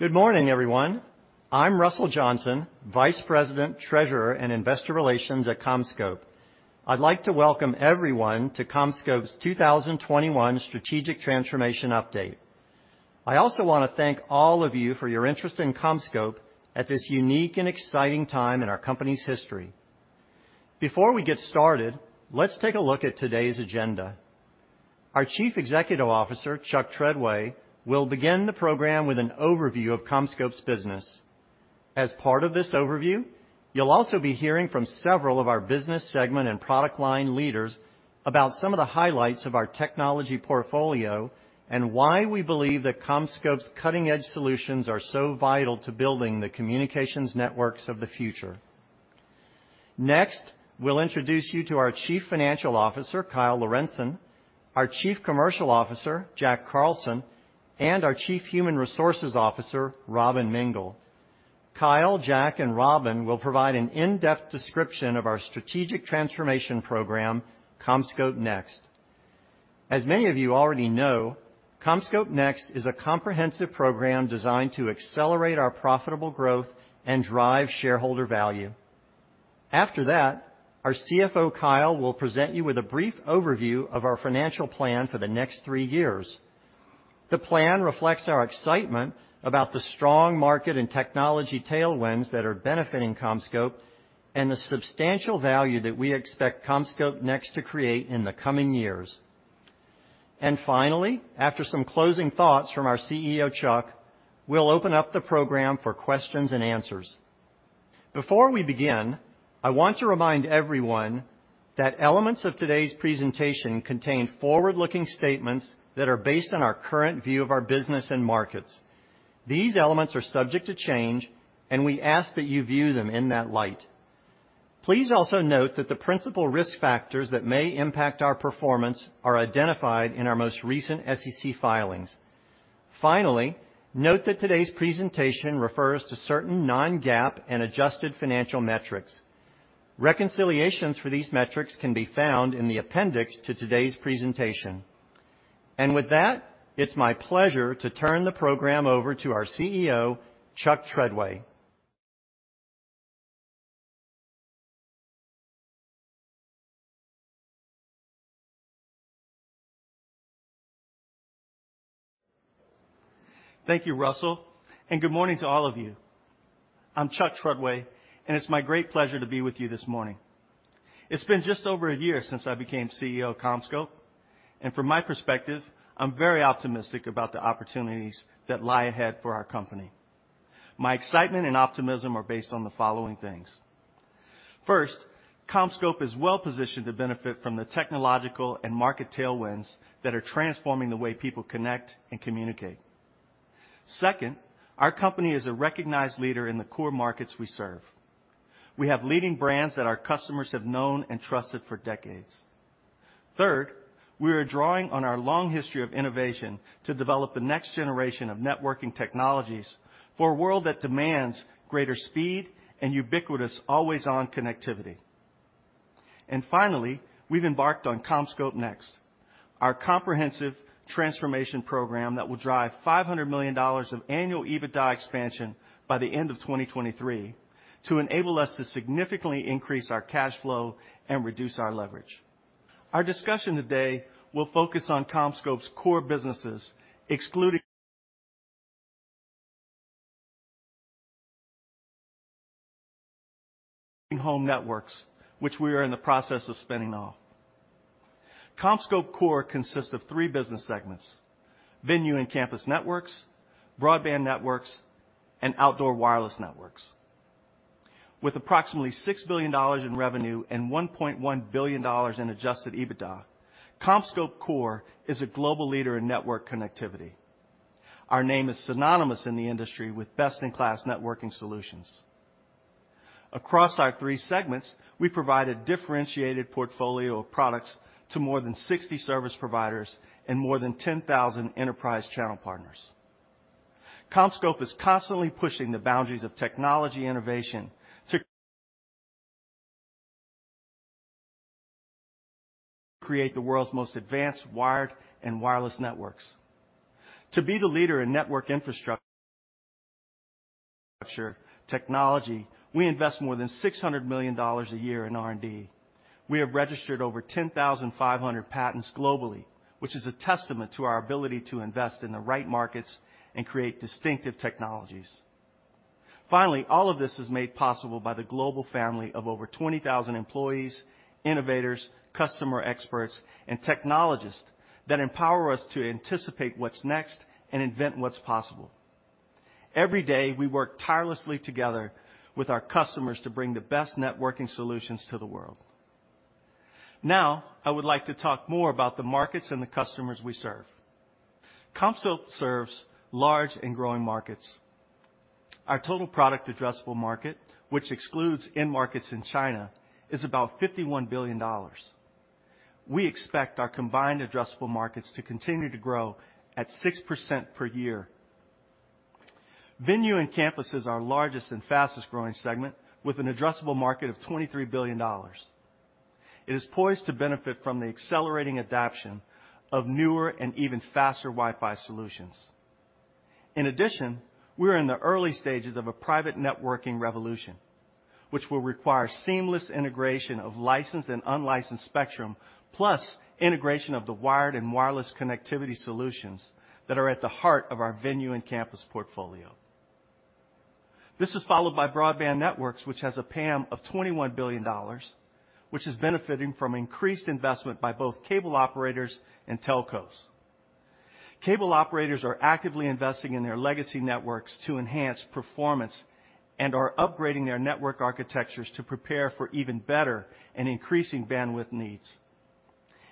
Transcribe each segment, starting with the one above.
Good morning, everyone. I'm Russell Johnson, Vice President, Treasurer, and Investor Relations at CommScope. I'd like to welcome everyone to CommScope's 2021 Strategic Transformation Update. I also wanna thank all of you for your interest in CommScope at this unique and exciting time in our company's history. Before we get started, let's take a look at today's agenda. Our Chief Executive Officer, Chuck Treadway, will begin the program with an overview of CommScope's business. As part of this overview, you'll also be hearing from several of our business segment and product line leaders about some of the highlights of our technology portfolio and why we believe that CommScope's cutting-edge solutions are so vital to building the communications networks of the future. Next, we'll introduce you to our Chief Financial Officer, Kyle Lorentzen, our Chief Commercial Officer, Jack Carlson, and our Chief Human Resources Officer, Robyn Mingle. Kyle, Jack, and Robyn will provide an in-depth description of our strategic transformation program, CommScope NEXT. As many of you already know, CommScope NEXT is a comprehensive program designed to accelerate our profitable growth and drive shareholder value. After that, our CFO, Kyle, will present you with a brief overview of our financial plan for the next three years. The plan reflects our excitement about the strong market and technology tailwinds that are benefiting CommScope and the substantial value that we expect CommScope NEXT to create in the coming years. Finally, after some closing thoughts from our CEO, Chuck, we'll open up the program for questions and answers. Before we begin, I want to remind everyone that elements of today's presentation contain forward-looking statements that are based on our current view of our business and markets. These elements are subject to change, and we ask that you view them in that light. Please also note that the principal risk factors that may impact our performance are identified in our most recent SEC filings. Finally, note that today's presentation refers to certain non-GAAP and adjusted financial metrics. Reconciliations for these metrics can be found in the appendix to today's presentation. With that, it's my pleasure to turn the program over to our CEO, Chuck Treadway. Thank you, Russell, and good morning to all of you. I'm Chuck Treadway, and it's my great pleasure to be with you this morning. It's been just over a year since I became CEO of CommScope, and from my perspective, I'm very optimistic about the opportunities that lie ahead for our company. My excitement and optimism are based on the following things. First, CommScope is well-positioned to benefit from the technological and market tailwinds that are transforming the way people connect and communicate. Second, our company is a recognized leader in the core markets we serve. We have leading brands that our customers have known and trusted for decades. Third, we are drawing on our long history of innovation to develop the next generation of networking technologies for a world that demands greater speed and ubiquitous, always-on connectivity. Finally, we've embarked on CommScope NEXT, our comprehensive transformation program that will drive $500 million of annual EBITDA expansion by the end of 2023 to enable us to significantly increase our cash flow and reduce our leverage. Our discussion today will focus on CommScope's core businesses, excluding Home Networks, which we are in the process of spinning off. CommScope Core consists of three business segments: Venue and Campus Networks, Broadband Networks, and Outdoor Wireless Networks. With approximately $6 billion in revenue and $1.1 billion in adjusted EBITDA, CommScope Core is a global leader in network connectivity. Our name is synonymous in the industry with best-in-class networking solutions. Across our three segments, we provide a differentiated portfolio of products to more than 60 service providers and more than 10,000 enterprise channel partners. CommScope is constantly pushing the boundaries of technology innovation to create the world's most advanced wired and wireless networks. To be the leader in network infrastructure technology, we invest more than $600 million a year in R&D. We have registered over 10,500 patents globally, which is a testament to our ability to invest in the right markets and create distinctive technologies. Finally, all of this is made possible by the global family of over 20,000 employees, innovators, customer experts, and technologists that empower us to anticipate what's next and invent what's possible. Every day, we work tirelessly together with our customers to bring the best networking solutions to the world. Now, I would like to talk more about the markets and the customers we serve. CommScope serves large and growing markets. Our total product addressable market, which excludes end markets in China, is about $51 billion. We expect our combined addressable markets to continue to grow at 6% per year. Venue and Campus is our largest and fastest-growing segment with an addressable market of $23 billion. It is poised to benefit from the accelerating adoption of newer and even faster Wi-Fi solutions. In addition, we are in the early stages of a private networking revolution, which will require seamless integration of licensed and unlicensed spectrum, plus integration of the wired and wireless connectivity solutions that are at the heart of our venue and campus portfolio. This is followed by Broadband Networks, which has a TAM of $21 billion, which is benefiting from increased investment by both cable operators and telcos. Cable operators are actively investing in their legacy networks to enhance performance and are upgrading their network architectures to prepare for even better and increasing bandwidth needs.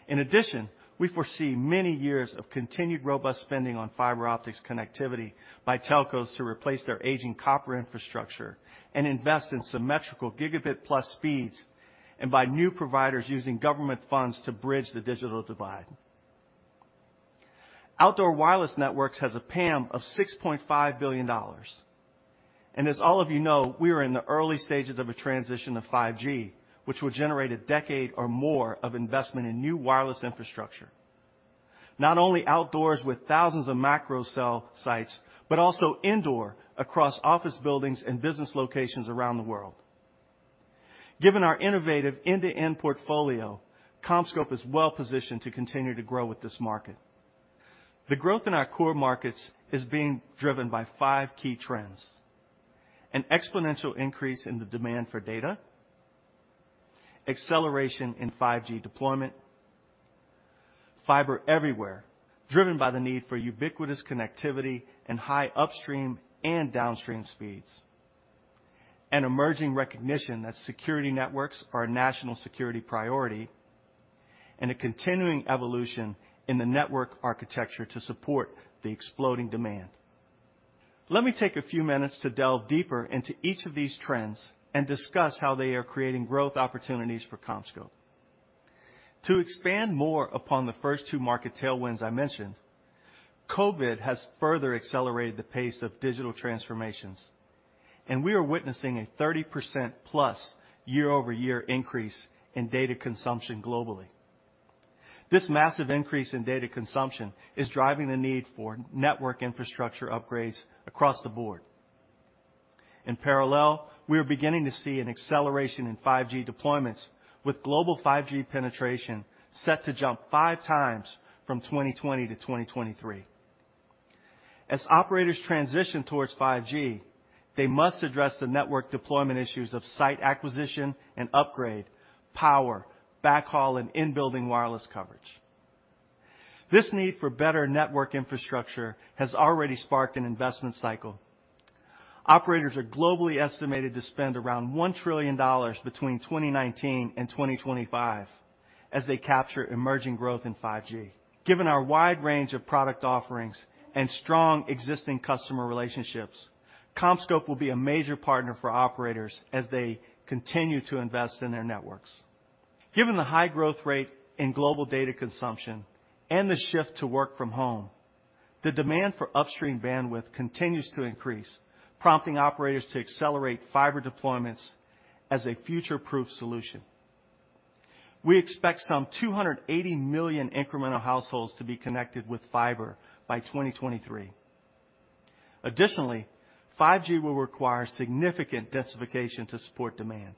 In addition, we foresee many years of continued robust spending on fiber optics connectivity by telcos to replace their aging copper infrastructure and invest in symmetrical gigabit-plus speeds, and by new providers using government funds to bridge the digital divide. Outdoor Wireless Networks has a TAM of $6.5 billion. As all of you know, we are in the early stages of a transition to 5G, which will generate a decade or more of investment in new wireless infrastructure. Not only outdoors with thousands of macro cell sites, but also indoor across office buildings and business locations around the world. Given our innovative end-to-end portfolio, CommScope is well-positioned to continue to grow with this market. The growth in our core markets is being driven by five key trends. An exponential increase in the demand for data, acceleration in 5G deployment, fiber everywhere, driven by the need for ubiquitous connectivity and high upstream and downstream speeds, an emerging recognition that security networks are a national security priority, and a continuing evolution in the network architecture to support the exploding demand. Let me take a few minutes to delve deeper into each of these trends and discuss how they are creating growth opportunities for CommScope. To expand more upon the first two market tailwinds I mentioned, COVID has further accelerated the pace of digital transformations, and we are witnessing a 30%+ year-over-year increase in data consumption globally. This massive increase in data consumption is driving the need for network infrastructure upgrades across the board. In parallel, we are beginning to see an acceleration in 5G deployments, with global 5G penetration set to jump 5x from 2020-2023. As operators transition towards 5G, they must address the network deployment issues of site acquisition and upgrade, power, backhaul, and in-building wireless coverage. This need for better network infrastructure has already sparked an investment cycle. Operators are globally estimated to spend around $1 trillion between 2019 and 2025 as they capture emerging growth in 5G. Given our wide range of product offerings and strong existing customer relationships, CommScope will be a major partner for operators as they continue to invest in their networks. Given the high growth rate in global data consumption and the shift to work from home, the demand for upstream bandwidth continues to increase, prompting operators to accelerate fiber deployments as a future-proof solution. We expect some 280 million incremental households to be connected with fiber by 2023. Additionally, 5G will require significant densification to support demand,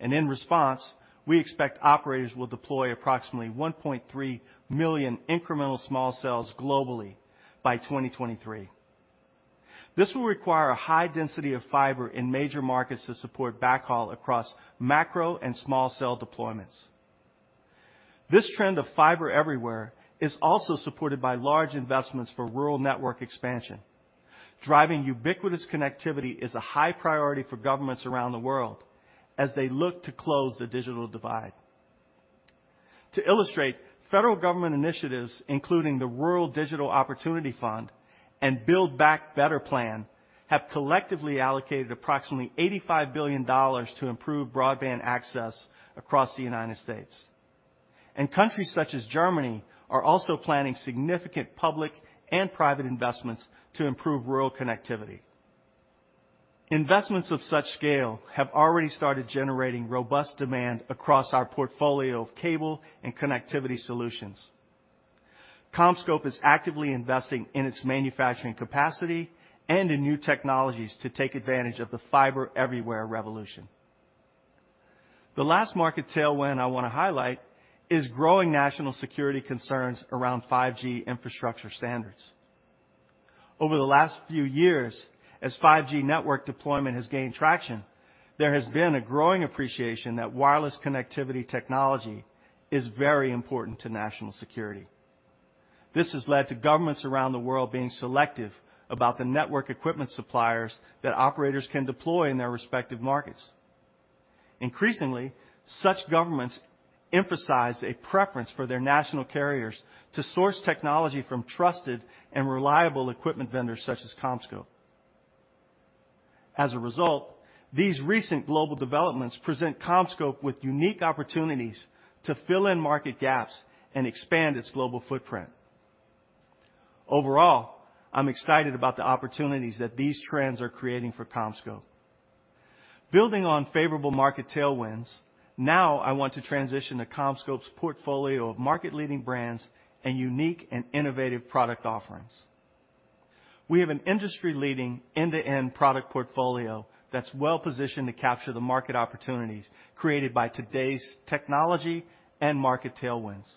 and in response, we expect operators will deploy approximately 1.3 million incremental small cells globally by 2023. This will require a high density of fiber in major markets to support backhaul across macro and small cell deployments. This trend of fiber everywhere is also supported by large investments for rural network expansion. Driving ubiquitous connectivity is a high priority for governments around the world as they look to close the digital divide. To illustrate, federal government initiatives, including the Rural Digital Opportunity Fund and Build Back Better plan, have collectively allocated approximately $85 billion to improve broadband access across the United States. Countries such as Germany are also planning significant public and private investments to improve rural connectivity. Investments of such scale have already started generating robust demand across our portfolio of cable and connectivity solutions. CommScope is actively investing in its manufacturing capacity and in new technologies to take advantage of the fiber everywhere revolution. The last market tailwind I wanna highlight is growing national security concerns around 5G infrastructure standards. Over the last few years, as 5G network deployment has gained traction, there has been a growing appreciation that wireless connectivity technology is very important to national security. This has led to governments around the world being selective about the network equipment suppliers that operators can deploy in their respective markets. Increasingly, such governments emphasize a preference for their national carriers to source technology from trusted and reliable equipment vendors such as CommScope. As a result, these recent global developments present CommScope with unique opportunities to fill in market gaps and expand its global footprint. Overall, I'm excited about the opportunities that these trends are creating for CommScope. Building on favorable market tailwinds, now I want to transition to CommScope's portfolio of market-leading brands and unique and innovative product offerings. We have an industry-leading end-to-end product portfolio that's well-positioned to capture the market opportunities created by today's technology and market tailwinds.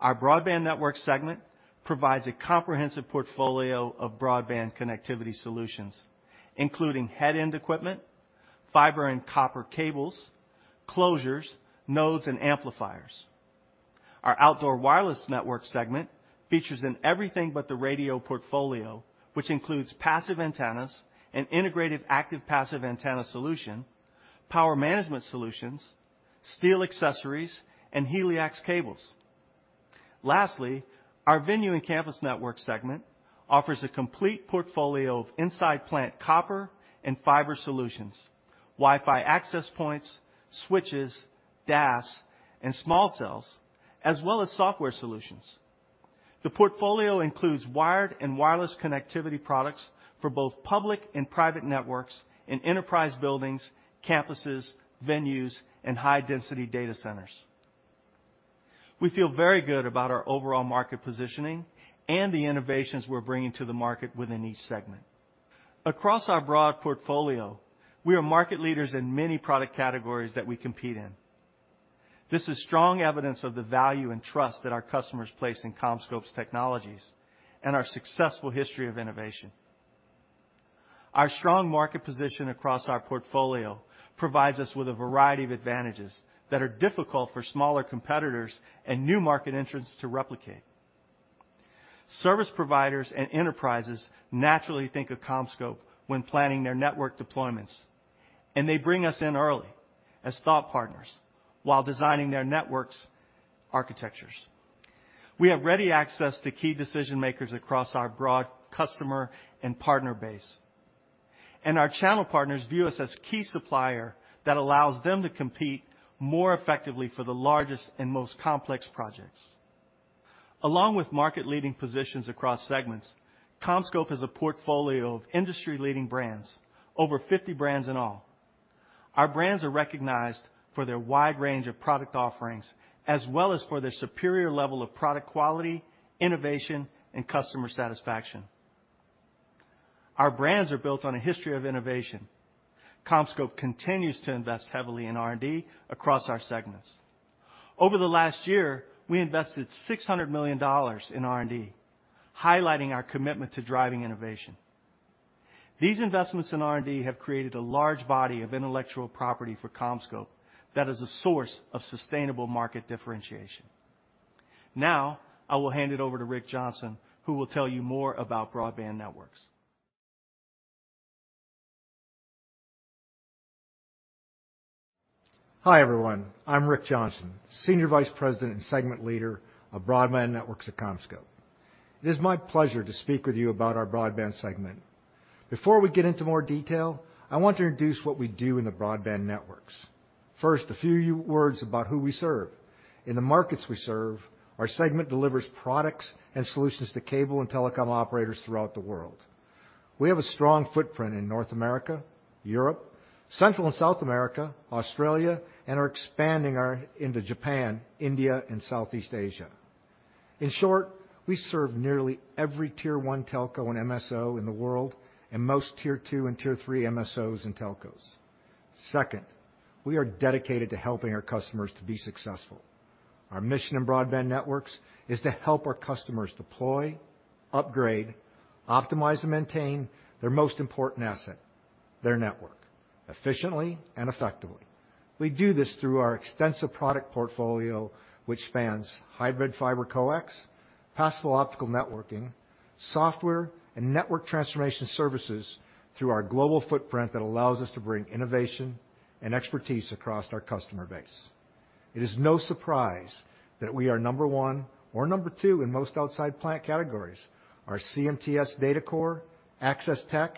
Our Broadband Networks segment provides a comprehensive portfolio of broadband connectivity solutions, including head-end equipment, fiber and copper cables, closures, nodes, and amplifiers. Our Outdoor Wireless Networks segment features an everything but the radio portfolio, which includes passive antennas and integrated active passive antenna solution, power management solutions, steel accessories, and HELIAX cables. Lastly, our Venue and Campus Networks segment offers a complete portfolio of inside plant copper and fiber solutions, Wi-Fi access points, switches, DAS, and small cells, as well as software solutions. The portfolio includes wired and wireless connectivity products for both public and private networks and enterprise buildings, campuses, venues, and high-density data centers. We feel very good about our overall market positioning and the innovations we're bringing to the market within each segment. Across our broad portfolio, we are market leaders in many product categories that we compete in. This is strong evidence of the value and trust that our customers place in CommScope's technologies and our successful history of innovation. Our strong market position across our portfolio provides us with a variety of advantages that are difficult for smaller competitors and new market entrants to replicate. Service providers and enterprises naturally think of CommScope when planning their network deployments, and they bring us in early as thought partners while designing their network architectures. We have ready access to key decision-makers across our broad customer and partner base. Our channel partners view us as key supplier that allows them to compete more effectively for the largest and most complex projects. Along with market leading positions across segments, CommScope has a portfolio of industry-leading brands, over 50 brands in all. Our brands are recognized for their wide range of product offerings, as well as for their superior level of product quality, innovation, and customer satisfaction. Our brands are built on a history of innovation. CommScope continues to invest heavily in R&D across our segments. Over the last year, we invested $600 million in R&D, highlighting our commitment to driving innovation. These investments in R&D have created a large body of intellectual property for CommScope that is a source of sustainable market differentiation. Now, I will hand it over to Ric Johnsen, who will tell you more about Broadband Networks. Hi, everyone. I'm Ric Johnsen, Senior Vice President and segment leader of Broadband Networks at CommScope. It is my pleasure to speak with you about our Broadband Networks segment. Before we get into more detail, I want to introduce what we do in the Broadband Networks. First, a few words about who we serve. In the markets we serve, our segment delivers products and solutions to cable and telecom operators throughout the world. We have a strong footprint in North America, Europe, Central and South America, Australia, and are expanding our footprint into Japan, India, and Southeast Asia. In short, we serve nearly every tier one telco and MSO in the world and most tier two and tier three MSOs and telcos. Second, we are dedicated to helping our customers to be successful. Our mission in Broadband Networks is to help our customers deploy, upgrade, optimize, and maintain their most important asset, their network, efficiently and effectively. We do this through our extensive product portfolio, which spans hybrid fiber coax, passive optical networking, software and network transformation services through our global footprint that allows us to bring innovation and expertise across our customer base. It is no surprise that we are number one or number two in most outside plant categories. Our CMTS Data Core, access tech,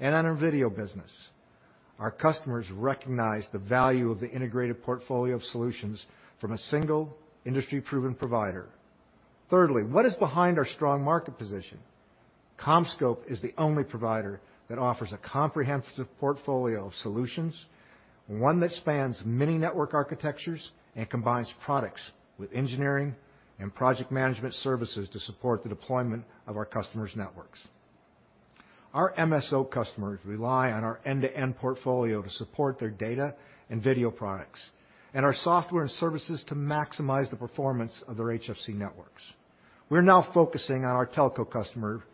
and on our video business, our customers recognize the value of the integrated portfolio of solutions from a single industry-proven provider. Thirdly, what is behind our strong market position? CommScope is the only provider that offers a comprehensive portfolio of solutions, one that spans many network architectures and combines products with engineering and project management services to support the deployment of our customers' networks. Our MSO customers rely on our end-to-end portfolio to support their data and video products and our software and services to maximize the performance of their HFC networks. We're now focusing on our telco customer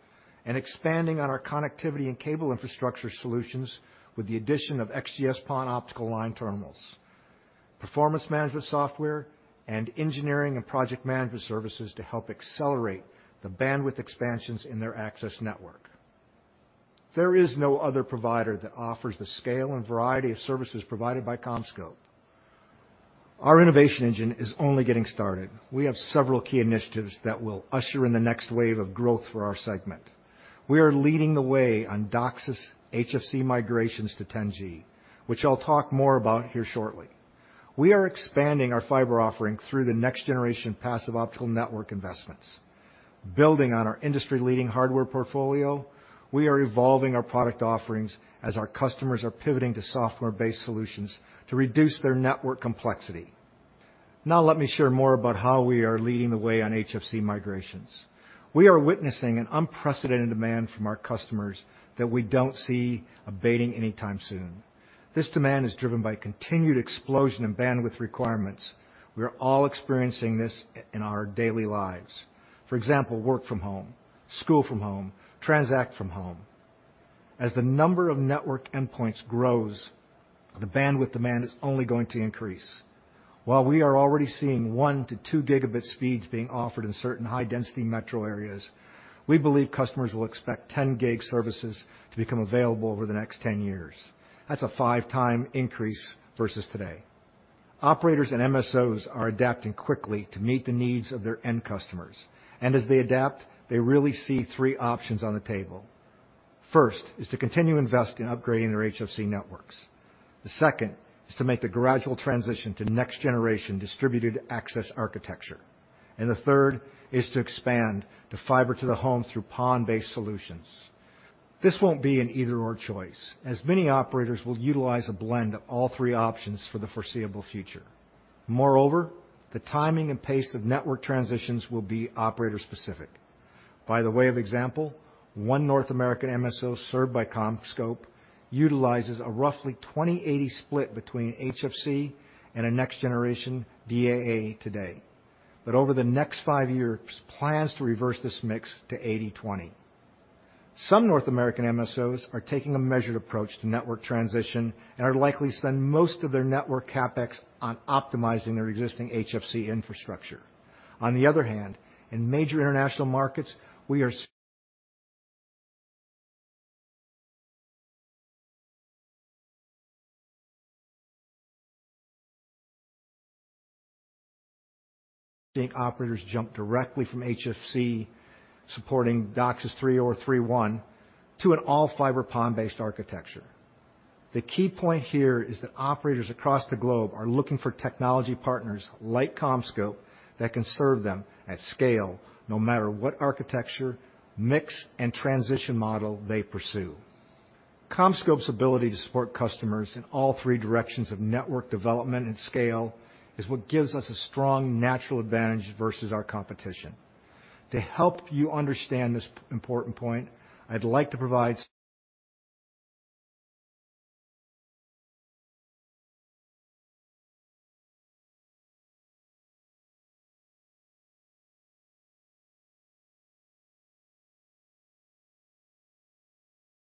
and expanding on our connectivity and cable infrastructure solutions with the addition of XGS-PON optical line terminals, performance management software, and engineering and project management services to help accelerate the bandwidth expansions in their access network. There is no other provider that offers the scale and variety of services provided by CommScope. Our innovation engine is only getting started. We have several key initiatives that will usher in the next wave of growth for our segment. We are leading the way on DOCSIS HFC migrations to 10G, which I'll talk more about here shortly. We are expanding our fiber offering through the next generation passive optical network investments. Building on our industry-leading hardware portfolio, we are evolving our product offerings as our customers are pivoting to software-based solutions to reduce their network complexity. Now let me share more about how we are leading the way on HFC migrations. We are witnessing an unprecedented demand from our customers that we don't see abating anytime soon. This demand is driven by continued explosion in bandwidth requirements. We are all experiencing this in our daily lives. For example, work from home, school from home, transact from home. As the number of network endpoints grows, the bandwidth demand is only going to increase. While we are already seeing 1 Gb-2 Gb speeds being offered in certain high-density metro areas, we believe customers will expect 10 gig services to become available over the next 10 years. That's five time increase versus today. Operators and MSOs are adapting quickly to meet the needs of their end customers. As they adapt, they really see three options on the table. First is to continue investing in upgrading their HFC networks. The second is to make the gradual transition to next generation distributed access architecture. The third is to expand to fiber to the home through PON-based solutions. This won't be an either/or choice, as many operators will utilize a blend of all three options for the foreseeable future. Moreover, the timing and pace of network transitions will be operator specific. By way of example, one North American MSO served by CommScope utilizes a roughly 20-80 split between HFC and a next generation DAA today. Over the next five years plans to reverse this mix to 80-20. Some North American MSOs are taking a measured approach to network transition and are likely to spend most of their network CapEx on optimizing their existing HFC infrastructure. On the other hand, in major international markets, we are seeing operators jump directly from HFC, supporting DOCSIS 3.0 or 3.1 to an all-fiber PON-based architecture. The key point here is that operators across the globe are looking for technology partners like CommScope that can serve them at scale no matter what architecture, mix, and transition model they pursue. CommScope's ability to support customers in all three directions of network development and scale is what gives us a strong natural advantage versus our competition. To help you understand this important point, I'd like to provide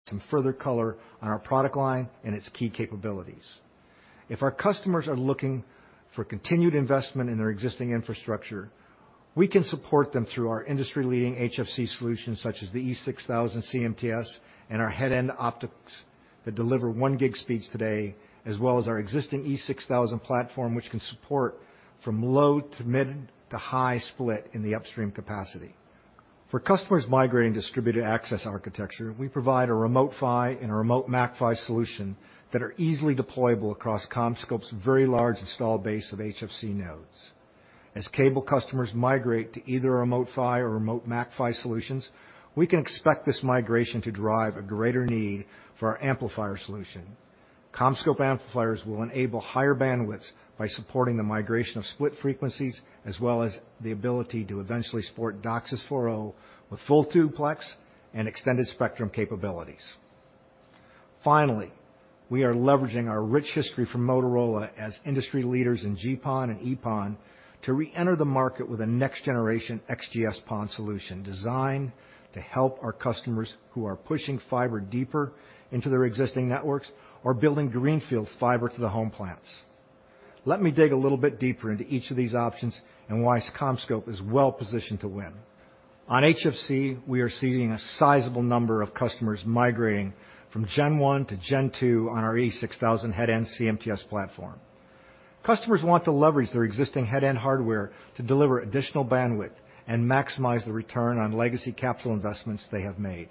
some further color on our product line and its key capabilities. If our customers are looking for continued investment in their existing infrastructure, we can support them through our industry-leading HFC solutions such as the E6000 CMTS and our headend optics that deliver 1 gig speeds today, as well as our existing E6000 platform, which can support from low to mid to high split in the upstream capacity. For customers migrating to distributed access architecture, we provide a Remote PHY and a Remote MAC-PHY solution that are easily deployable across CommScope's very large install base of HFC nodes. As cable customers migrate to either Remote PHY or Remote MAC-PHY solutions, we can expect this migration to drive a greater need for our amplifier solution. CommScope amplifiers will enable higher bandwidths by supporting the migration of split frequencies, as well as the ability to eventually support DOCSIS 4.0 with full duplex and extended spectrum capabilities. Finally, we are leveraging our rich history from Motorola as industry leaders in GPON and EPON to reenter the market with a next generation XGS-PON solution designed to help our customers who are pushing fiber deeper into their existing networks or building greenfield fiber to the home plants. Let me dig a little bit deeper into each of these options and why CommScope is well positioned to win. On HFC, we are seeing a sizable number of customers migrating from Gen 1 to Gen 2 on our E6000 headend CMTS platform. Customers want to leverage their existing headend hardware to deliver additional bandwidth and maximize the return on legacy capital investments they have made.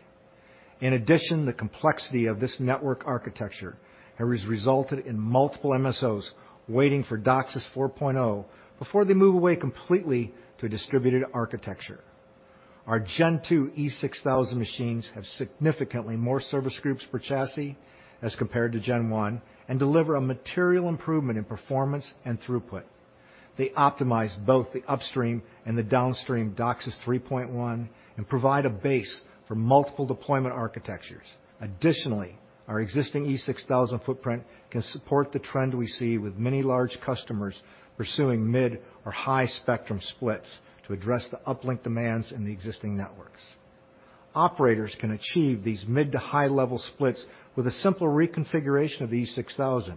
In addition, the complexity of this network architecture has resulted in multiple MSOs waiting for DOCSIS 4.0 before they move away completely to a distributed architecture. Our Gen 2 E6000 machines have significantly more service groups per chassis as compared to Gen 1 and deliver a material improvement in performance and throughput. They optimize both the upstream and the downstream DOCSIS 3.1 and provide a base for multiple deployment architectures. Additionally, our existing E6000 footprint can support the trend we see with many large customers pursuing mid or high spectrum splits to address the uplink demands in the existing networks. Operators can achieve these mid to high level splits with a simpler reconfiguration of E6000,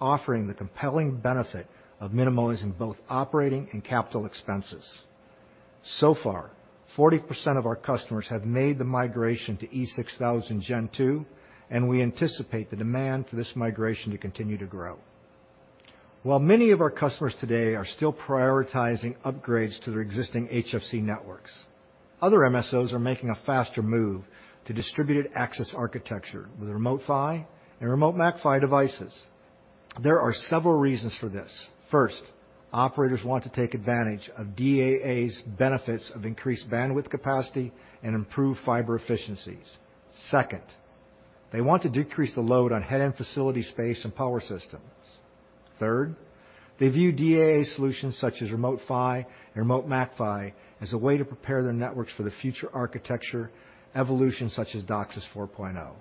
offering the compelling benefit of minimizing both operating and capital expenses. So far, 40% of our customers have made the migration to E6000 Gen 2, and we anticipate the demand for this migration to continue to grow. While many of our customers today are still prioritizing upgrades to their existing HFC networks. Other MSOs are making a faster move to distributed access architecture with Remote PHY and Remote MAC-PHY devices. There are several reasons for this. First, operators want to take advantage of DAA's benefits of increased bandwidth capacity and improved fiber efficiencies. Second, they want to decrease the load on headend facility space and power systems. Third, they view DAA solutions such as Remote PHY and Remote MAC-PHY as a way to prepare their networks for the future architecture evolution such as DOCSIS 4.0.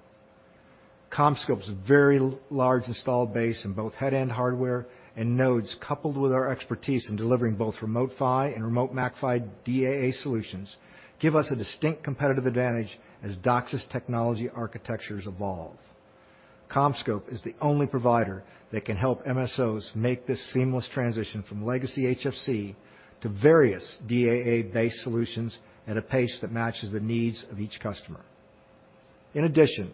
CommScope's very large installed base in both headend hardware and nodes, coupled with our expertise in delivering both Remote PHY and Remote MAC-PHY DAA solutions, give us a distinct competitive advantage as DOCSIS technology architectures evolve. CommScope is the only provider that can help MSOs make this seamless transition from legacy HFC to various DAA-based solutions at a pace that matches the needs of each customer. In addition,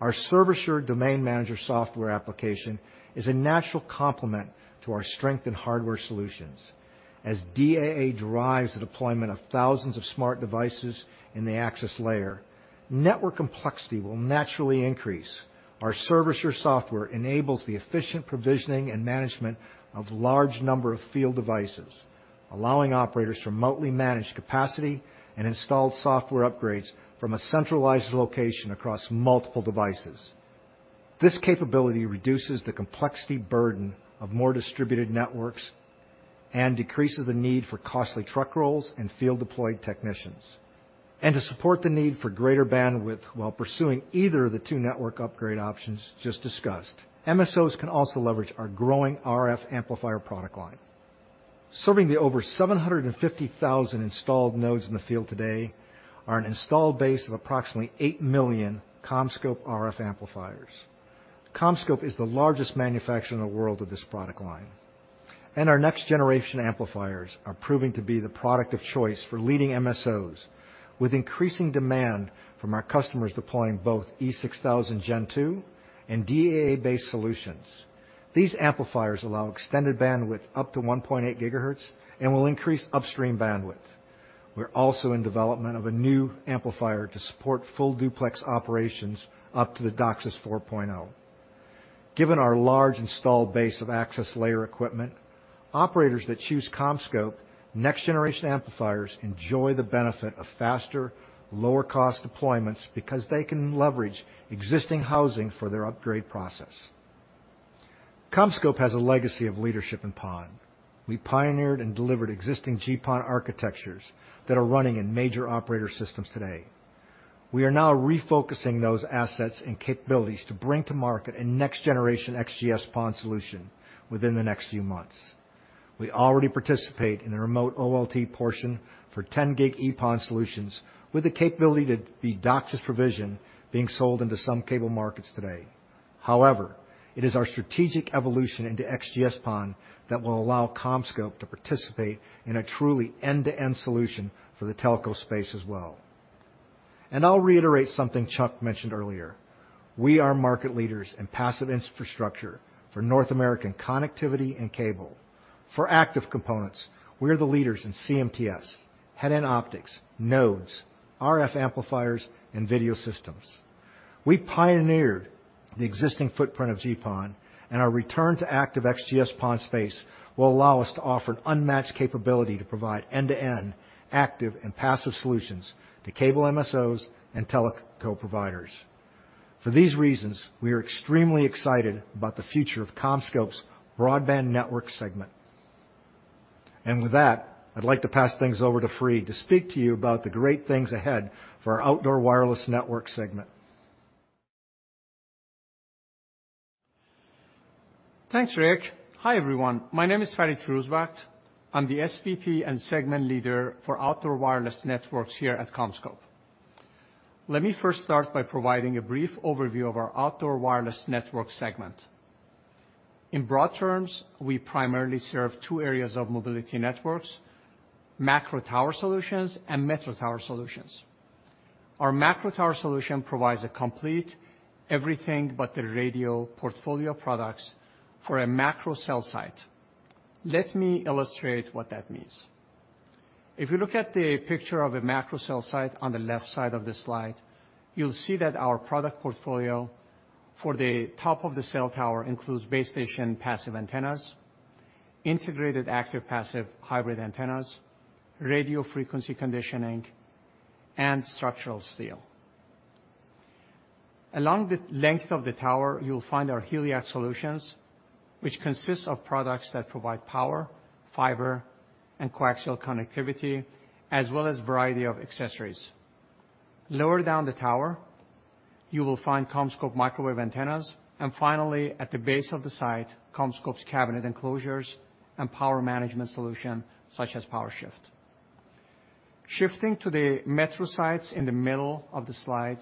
our ServAssure Domain Manager software application is a natural complement to our strength in hardware solutions. As DAA drives the deployment of thousands of smart devices in the access layer, network complexity will naturally increase. Our ServAssure software enables the efficient provisioning and management of large number of field devices, allowing operators to remotely manage capacity and install software upgrades from a centralized location across multiple devices. This capability reduces the complexity burden of more distributed networks and decreases the need for costly truck rolls and field deployed technicians. To support the need for greater bandwidth while pursuing either of the two network upgrade options just discussed, MSOs can also leverage our growing RF amplifier product line. Serving the over 750,000 installed nodes in the field today are an installed base of approximately 8 million CommScope RF amplifiers. CommScope is the largest manufacturer in the world of this product line. Our next generation amplifiers are proving to be the product of choice for leading MSOs, with increasing demand from our customers deploying both E6000 Gen 2 and DAA-based solutions. These amplifiers allow extended bandwidth up to 1.8 GHz and will increase upstream bandwidth. We're also in development of a new amplifier to support full duplex operations up to DOCSIS 4.0. Given our large installed base of access layer equipment, operators that choose CommScope next generation amplifiers enjoy the benefit of faster, lower-cost deployments because they can leverage existing housing for their upgrade process. CommScope has a legacy of leadership in PON. We pioneered and delivered existing GPON architectures that are running in major operator systems today. We are now refocusing those assets and capabilities to bring to market a next generation XGS-PON solution within the next few months. We already participate in a remote OLT portion for 10 gig EPON solutions with the capability to be DOCSIS provision being sold into some cable markets today. However, it is our strategic evolution into XGS-PON that will allow CommScope to participate in a truly end-to-end solution for the telco space as well. I'll reiterate something Chuck mentioned earlier. We are market leaders in passive infrastructure for North American connectivity and cable. For active components, we are the leaders in CMTS, headend optics, nodes, RF amplifiers, and video systems. We pioneered the existing footprint of GPON, and our return to active XGS-PON space will allow us to offer an unmatched capability to provide end-to-end active and passive solutions to cable MSOs and telco providers. For these reasons, we are extremely excited about the future of CommScope's Broadband Networks segment. With that, I'd like to pass things over to Farid to speak to you about the great things ahead for our Outdoor Wireless Networks segment. Thanks, Ric. Hi, everyone. My name is Farid Firouzbakht. I'm the SVP and segment leader for Outdoor Wireless Networks here at CommScope. Let me first start by providing a brief overview of our Outdoor Wireless Networks segment. In broad terms, we primarily serve two areas of mobility networks. Macro tower solutions and metro tower solutions. Our macro tower solution provides a complete everything but the radio portfolio products for a macro cell site. Let me illustrate what that means. If you look at the picture of a macro cell site on the left side of this slide, you'll see that our product portfolio for the top of the cell tower includes base station passive antennas, integrated active passive hybrid antennas, radio frequency conditioning, and structural steel. Along the length of the tower, you'll find our HELIAX solutions, which consists of products that provide power, fiber, and coaxial connectivity, as well as a variety of accessories. Lower down the tower, you will find CommScope microwave antennas, and finally, at the base of the site, CommScope's cabinet enclosures and power management solution such as PowerShift. Shifting to the metro sites in the middle of the slide,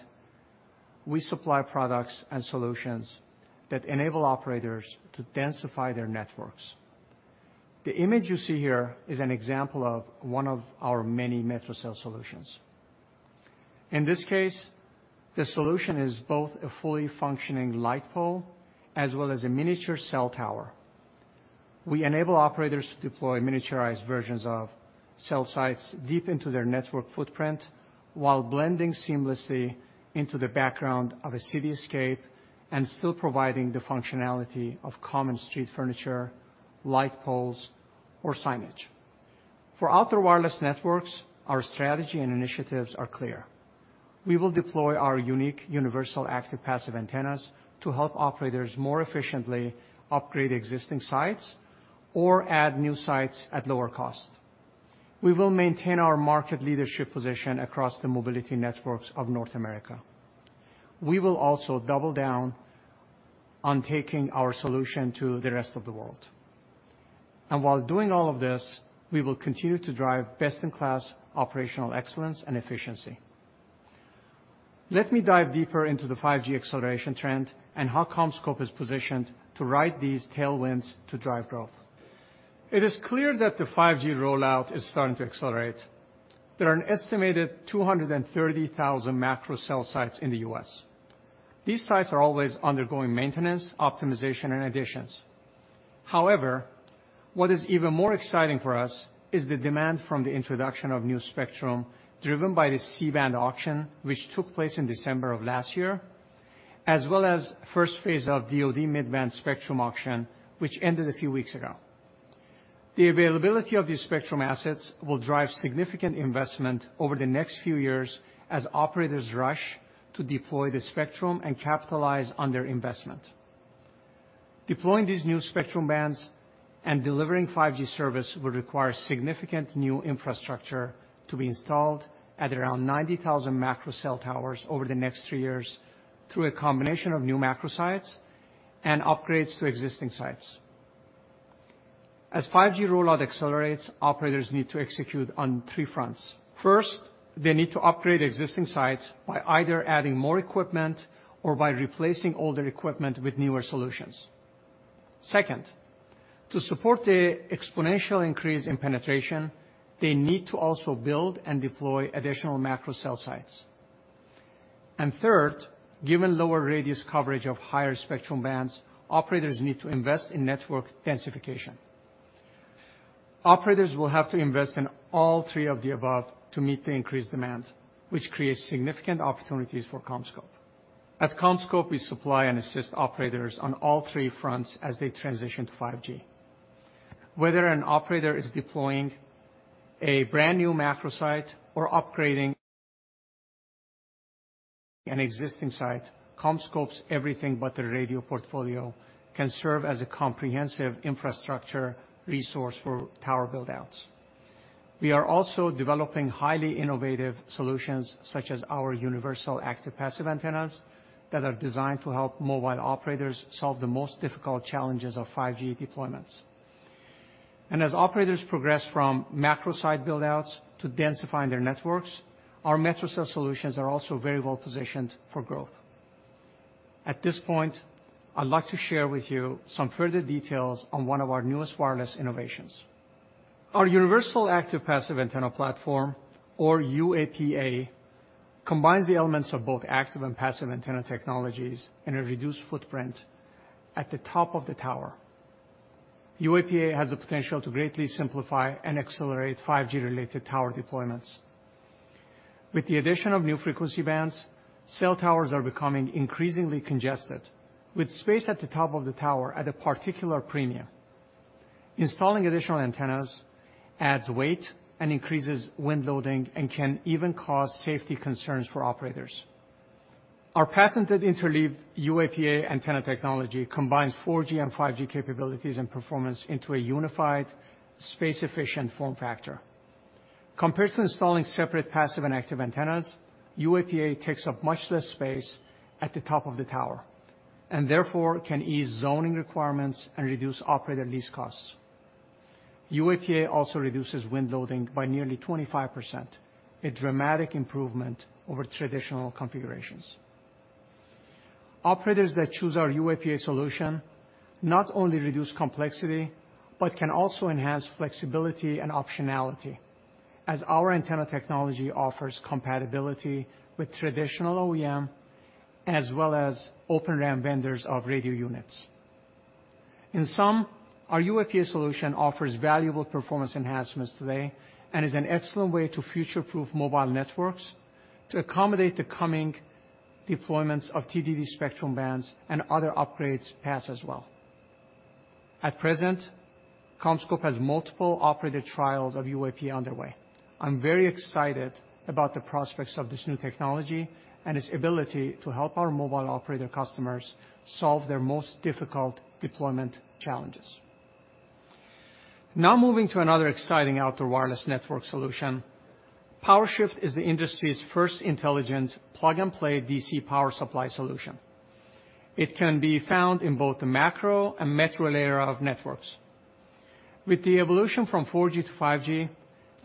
we supply products and solutions that enable operators to densify their networks. The image you see here is an example of one of our many metro cell solutions. In this case, the solution is both a fully functioning light pole as well as a miniature cell tower. We enable operators to deploy miniaturized versions of cell sites deep into their network footprint while blending seamlessly into the background of a cityscape and still providing the functionality of common street furniture, light poles, or signage. For Outdoor Wireless Networks, our strategy and initiatives are clear. We will deploy our unique Universal Active Passive Antennas to help operators more efficiently upgrade existing sites or add new sites at lower cost. We will maintain our market leadership position across the mobility networks of North America. We will also double down on taking our solution to the rest of the world. While doing all of this, we will continue to drive best-in-class operational excellence and efficiency. Let me dive deeper into the 5G acceleration trend and how CommScope is positioned to ride these tailwinds to drive growth. It is clear that the 5G rollout is starting to accelerate. There are an estimated 230,000 macro cell sites in the U.S. These sites are always undergoing maintenance, optimization, and additions. However, what is even more exciting for us is the demand from the introduction of new spectrum driven by the C-band auction, which took place in December of last year, as well as first phase of DoD Mid-Band Spectrum Auction, which ended a few weeks ago. The availability of these spectrum assets will drive significant investment over the next few years as operators rush to deploy the spectrum and capitalize on their investment. Deploying these new spectrum bands and delivering 5G service will require significant new infrastructure to be installed at around 90,000 macro cell towers over the next three years through a combination of new macro sites and upgrades to existing sites. As 5G rollout accelerates, operators need to execute on three fronts. First, they need to upgrade existing sites by either adding more equipment or by replacing older equipment with newer solutions. Second, to support the exponential increase in penetration, they need to also build and deploy additional macro cell sites. Third, given lower radius coverage of higher spectrum bands, operators need to invest in network densification. Operators will have to invest in all three of the above to meet the increased demand, which creates significant opportunities for CommScope. At CommScope, we supply and assist operators on all three fronts as they transition to 5G. Whether an operator is deploying a brand-new macro site or upgrading an existing site, CommScope's everything but the radio portfolio can serve as a comprehensive infrastructure resource for tower build-outs. We are also developing highly innovative solutions such as our Universal Active Passive Antennas that are designed to help mobile operators solve the most difficult challenges of 5G deployments. As operators progress from macro site build-outs to densifying their networks, our metro cell solutions are also very well positioned for growth. At this point, I'd like to share with you some further details on one of our newest wireless innovations. Our Universal Active Passive Antenna platform or UAPA combines the elements of both active and passive antenna technologies in a reduced footprint at the top of the tower. UAPA has the potential to greatly simplify and accelerate 5G related tower deployments. With the addition of new frequency bands, cell towers are becoming increasingly congested, with space at the top of the tower at a particular premium. Installing additional antennas adds weight and increases wind loading and can even cause safety concerns for operators. Our patented interleaved UAPA antenna technology combines 4G and 5G capabilities and performance into a unified space efficient form factor. Compared to installing separate passive and active antennas, UAPA takes up much less space at the top of the tower, and therefore can ease zoning requirements and reduce operator lease costs. UAPA also reduces wind loading by nearly 25%, a dramatic improvement over traditional configurations. Operators that choose our UAPA solution not only reduce complexity, but can also enhance flexibility and optionality as our antenna technology offers compatibility with traditional OEM as well as Open RAN vendors of radio units. In sum, our UAPA solution offers valuable performance enhancements today and is an excellent way to future-proof mobile networks to accommodate the coming deployments of TDD spectrum bands and other upgrade paths as well. At present, CommScope has multiple operator trials of UAPA underway. I'm very excited about the prospects of this new technology and its ability to help our mobile operator customers solve their most difficult deployment challenges. Now moving to another exciting outdoor wireless network solution. PowerShift is the industry's first intelligent plug-and-play DC power supply solution. It can be found in both the macro and metro layer of networks. With the evolution from 4G to 5G,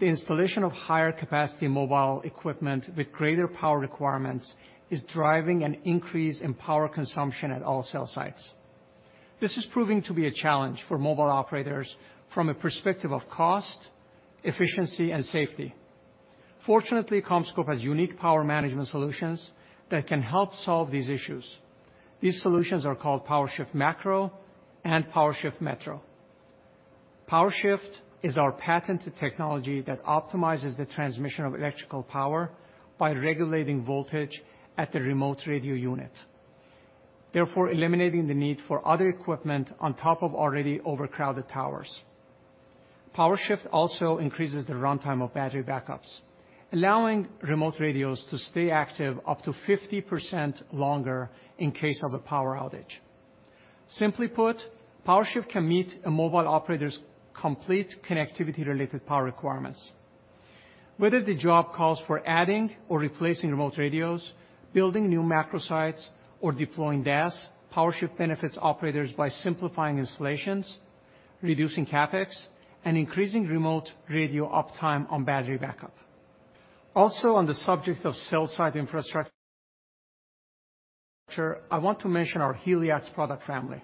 the installation of higher capacity mobile equipment with greater power requirements is driving an increase in power consumption at all cell sites. This is proving to be a challenge for mobile operators from a perspective of cost, efficiency, and safety. Fortunately, CommScope has unique power management solutions that can help solve these issues. These solutions are called PowerShift Macro and PowerShift Metro. PowerShift is our patented technology that optimizes the transmission of electrical power by regulating voltage at the remote radio unit, therefore eliminating the need for other equipment on top of already overcrowded towers. PowerShift also increases the runtime of battery backups, allowing remote radios to stay active up to 50% longer in case of a power outage. Simply put, PowerShift can meet a mobile operator's complete connectivity-related power requirements. Whether the job calls for adding or replacing remote radios, building new macro sites or deploying DAS, PowerShift benefits operators by simplifying installations, reducing CapEx, and increasing remote radio uptime on battery backup. Also, on the subject of cell site infrastructure, I want to mention our HELIAX product family.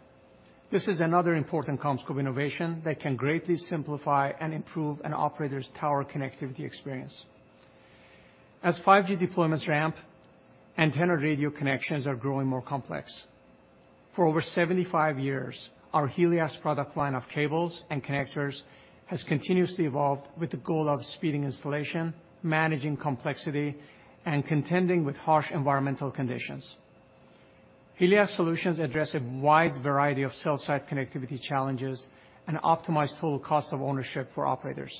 This is another important CommScope innovation that can greatly simplify and improve an operator's tower connectivity experience. As 5G deployments ramp, antenna radio connections are growing more complex. For over 75 years, our HELIAX product line of cables and connectors has continuously evolved with the goal of speeding installation, managing complexity, and contending with harsh environmental conditions. HELIAX solutions address a wide variety of cell site connectivity challenges and optimize total cost of ownership for operators.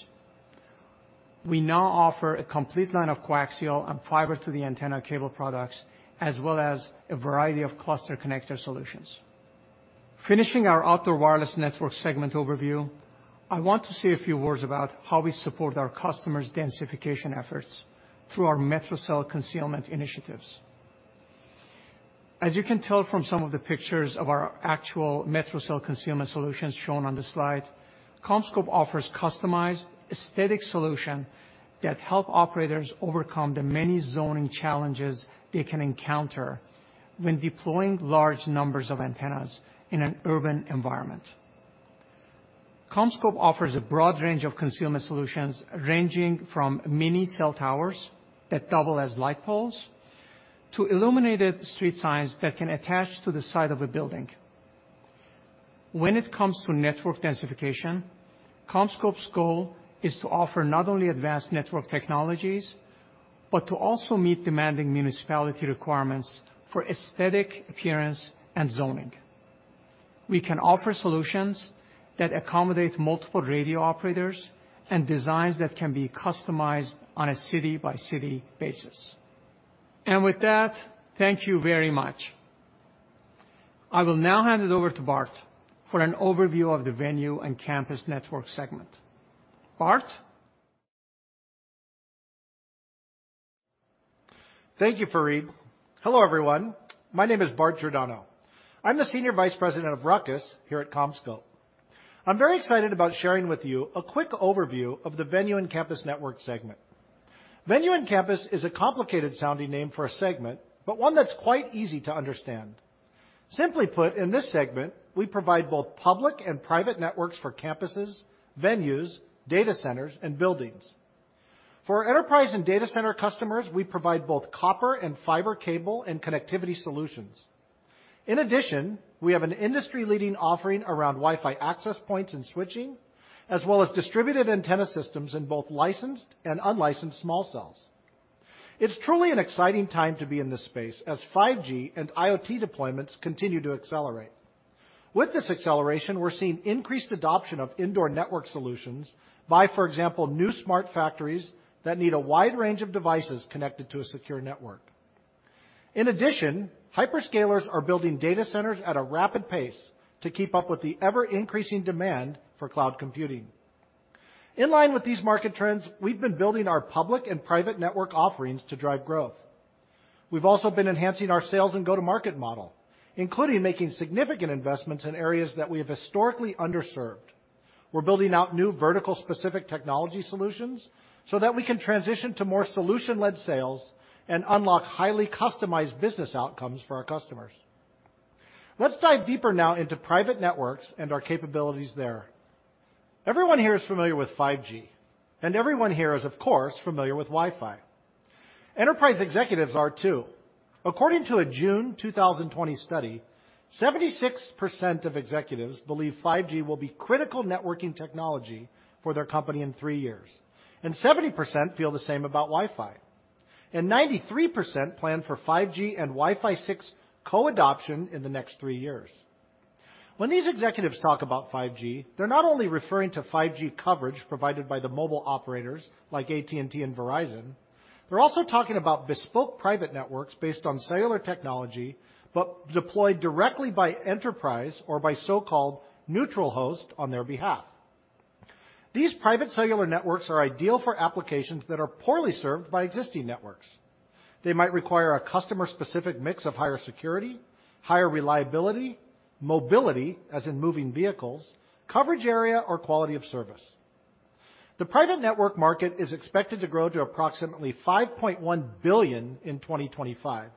We now offer a complete line of coaxial and fiber to the antenna cable products, as well as a variety of cluster connector solutions. Finishing our Outdoor Wireless Networks segment overview, I want to say a few words about how we support our customers' densification efforts through our metro cell concealment initiatives. As you can tell from some of the pictures of our actual metro cell concealment solutions shown on this slide, CommScope offers customized aesthetic solution that help operators overcome the many zoning challenges they can encounter when deploying large numbers of antennas in an urban environment. CommScope offers a broad range of concealment solutions ranging from mini cell towers that double as light poles to illuminated street signs that can attach to the side of a building. When it comes to network densification, CommScope's goal is to offer not only advanced network technologies, but to also meet demanding municipality requirements for aesthetic appearance and zoning. We can offer solutions that accommodate multiple radio operators and designs that can be customized on a city-by-city basis. With that, thank you very much. I will now hand it over to Bart for an overview of the Venue and Campus Networks segment. Bart? Thank you, Farid. Hello, everyone. My name is Bart Giordano. I'm the Senior Vice President of RUCKUS here at CommScope. I'm very excited about sharing with you a quick overview of the Venue and Campus Network segment. Venue and Campus is a complicated sounding name for a segment, but one that's quite easy to understand. Simply put, in this segment, we provide both public and private networks for campuses, venues, data centers, and buildings. For our enterprise and data center customers, we provide both copper and fiber cable and connectivity solutions. In addition, we have an industry-leading offering around Wi-Fi access points and switching, as well as distributed antenna systems in both licensed and unlicensed small cells. It's truly an exciting time to be in this space as 5G and IoT deployments continue to accelerate. With this acceleration, we're seeing increased adoption of indoor network solutions by, for example, new smart factories that need a wide range of devices connected to a secure network. In addition, hyperscalers are building data centers at a rapid pace to keep up with the ever-increasing demand for cloud computing. In line with these market trends, we've been building our public and private network offerings to drive growth. We've also been enhancing our sales and go-to-market model, including making significant investments in areas that we have historically underserved. We're building out new vertical specific technology solutions so that we can transition to more solution-led sales and unlock highly customized business outcomes for our customers. Let's dive deeper now into private networks and our capabilities there. Everyone here is familiar with 5G, and everyone here is, of course, familiar with Wi-Fi. Enterprise executives are too. According to a June 2020 study, 76% of executives believe 5G will be critical networking technology for their company in three years, and 70% feel the same about Wi-Fi. 93% plan for 5G and Wi-Fi 6 co-adoption in the next three years. When these executives talk about 5G, they're not only referring to 5G coverage provided by the mobile operators like AT&T and Verizon, they're also talking about bespoke private networks based on cellular technology, but deployed directly by enterprise or by so-called neutral host on their behalf. These private cellular networks are ideal for applications that are poorly served by existing networks. They might require a customer-specific mix of higher security, higher reliability, mobility, as in moving vehicles, coverage area or quality of service. The private network market is expected to grow to approximately $5.1 billion in 2025,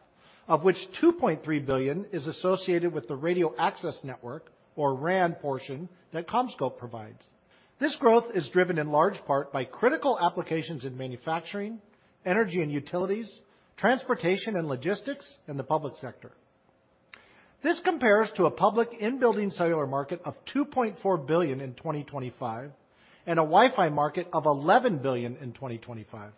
of which $2.3 billion is associated with the radio access network or RAN portion that CommScope provides. This growth is driven in large part by critical applications in manufacturing, energy and utilities, transportation and logistics, and the public sector. This compares to a public in-building cellular market of $2.4 billion in 2025 and a Wi-Fi market of $11 billion in 2025.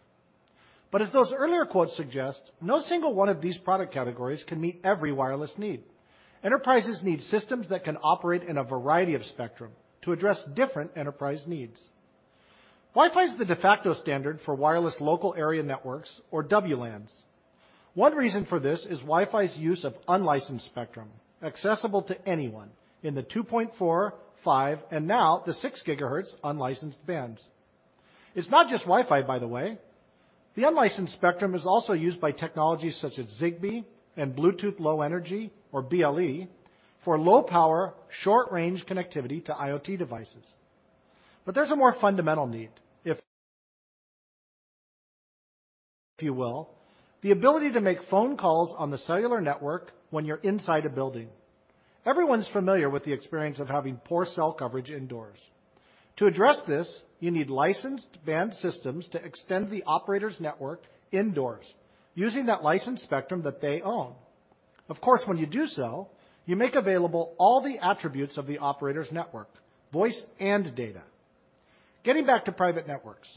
As those earlier quotes suggest, no single one of these product categories can meet every wireless need. Enterprises need systems that can operate in a variety of spectrum to address different enterprise needs. Wi-Fi is the de facto standard for wireless local area networks or WLANs. One reason for this is Wi-Fi's use of unlicensed spectrum, accessible to anyone in the 2.4 GHz, 5 GHz and now the 6 GHz unlicensed bands. It's not just Wi-Fi, by the way. The unlicensed spectrum is also used by technologies such as Zigbee and Bluetooth low energy, or BLE, for low power, short-range connectivity to IoT devices. There's a more fundamental need, if you will, the ability to make phone calls on the cellular network when you're inside a building. Everyone's familiar with the experience of having poor cell coverage indoors. To address this, you need licensed band systems to extend the operator's network indoors using that licensed spectrum that they own. Of course, when you do so, you make available all the attributes of the operator's network, voice and data. Getting back to private networks.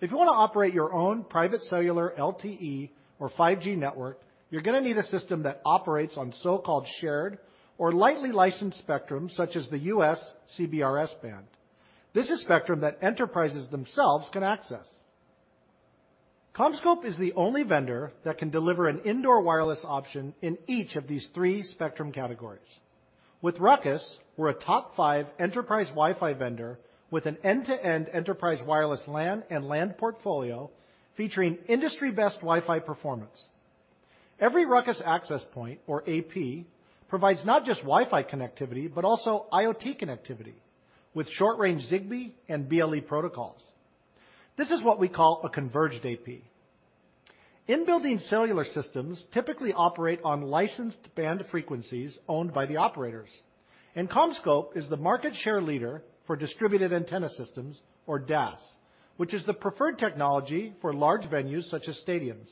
If you want to operate your own private cellular LTE or 5G network, you're gonna need a system that operates on so-called shared or lightly licensed spectrum, such as the U.S. CBRS band. This is spectrum that enterprises themselves can access. CommScope is the only vendor that can deliver an indoor wireless option in each of these three spectrum categories. With RUCKUS, we're a top five enterprise Wi-Fi vendor with an end-to-end enterprise wireless LAN and LAN portfolio featuring industry-best Wi-Fi performance. Every RUCKUS access point or AP provides not just Wi-Fi connectivity, but also IoT connectivity with short-range Zigbee and BLE protocols. This is what we call a converged AP. In-building cellular systems typically operate on licensed band frequencies owned by the operators, and CommScope is the market share leader for distributed antenna systems or DAS, which is the preferred technology for large venues such as stadiums.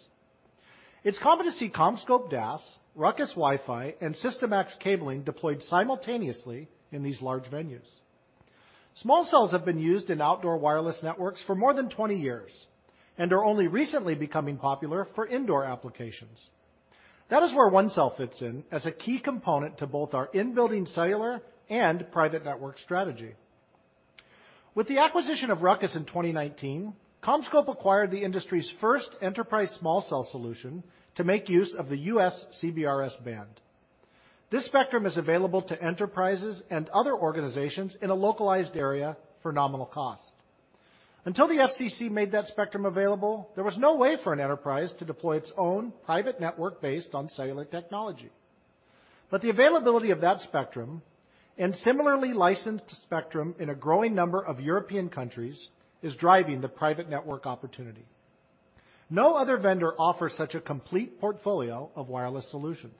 It's common to see CommScope DAS, RUCKUS Wi-Fi, and SYSTIMAX cabling deployed simultaneously in these large venues. Small cells have been used in outdoor wireless networks for more than 20 years and are only recently becoming popular for indoor applications. That is where ONECELL fits in as a key component to both our in-building cellular and private network strategy. With the acquisition of RUCKUS in 2019, CommScope acquired the industry's first enterprise small cell solution to make use of the U.S. CBRS band. This spectrum is available to enterprises and other organizations in a localized area for nominal cost. Until the FCC made that spectrum available, there was no way for an enterprise to deploy its own private network based on cellular technology. The availability of that spectrum and similarly licensed spectrum in a growing number of European countries is driving the private network opportunity. No other vendor offers such a complete portfolio of wireless solutions.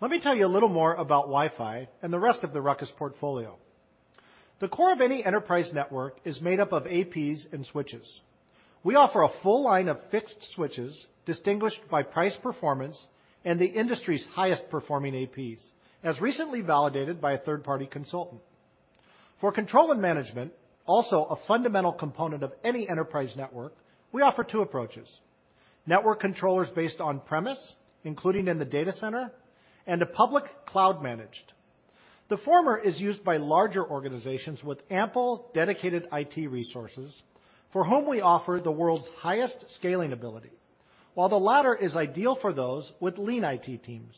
Let me tell you a little more about Wi-Fi and the rest of the RUCKUS portfolio. The core of any enterprise network is made up of APs and switches. We offer a full line of fixed switches distinguished by price performance and the industry's highest performing APs, as recently validated by a third-party consultant. For control and management, also a fundamental component of any enterprise network, we offer two approaches. Network controllers based on-premise, including in the data center, and a public cloud-managed. The former is used by larger organizations with ample dedicated IT resources for whom we offer the world's highest scaling ability, while the latter is ideal for those with lean IT teams.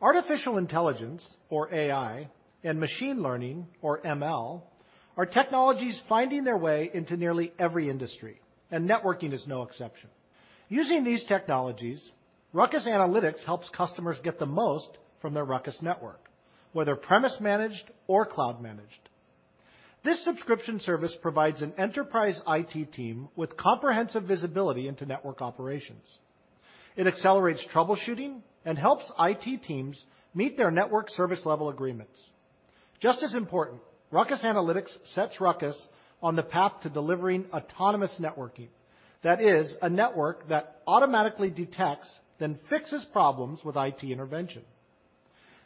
Artificial intelligence, or AI, and machine learning, or ML, are technologies finding their way into nearly every industry, and networking is no exception. Using these technologies, RUCKUS Analytics helps customers get the most from their RUCKUS network, whether on-premise managed or cloud managed. This subscription service provides an enterprise IT team with comprehensive visibility into network operations. It accelerates troubleshooting and helps IT teams meet their network service level agreements. Just as important, RUCKUS Analytics sets RUCKUS on the path to delivering autonomous networking. That is, a network that automatically detects, then fixes problems without IT intervention.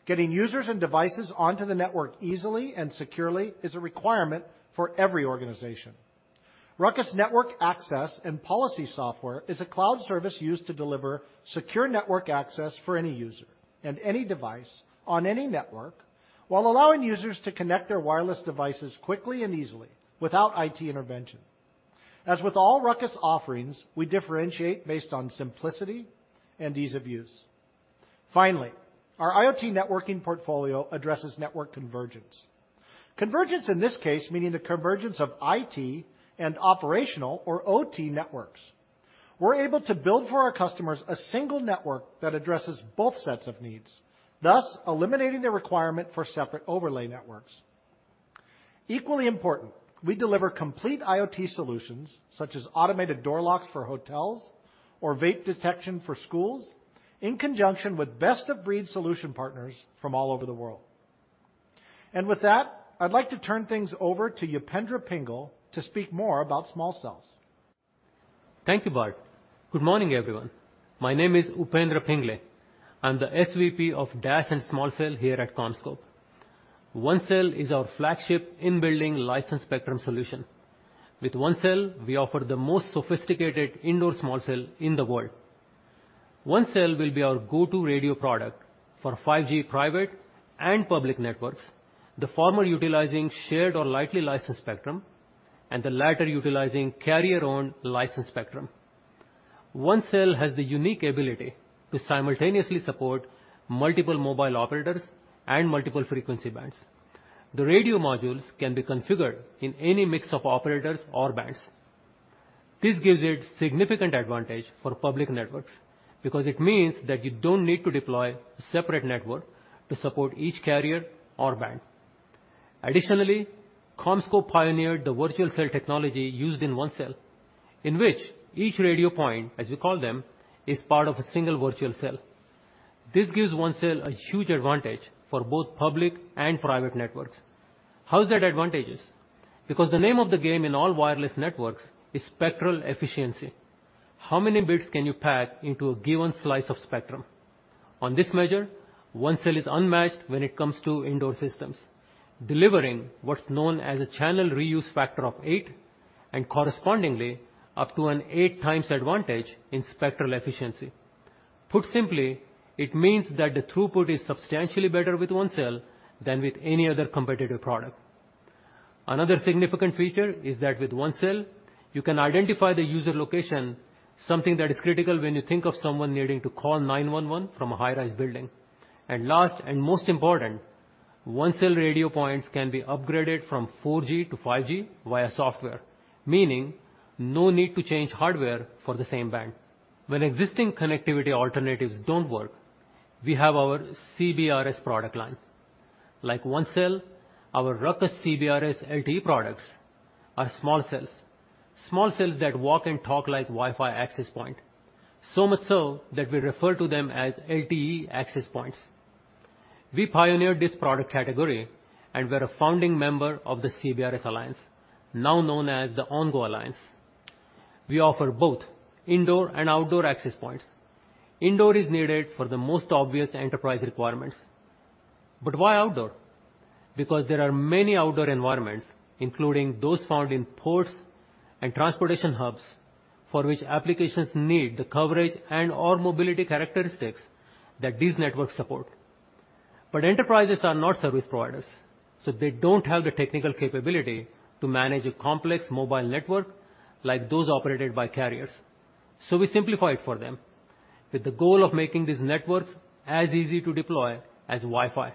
Getting users and devices onto the network easily and securely is a requirement for every organization. RUCKUS Network Access and Policy Software is a cloud service used to deliver secure network access for any user and any device on any network, while allowing users to connect their wireless devices quickly and easily without IT intervention. As with all RUCKUS offerings, we differentiate based on simplicity and ease of use. Finally, our IoT networking portfolio addresses network convergence. Convergence in this case meaning the convergence of IT and operational or OT networks. We're able to build for our customers a single network that addresses both sets of needs, thus eliminating the requirement for separate overlay networks. Equally important, we deliver complete IoT solutions such as automated door locks for hotels or vape detection for schools in conjunction with best-of-breed solution partners from all over the world. With that, I'd like to turn things over to Upendra Pingle to speak more about small cells. Thank you, Bart. Good morning, everyone. My name is Upendra Pingle. I'm the SVP of DAS and small cell here at CommScope. ONECELL is our flagship in-building licensed spectrum solution. With ONECELL, we offer the most sophisticated indoor small cell in the world. ONECELL will be our go-to radio product for 5G private and public networks, the former utilizing shared or lightly licensed spectrum, and the latter utilizing carrier-owned licensed spectrum. ONECELL has the unique ability to simultaneously support multiple mobile operators and multiple frequency bands. The radio modules can be configured in any mix of operators or bands. This gives it significant advantage for public networks because it means that you don't need to deploy a separate network to support each carrier or band. Additionally, CommScope pioneered the virtual cell technology used in ONECELL, in which each radio point, as we call them, is part of a single virtual cell. This gives ONECELL a huge advantage for both public and private networks. How is that advantageous? Because the name of the game in all wireless networks is spectral efficiency. How many bits can you pack into a given slice of spectrum? On this measure, ONECELL is unmatched when it comes to indoor systems, delivering what's known as a channel reuse factor of eight, and correspondingly, up to an eight times advantage in spectral efficiency. Put simply, it means that the throughput is substantially better with ONECELL than with any other competitive product. Another significant feature is that with ONECELL, you can identify the user location, something that is critical when you think of someone needing to call 911 from a high-rise building. Last and most important, ONECELL radio points can be upgraded from 4G to 5G via software, meaning no need to change hardware for the same band. When existing connectivity alternatives don't work, we have our CBRS product line. Like ONECELL, our RUCKUS CBRS LTE products are small cells that walk and talk like Wi-Fi access point, so much so that we refer to them as LTE access points. We pioneered this product category, and we're a founding member of the CBRS Alliance, now known as the OnGo Alliance. We offer both indoor and outdoor access points. Indoor is needed for the most obvious enterprise requirements. Why outdoor? Because there are many outdoor environments, including those found in ports and transportation hubs, for which applications need the coverage and/or mobility characteristics that these networks support. Enterprises are not service providers, so they don't have the technical capability to manage a complex mobile network like those operated by carriers. We simplify it for them with the goal of making these networks as easy to deploy as Wi-Fi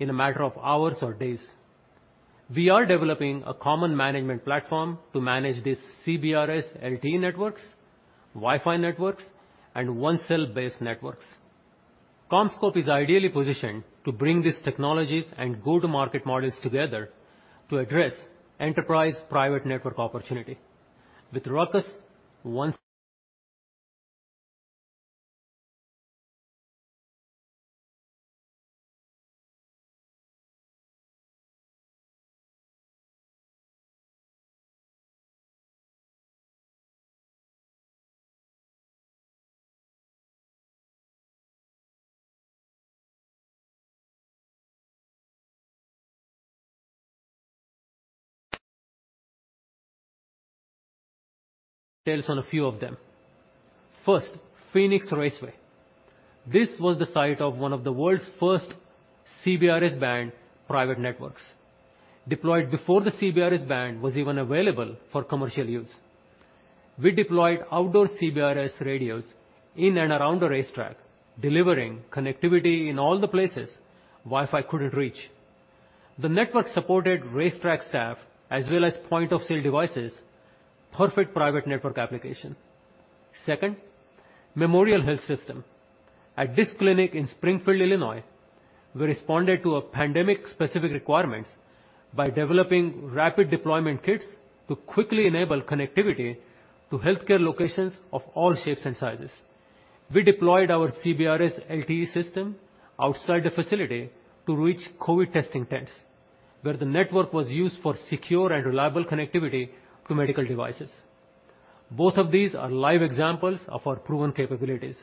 in a matter of hours or days. We are developing a common management platform to manage these CBRS LTE networks, Wi-Fi networks, and ONECELL-based networks. CommScope is ideally positioned to bring these technologies and go-to-market models together to address enterprise private network opportunity. With RUCKUS, ONECELL. Details on a few of them. First, Phoenix Raceway. This was the site of one of the world's first CBRS band private networks, deployed before the CBRS band was even available for commercial use. We deployed outdoor CBRS radios in and around the racetrack, delivering connectivity in all the places Wi-Fi couldn't reach. The network supported racetrack staff as well as point-of-sale devices, perfect private network application. Second, Memorial Health System. At this clinic in Springfield, Illinois, we responded to pandemic-specific requirements by developing rapid deployment kits to quickly enable connectivity to healthcare locations of all shapes and sizes. We deployed our CBRS LTE system outside the facility to reach COVID testing tents, where the network was used for secure and reliable connectivity to medical devices. Both of these are live examples of our proven capabilities,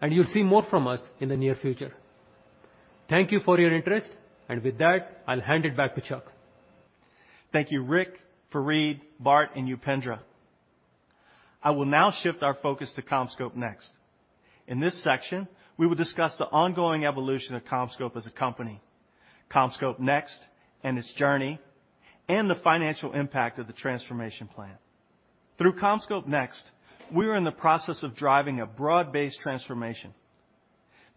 and you'll see more from us in the near future. Thank you for your interest, and with that, I'll hand it back to Chuck. Thank you, Ric, Farid, Bart, and Upendra. I will now shift our focus to CommScope NEXT. In this section, we will discuss the ongoing evolution of CommScope as a company, CommScope NEXT and its journey, and the financial impact of the transformation plan. Through CommScope NEXT, we are in the process of driving a broad-based transformation.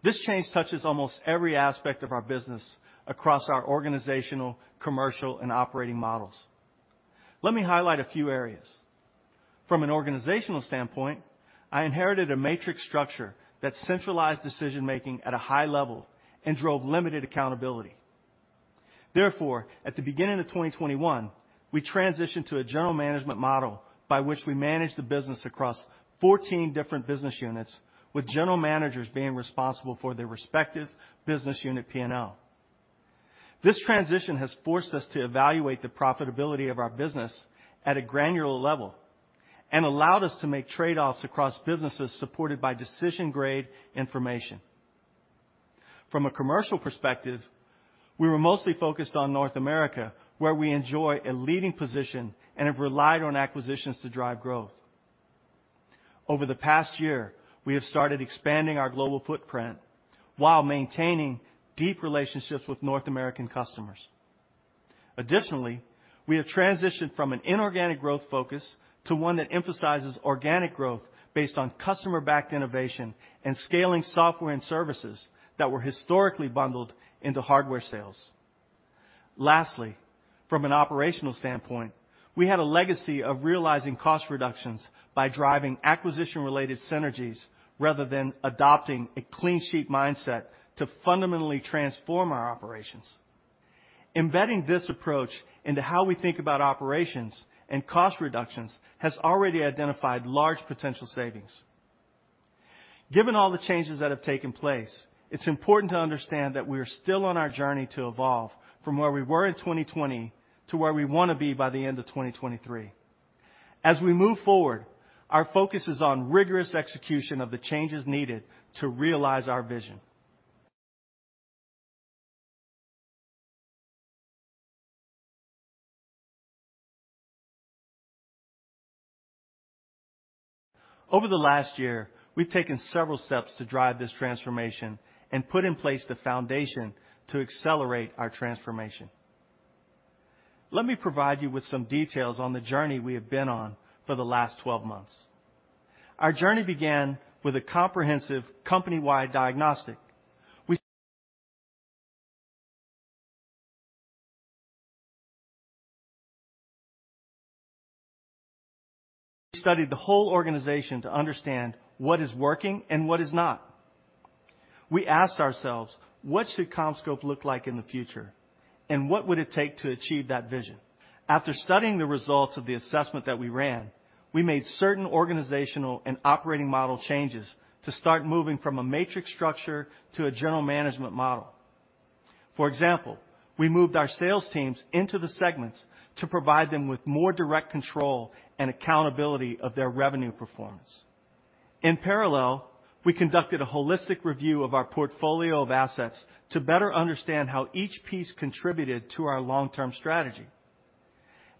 This change touches almost every aspect of our business across our organizational, commercial, and operating models. Let me highlight a few areas. From an organizational standpoint, I inherited a matrix structure that centralized decision-making at a high level and drove limited accountability. Therefore, at the beginning of 2021, we transitioned to a general management model by which we manage the business across 14 different business units, with general managers being responsible for their respective business unit P&L. This transition has forced us to evaluate the profitability of our business at a granular level and allowed us to make trade-offs across businesses supported by decision-grade information. From a commercial perspective, we were mostly focused on North America, where we enjoy a leading position and have relied on acquisitions to drive growth. Over the past year, we have started expanding our global footprint while maintaining deep relationships with North American customers. Additionally, we have transitioned from an inorganic growth focus to one that emphasizes organic growth based on customer-backed innovation and scaling software and services that were historically bundled into hardware sales. Lastly, from an operational standpoint, we had a legacy of realizing cost reductions by driving acquisition-related synergies rather than adopting a clean sheet mindset to fundamentally transform our operations. Embedding this approach into how we think about operations and cost reductions has already identified large potential savings. Given all the changes that have taken place, it's important to understand that we are still on our journey to evolve from where we were in 2020 to where we wanna be by the end of 2023. As we move forward, our focus is on rigorous execution of the changes needed to realize our vision. Over the last year, we've taken several steps to drive this transformation and put in place the foundation to accelerate our transformation. Let me provide you with some details on the journey we have been on for the last 12 months. Our journey began with a comprehensive company-wide diagnostic. We studied the whole organization to understand what is working and what is not. We asked ourselves, "What should CommScope look like in the future, and what would it take to achieve that vision?" After studying the results of the assessment that we ran, we made certain organizational and operating model changes to start moving from a matrix structure to a general management model. For example, we moved our sales teams into the segments to provide them with more direct control and accountability of their revenue performance. In parallel, we conducted a holistic review of our portfolio of assets to better understand how each piece contributed to our long-term strategy.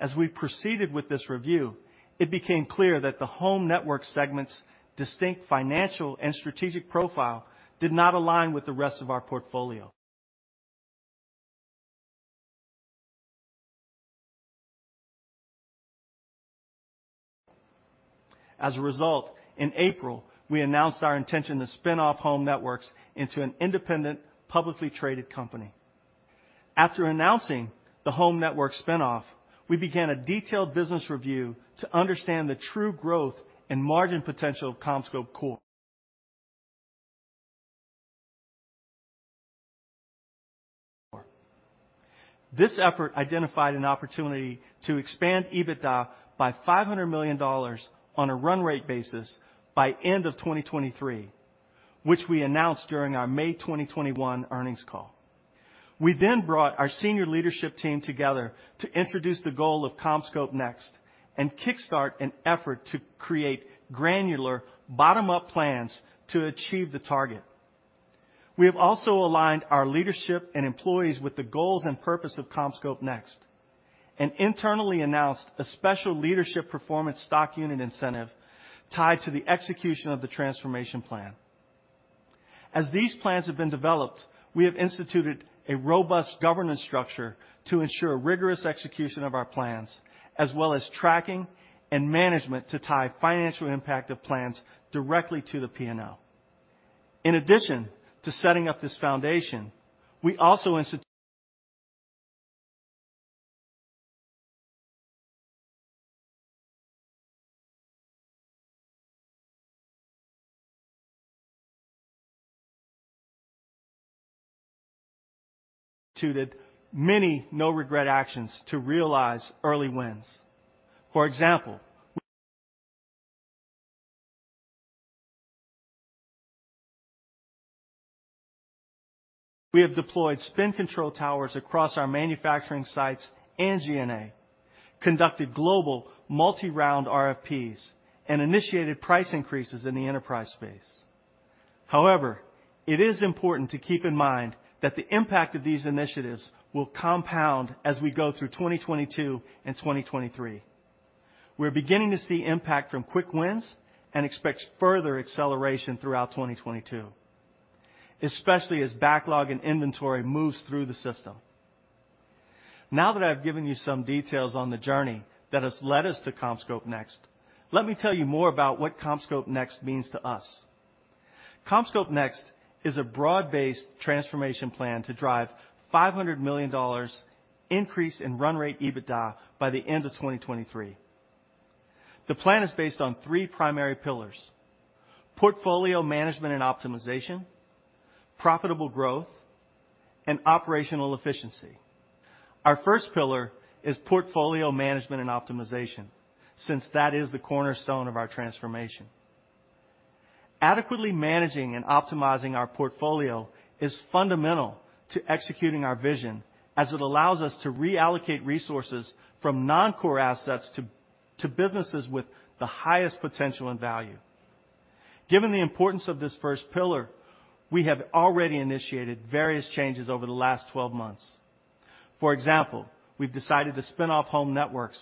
As we proceeded with this review, it became clear that the Home Networks segment's distinct financial and strategic profile did not align with the rest of our portfolio. As a result, in April, we announced our intention to spin off Home Networks into an independent, publicly traded company. After announcing the Home Networks spin off, we began a detailed business review to understand the true growth and margin potential of CommScope Core. This effort identified an opportunity to expand EBITDA by $500 million on a run rate basis by end of 2023, which we announced during our May 2021 earnings call. We brought our senior leadership team together to introduce the goal of CommScope NEXT and kickstart an effort to create granular bottom-up plans to achieve the target. We have also aligned our leadership and employees with the goals and purpose of CommScope NEXT and internally announced a special leadership performance stock unit incentive tied to the execution of the transformation plan. As these plans have been developed, we have instituted a robust governance structure to ensure rigorous execution of our plans, as well as tracking and management to tie financial impact of plans directly to the P&L. In addition to setting up this foundation, we also instituted many no-regret actions to realize early wins. For example, we have deployed spend control towers across our manufacturing sites and G&A, conducted global multi-round RFPs, and initiated price increases in the enterprise space. However, it is important to keep in mind that the impact of these initiatives will compound as we go through 2022 and 2023. We're beginning to see impact from quick wins and expect further acceleration throughout 2022, especially as backlog and inventory moves through the system. Now that I've given you some details on the journey that has led us to CommScope NEXT, let me tell you more about what CommScope NEXT means to us. CommScope NEXT is a broad-based transformation plan to drive $500 million increase in run rate EBITDA by the end of 2023. The plan is based on three primary pillars. Portfolio management and optimization, profitable growth, and operational efficiency. Our first pillar is portfolio management and optimization, since that is the cornerstone of our transformation. Adequately managing and optimizing our portfolio is fundamental to executing our vision as it allows us to reallocate resources from non-core assets to businesses with the highest potential and value. Given the importance of this first pillar, we have already initiated various changes over the last 12 months. For example, we've decided to spin off Home Networks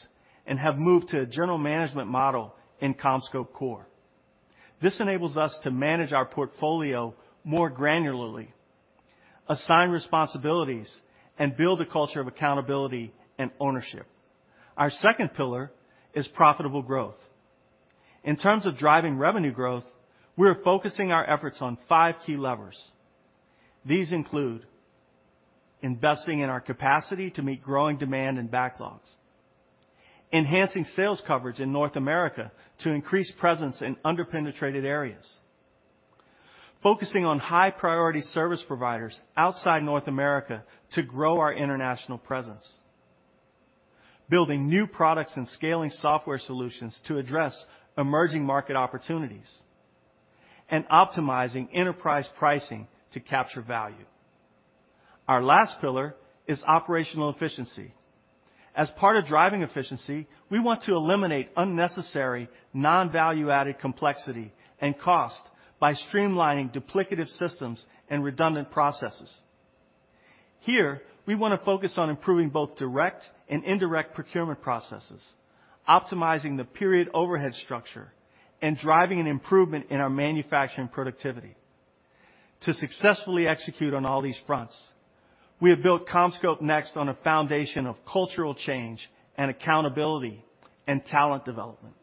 and have moved to a general management model in CommScope Core. This enables us to manage our portfolio more granularly, assign responsibilities, and build a culture of accountability and ownership. Our second pillar is profitable growth. In terms of driving revenue growth, we are focusing our efforts on five key levers. These include investing in our capacity to meet growing demand and backlogs, enhancing sales coverage in North America to increase presence in under-penetrated areas, focusing on high-priority service providers outside North America to grow our international presence, building new products and scaling software solutions to address emerging market opportunities, and optimizing enterprise pricing to capture value. Our last pillar is operational efficiency. As part of driving efficiency, we want to eliminate unnecessary non-value-added complexity and cost by streamlining duplicative systems and redundant processes. Here, we wanna focus on improving both direct and indirect procurement processes, optimizing the period overhead structure, and driving an improvement in our manufacturing productivity. To successfully execute on all these fronts, we have built CommScope NEXT on a foundation of cultural change and accountability and talent development.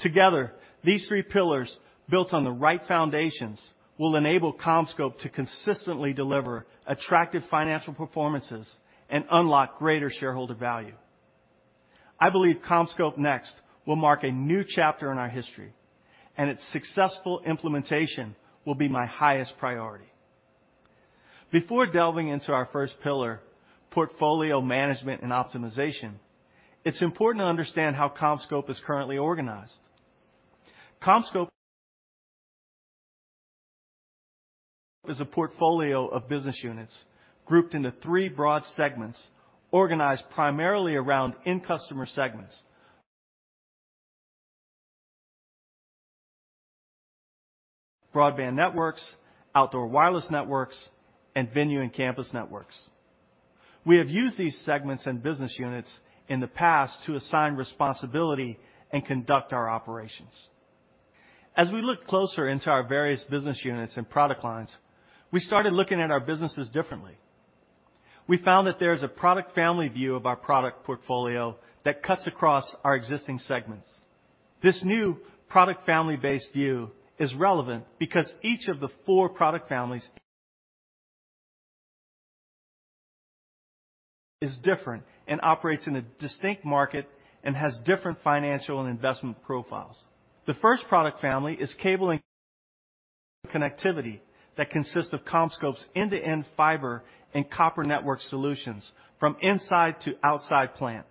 Together, these three pillars, built on the right foundations, will enable CommScope to consistently deliver attractive financial performances and unlock greater shareholder value. I believe CommScope NEXT will mark a new chapter in our history, and its successful implementation will be my highest priority. Before delving into our first pillar, portfolio management and optimization, it's important to understand how CommScope is currently organized. CommScope is a portfolio of business units grouped into three broad segments organized primarily around end customer segments, Broadband Networks, Outdoor Wireless Networks, and Venue and Campus Networks. We have used these segments and business units in the past to assign responsibility and conduct our operations. As we look closer into our various business units and product lines, we started looking at our businesses differently. We found that there's a product family view of our product portfolio that cuts across our existing segments. This new product family-based view is relevant because each of the four product families is different and operates in a distinct market and has different financial and investment profiles. The first product family is cable and connectivity that consists of CommScope's end-to-end fiber and copper network solutions from inside to outside plant.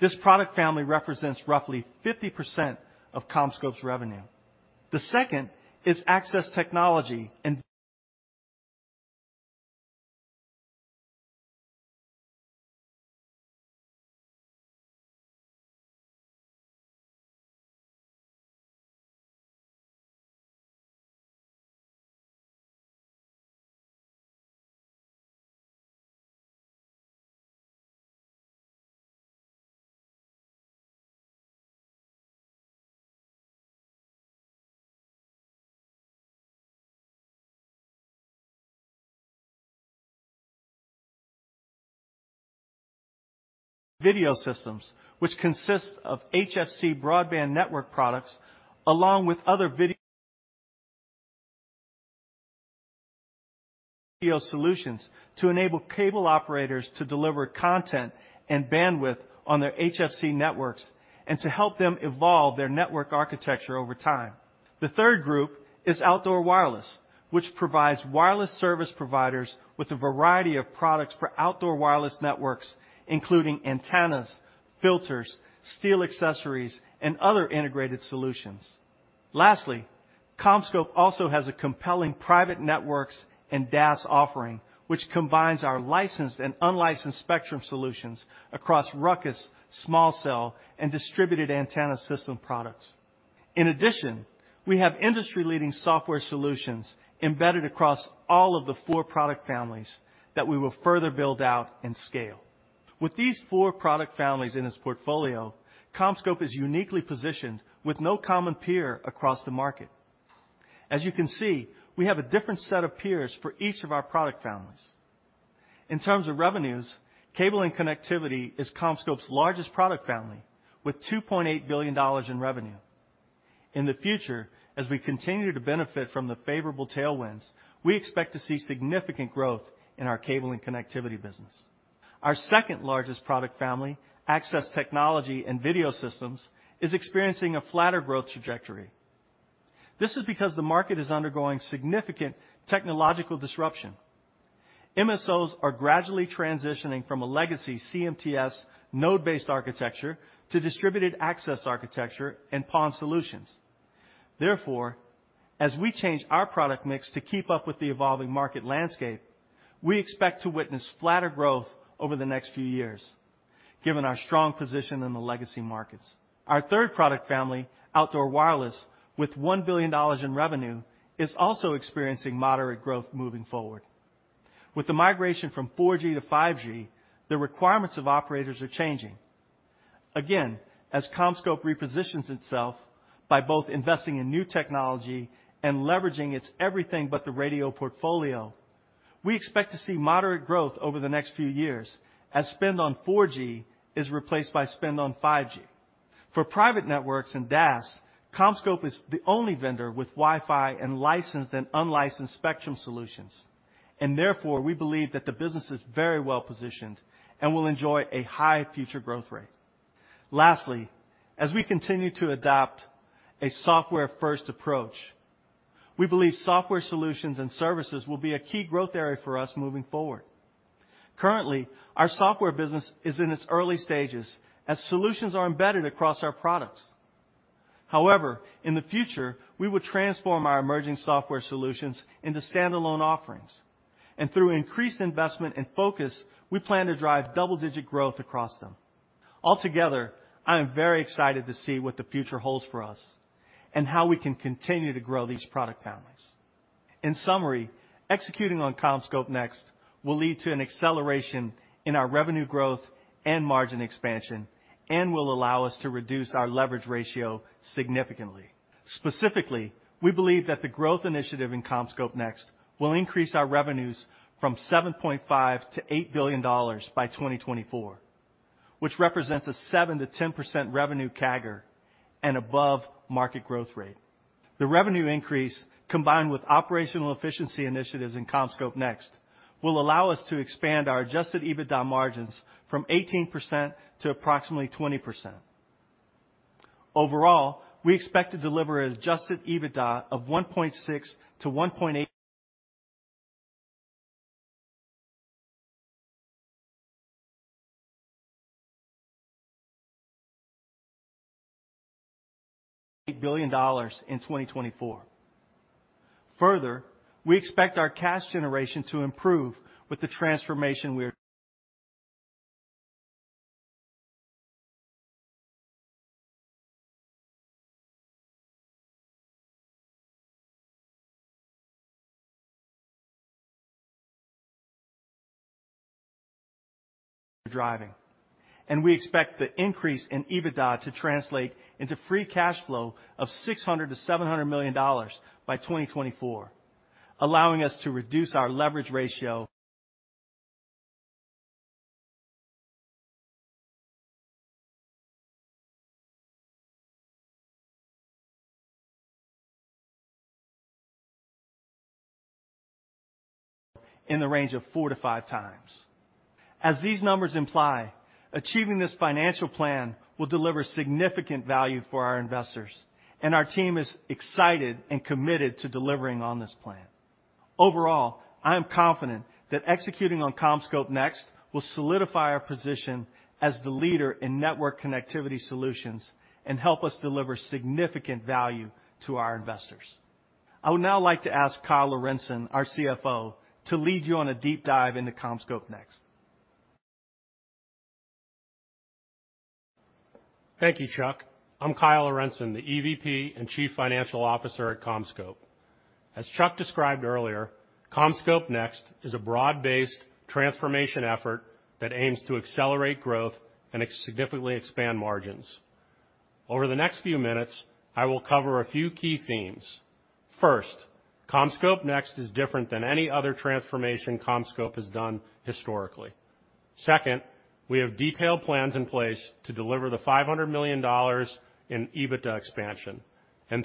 This product family represents roughly 50% of CommScope's revenue. The second is access technology and video systems, which consists of HFC broadband network products along with other video solutions to enable cable operators to deliver content and bandwidth on their HFC networks and to help them evolve their network architecture over time. The third group is outdoor wireless, which provides wireless service providers with a variety of products for outdoor wireless networks, including antennas, filters, steel accessories, and other integrated solutions. Lastly, CommScope also has a compelling private networks and DAS offering, which combines our licensed and unlicensed spectrum solutions across RUCKUS, Small Cell, and distributed antenna system products. In addition, we have industry-leading software solutions embedded across all of the four product families that we will further build out and scale. With these four product families in its portfolio, CommScope is uniquely positioned with no common peer across the market. As you can see, we have a different set of peers for each of our product families. In terms of revenues, Cable and Connectivity is CommScope's largest product family with $2.8 billion in revenue. In the future, as we continue to benefit from the favorable tailwinds, we expect to see significant growth in our Cable and Connectivity business. Our second-largest product family, Access Technology and Video Systems, is experiencing a flatter growth trajectory. This is because the market is undergoing significant technological disruption. MSOs are gradually transitioning from a legacy CMTS node-based architecture to distributed access architecture and PON solutions. Therefore, as we change our product mix to keep up with the evolving market landscape, we expect to witness flatter growth over the next few years, given our strong position in the legacy markets. Our third product family, Outdoor Wireless, with $1 billion in revenue, is also experiencing moderate growth moving forward. With the migration from 4G to 5G, the requirements of operators are changing. Again, as CommScope repositions itself by both investing in new technology and leveraging its everything but the radio portfolio, we expect to see moderate growth over the next few years as spend on 4G is replaced by spend on 5G. For private networks and DAS, CommScope is the only vendor with Wi-Fi and licensed and unlicensed spectrum solutions, and therefore, we believe that the business is very well positioned and will enjoy a high future growth rate. Lastly, as we continue to adopt a software-first approach, we believe software solutions and services will be a key growth area for us moving forward. Currently, our software business is in its early stages as solutions are embedded across our products. However, in the future, we will transform our emerging software solutions into standalone offerings, and through increased investment and focus, we plan to drive double-digit growth across them. Altogether, I am very excited to see what the future holds for us and how we can continue to grow these product families. In summary, executing on CommScope NEXT will lead to an acceleration in our revenue growth and margin expansion and will allow us to reduce our leverage ratio significantly. Specifically, we believe that the growth initiative in CommScope NEXT will increase our revenues from $7.5 billion-$8 billion by 2024, which represents a 7%-10% revenue CAGR and above market growth rate. The revenue increase, combined with operational efficiency initiatives in CommScope NEXT, will allow us to expand our adjusted EBITDA margins from 18% to approximately 20%. Overall, we expect to deliver an adjusted EBITDA of $1.6 billion-$1.8 billion in 2024. Further, we expect our cash generation to improve with the transformation we are driving, and we expect the increase in EBITDA to translate into free cash flow of $600 million-$700 million by 2024, allowing us to reduce our leverage ratio in the range of 4x-5x. As these numbers imply, achieving this financial plan will deliver significant value for our investors, and our team is excited and committed to delivering on this plan. Overall, I am confident that executing on CommScope NEXT will solidify our position as the leader in network connectivity solutions and help us deliver significant value to our investors. I would now like to ask Kyle Lorentzen, our CFO, to lead you on a deep dive into CommScope NEXT. Thank you, Chuck. I'm Kyle Lorentzen, the EVP and Chief Financial Officer at CommScope. As Chuck described earlier, CommScope NEXT is a broad-based transformation effort that aims to accelerate growth and significantly expand margins. Over the next few minutes, I will cover a few key themes. First, CommScope NEXT is different than any other transformation CommScope has done historically. Second, we have detailed plans in place to deliver the $500 million in EBITDA expansion.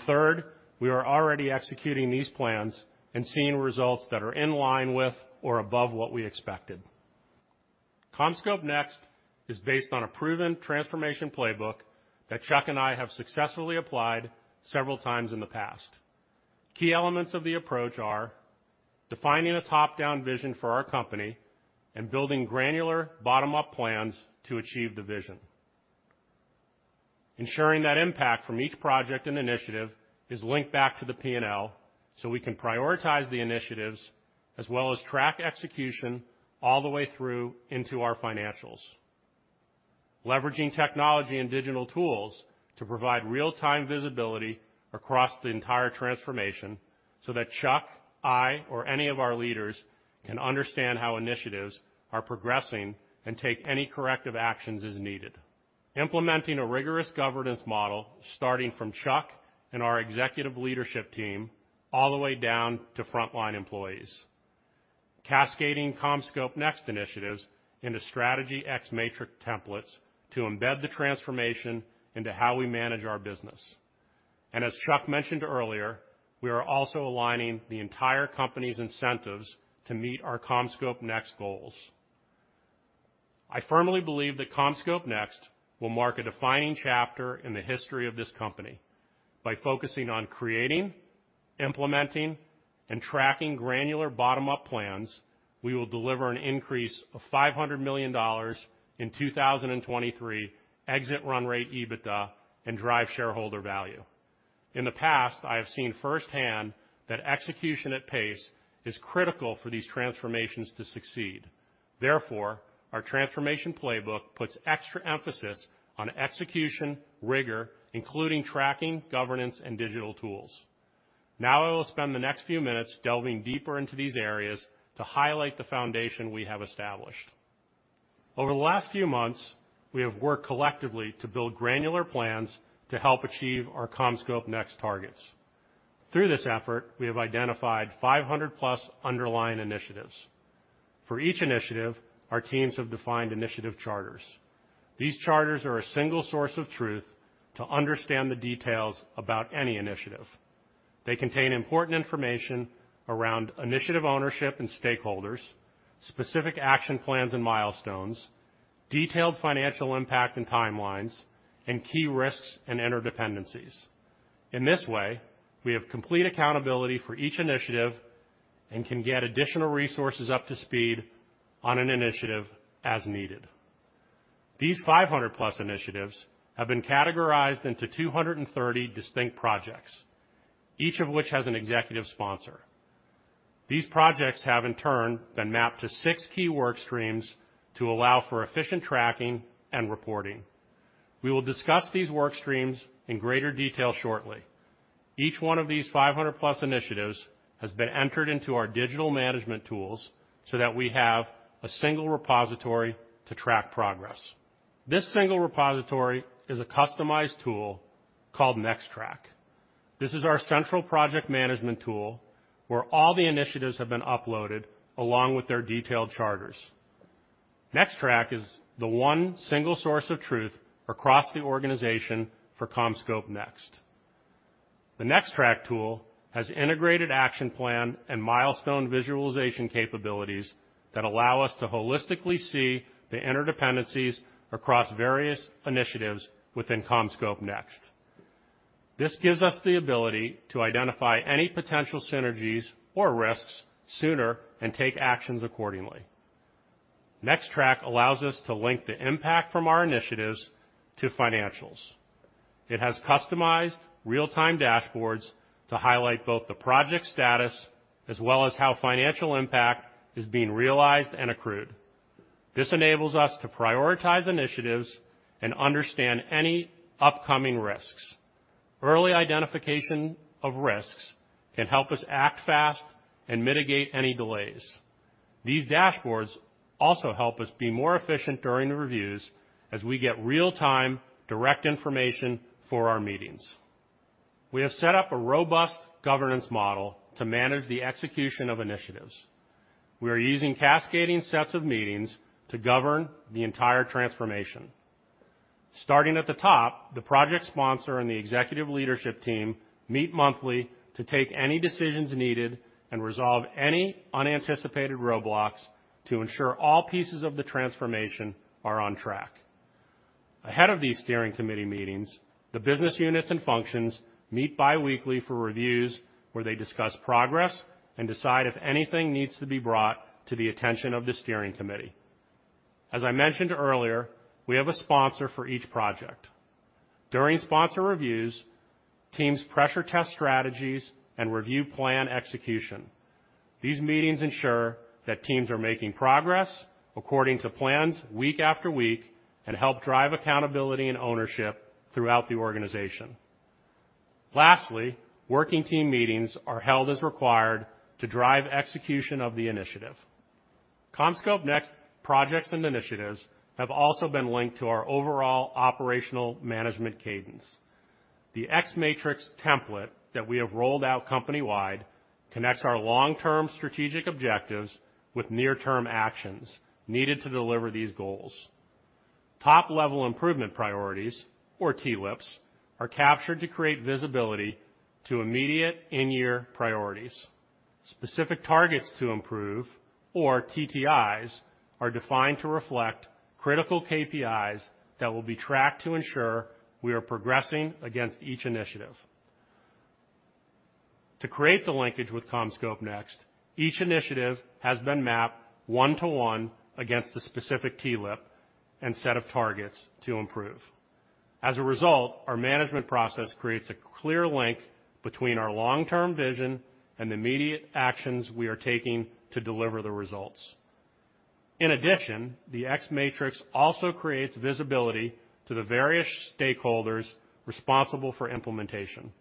Third, we are already executing these plans and seeing results that are in line with or above what we expected. CommScope NEXT is based on a proven transformation playbook that Chuck and I have successfully applied several times in the past. Key elements of the approach are defining a top-down vision for our company and building granular bottom-up plans to achieve the vision. Ensuring that impact from each project and initiative is linked back to the P&L, so we can prioritize the initiatives as well as track execution all the way through into our financials. Leveraging technology and digital tools to provide real-time visibility across the entire transformation so that Chuck, I, or any of our leaders can understand how initiatives are progressing and take any corrective actions as needed. Implementing a rigorous governance model, starting from Chuck and our executive leadership team, all the way down to frontline employees. Cascading CommScope NEXT initiatives into X-Matrix templates to embed the transformation into how we manage our business. As Chuck mentioned earlier, we are also aligning the entire company's incentives to meet our CommScope NEXT goals. I firmly believe that CommScope NEXT will mark a defining chapter in the history of this company. By focusing on creating, implementing, and tracking granular bottom-up plans, we will deliver an increase of $500 million in 2023 exit run rate EBITDA and drive shareholder value. In the past, I have seen firsthand that execution at pace is critical for these transformations to succeed. Therefore, our transformation playbook puts extra emphasis on execution, rigor, including tracking, governance, and digital tools. Now I will spend the next few minutes delving deeper into these areas to highlight the foundation we have established. Over the last few months, we have worked collectively to build granular plans to help achieve our CommScope NEXT targets. Through this effort, we have identified 500+ underlying initiatives. For each initiative, our teams have defined initiative charters. These charters are a single source of truth to understand the details about any initiative. They contain important information around initiative ownership and stakeholders, specific action plans and milestones, detailed financial impact and timelines, and key risks and interdependencies. In this way, we have complete accountability for each initiative and can get additional resources up to speed on an initiative as needed. These 500+ initiatives have been categorized into 230 distinct projects, each of which has an executive sponsor. These projects have in turn been mapped to six key work streams to allow for efficient tracking and reporting. We will discuss these work streams in greater detail shortly. Each one of these 500+ initiatives has been entered into our digital management tools so that we have a single repository to track progress. This single repository is a customized tool called NextTrack. This is our central project management tool where all the initiatives have been uploaded along withtheir detailed charters. NextTrack is the one single source of truth across the organization for CommScope NEXT. The NextTrack tool has integrated action plan and milestone visualization capabilities that allow us to holistically see the interdependencies across various initiatives within CommScope NEXT. This gives us the ability to identify any potential synergies or risks sooner and take actions accordingly. NextTrack allows us to link the impact from our initiatives to financials. It has customized real-time dashboards to highlight both the project status as well as how financial impact is being realized and accrued. This enables us to prioritize initiatives and understand any upcoming risks. Early identification of risks can help us act fast and mitigate any delays. These dashboards also help us be more efficient during the reviews as we get real-time direct information for our meetings. We have set up a robust governance model to manage the execution of initiatives. We are using cascading sets of meetings to govern the entire transformation. Starting at the top, the project sponsor and the executive leadership team meet monthly to take any decisions needed and resolve any unanticipated roadblocks to ensure all pieces of the transformation are on track. Ahead of these steering committee meetings, the business units and functions meet bi-weekly for reviews where they discuss progress and decide if anything needs to be brought to the attention of the steering committee. As I mentioned earlier, we have a sponsor for each project. During sponsor reviews, teams pressure test strategies and review plan execution. These meetings ensure that teams are making progress according to plans week after week and help drive accountability and ownership throughout the organization. Lastly, working team meetings are held as required to drive execution of the initiative. CommScope NEXT projects and initiatives have also been linked to our overall operational management cadence. The X-Matrix template that we have rolled out company-wide connects our long-term strategic objectives with near-term actions needed to deliver these goals. Top-level improvement priorities, or TLIPs, are captured to create visibility to immediate in-year priorities. Specific targets to improve, or TTIs, are defined to reflect critical KPIs that will be tracked to ensure we are progressing against each initiative. To create the linkage with CommScope NEXT, each initiative has been mapped one to one against the specific TLIP and set of targets to improve. As a result, our management process creates a clear link between our long-term vision and the immediate actions we are taking to deliver the results. In addition, the X-Matrix also creates visibility to the various stakeholders responsible for implementation.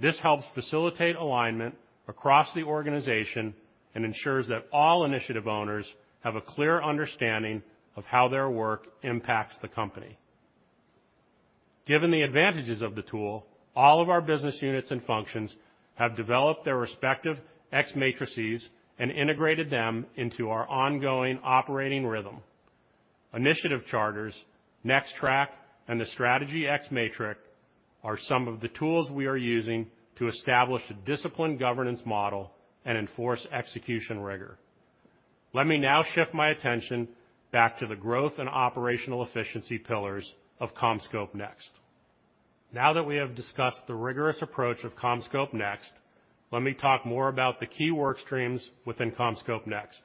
This helps facilitate alignment across the organization and ensures that all initiative owners have a clear understanding of how their work impacts the company. Given the advantages of the tool, all of our business units and functions have developed their respective X-Matrices and integrated them into our ongoing operating rhythm. Initiative charters, NextTrack, and the Strategy X-Matrix are some of the tools we are using to establish a disciplined governance model and enforce execution rigor. Let me now shift my attention back to the growth and operational efficiency pillars of CommScope NEXT. Now that we have discussed the rigorous approach of CommScope NEXT, let me talk more about the key work streams within CommScope NEXT.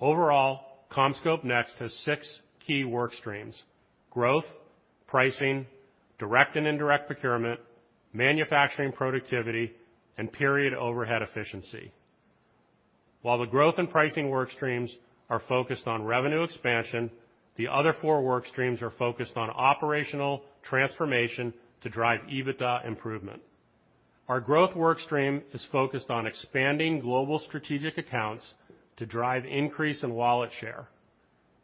Overall, CommScope NEXT has six key work streams, growth, pricing, direct and indirect procurement, manufacturing productivity, and period overhead efficiency. While the growth and pricing work streams are focused on revenue expansion, the other four work streams are focused on operational transformation to drive EBITDA improvement. Our growth work stream is focused on expanding global strategic accounts to drive increase in wallet share,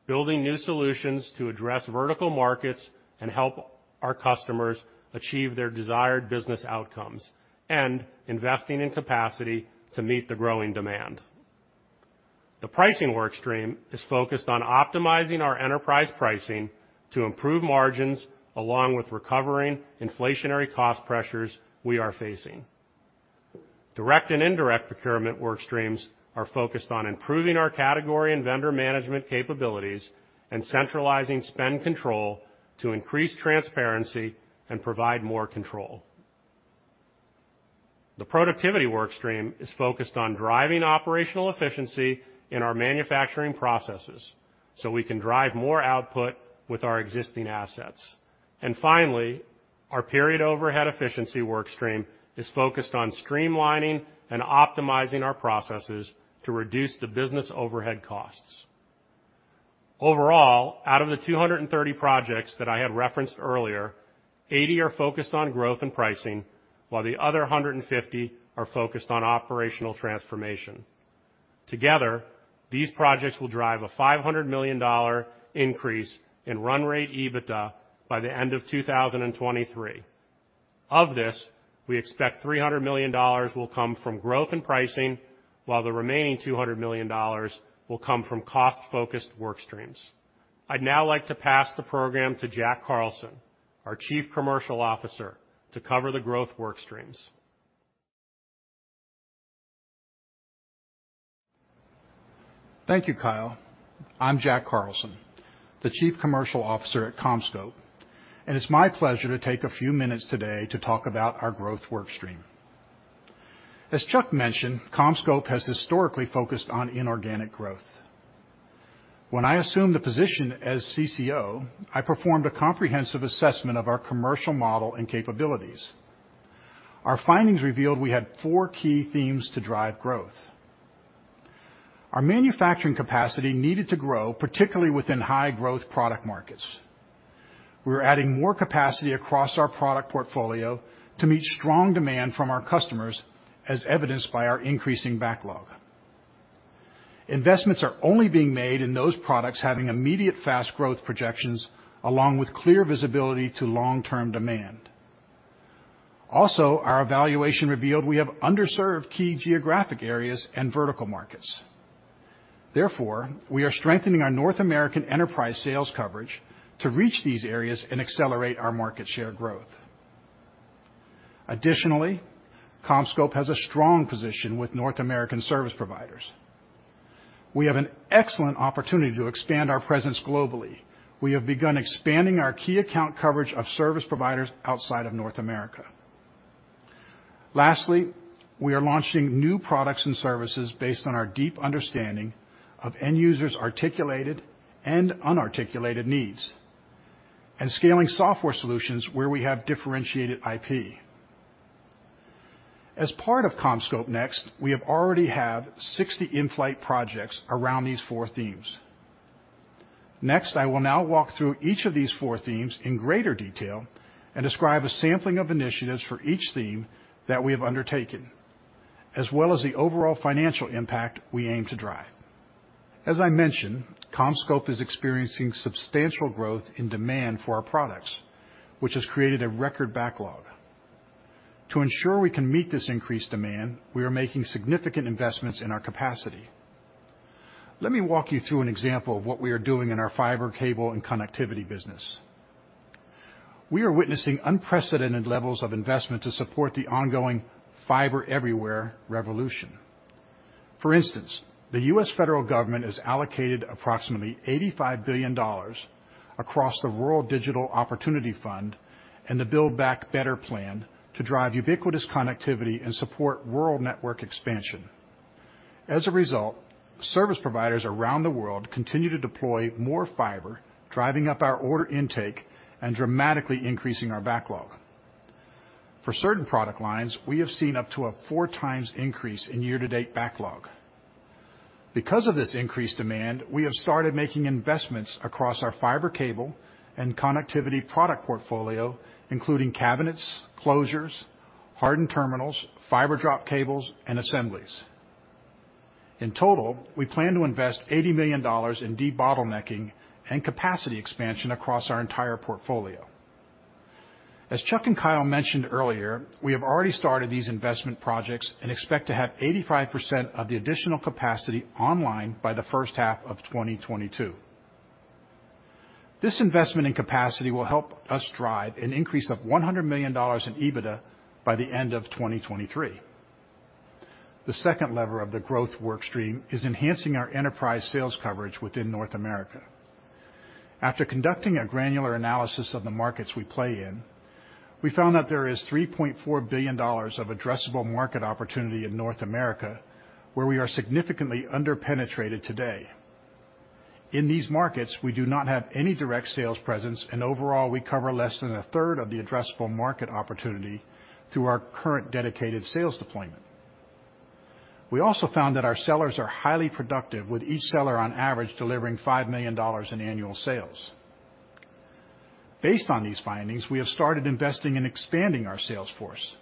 building new solutions to address vertical markets and help our customers achieve their desired business outcomes, and investing in capacity to meet the growing demand. The pricing work stream is focused on optimizing our enterprise pricing to improve margins along with recovering inflationary cost pressures we are facing. Direct and indirect procurement work streams are focused on improving our category and vendor management capabilities and centralizing spend control to increase transparency and provide more control. The productivity work stream is focused on driving operational efficiency in our manufacturing processes so we can drive more output with our existing assets. Finally, our period overhead efficiency work stream is focused on streamlining and optimizing our processes to reduce the business overhead costs. Overall, out of the 230 projects that I had referenced earlier, 80 are focused on growth and pricing, while the other 150 are focused on operational transformation. Together, these projects will drive a $500 million increase in run rate EBITDA by the end of 2023. Of this, we expect $300 million will come from growth and pricing, while the remaining $200 million will come from cost-focused work streams. I'd now like to pass the program to Jack Carlson, our Chief Commercial Officer, to cover the growth work streams. Thank you, Kyle. I'm Jack Carlson, the Chief Commercial Officer at CommScope, and it's my pleasure to take a few minutes today to talk about our growth work stream. As Chuck mentioned, CommScope has historically focused on inorganic growth. When I assumed the position as CCO, I performed a comprehensive assessment of our commercial model and capabilities. Our findings revealed we had four key themes to drive growth. Our manufacturing capacity needed to grow, particularly within high growth product markets. We were adding more capacity across our product portfolio to meet strong demand from our customers, as evidenced by our increasing backlog. Investments are only being made in those products having immediate fast growth projections along with clear visibility to long-term demand. Also, our evaluation revealed we have underserved key geographic areas and vertical markets. Therefore, we are strengthening our North American enterprise sales coverage to reach these areas and accelerate our market share growth. Additionally, CommScope has a strong position with North American service providers. We have an excellent opportunity to expand our presence globally. We have begun expanding our key account coverage of service providers outside of North America. Lastly, we are launching new products and services based on our deep understanding of end users' articulated and unarticulated needs and scaling software solutions where we have differentiated IP. As part of CommScope NEXT, we have already 60 in-flight projects around these four themes. Next, I will now walk through each of these four themes in greater detail and describe a sampling of initiatives for each theme that we have undertaken, as well as the overall financial impact we aim to drive. As I mentioned, CommScope is experiencing substantial growth in demand for our products, which has created a record backlog. To ensure we can meet this increased demand, we are making significant investments in our capacity. Let me walk you through an example of what we are doing in our fiber, cable, and connectivity business. We are witnessing unprecedented levels of investment to support the ongoing fiber everywhere revolution. For instance, the U.S. federal government has allocated approximately $85 billion across the Rural Digital Opportunity Fund and the Build Back Better plan to drive ubiquitous connectivity and support rural network expansion. As a result, service providers around the world continue to deploy more fiber, driving up our order intake and dramatically increasing our backlog. For certain product lines, we have seen up to a 4x increase in year-to-date backlog. Because of this increased demand, we have started making investments across our fiber cable and connectivity product portfolio, including cabinets, closures, hardened terminals, fiber drop cables, and assemblies. In total, we plan to invest $80 million in de-bottlenecking and capacity expansion across our entire portfolio. As Chuck and Kyle mentioned earlier, we have already started these investment projects and expect to have 85% of the additional capacity online by the first half of 2022. This investment in capacity will help us drive an increase of $100 million in EBITDA by the end of 2023. The second lever of the growth work stream is enhancing our enterprise sales coverage within North America. After conducting a granular analysis of the markets we play in, we found out there is $3.4 billion of addressable market opportunity in North America, where we are significantly under-penetrated today. In these markets, we do not have any direct sales presence, and overall, we cover less than a third of the addressable market opportunity through our current dedicated sales deployment. We also found that our sellers are highly productive, with each seller on average delivering $5 million in annual sales. Based on these findings, we have started investing in expanding our sales force.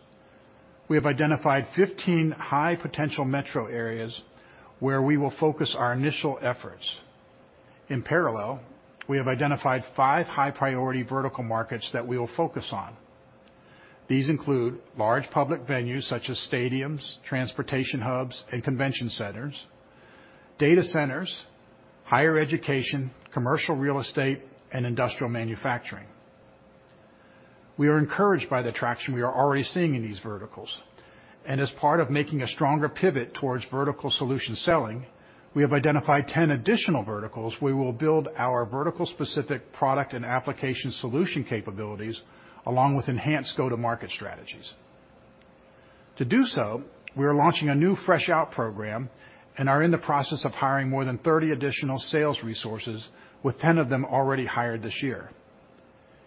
We have identified 15 high-potential metro areas where we will focus our initial efforts. In parallel, we have identified five high-priority vertical markets that we will focus on. These include large public venues such as stadiums, transportation hubs, and convention centers, data centers, higher education, commercial real estate, and industrial manufacturing. We are encouraged by the traction we are already seeing in these verticals. As part of making a stronger pivot towards vertical solution selling, we have identified 10 additional verticals we will build our vertical specific product and application solution capabilities along with enhanced go-to-market strategies. To do so, we are launching a new fresh out program and are in the process of hiring more than 30 additional sales resources, with 10 of them already hired this year.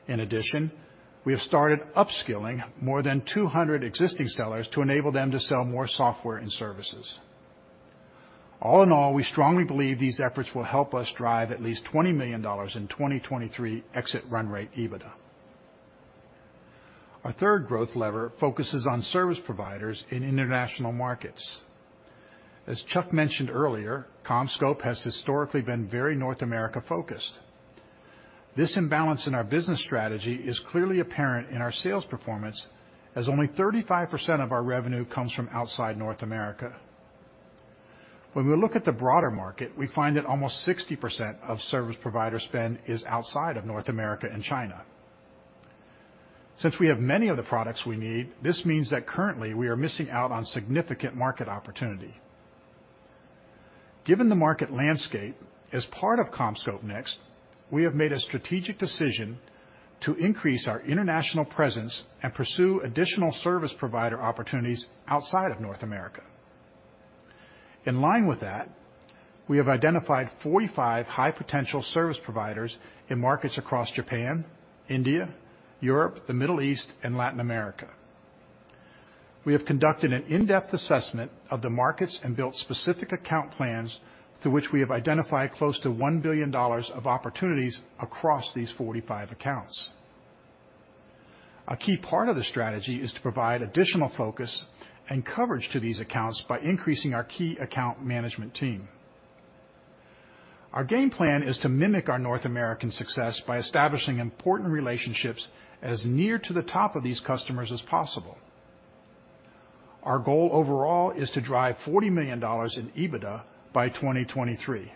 In addition, we have started upskilling more than 200 existing sellers to enable them to sell more software and services. All in all, we strongly believe these efforts will help us drive at least $20 million in 2023 exit run rate EBITDA. Our third growth lever focuses on service providers in international markets. As Chuck mentioned earlier, CommScope has historically been very North America-focused. This imbalance in our business strategy is clearly apparent in our sales performance as only 35% of our revenue comes from outside North America. When we look at the broader market, we find that almost 60% of service provider spend is outside of North America and China. Since we have many of the products we need, this means that currently we are missing out on significant market opportunity. Given the market landscape, as part of CommScope NEXT, we have made a strategic decision to increase our international presence and pursue additional service provider opportunities outside of North America. In line with that, we have identified 45 high potential service providers in markets across Japan, India, Europe, the Middle East, and Latin America. We have conducted an in-depth assessment of the markets and built specific account plans through which we have identified close to $1 billion of opportunities across these 45 accounts. A key part of the strategy is to provide additional focus and coverage to these accounts by increasing our key account management team. Our game plan is to mimic our North American success by establishing important relationships as near to the top of these customers as possible. Our goal overall is to drive $40 million in EBITDA by 2023,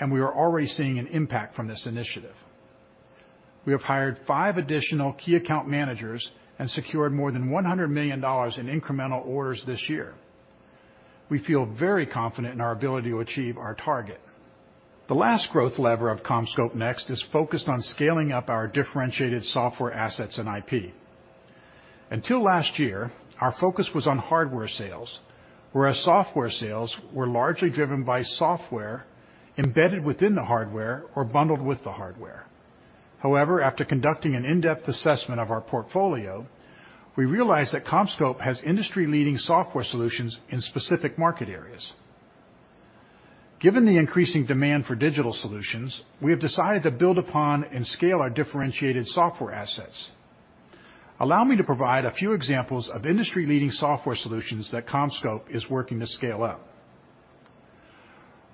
and we are already seeing an impact from this initiative. We have hired five additional key account managers and secured more than $100 million in incremental orders this year. We feel very confident in our ability to achieve our target. The last growth lever of CommScope NEXT is focused on scaling up our differentiated software assets and IP. Until last year, our focus was on hardware sales, whereas software sales were largely driven by software embedded within the hardware or bundled with the hardware. However, after conducting an in-depth assessment of our portfolio, we realized that CommScope has industry-leading software solutions in specific market areas. Given the increasing demand for digital solutions, we have decided to build upon and scale our differentiated software assets. Allow me to provide a few examples of industry-leading software solutions that CommScope is working to scale up.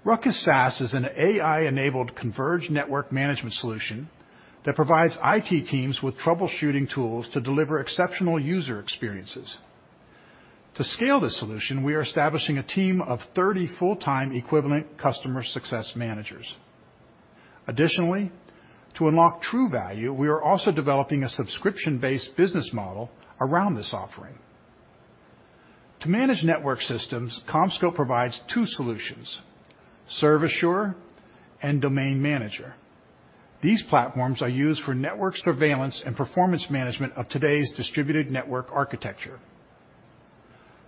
RUCKUS is an AI-enabled converged network management solution that provides IT teams with troubleshooting tools to deliver exceptional user experiences. To scale this solution, we are establishing a team of 30 full-time equivalent customer success managers. Additionally, to unlock true value, we are also developing a subscription-based business model around this offering. To manage network systems, CommScope provides two solutions, ServAssure and Domain Manager. These platforms are used for network surveillance and performance management of today's distributed network architecture.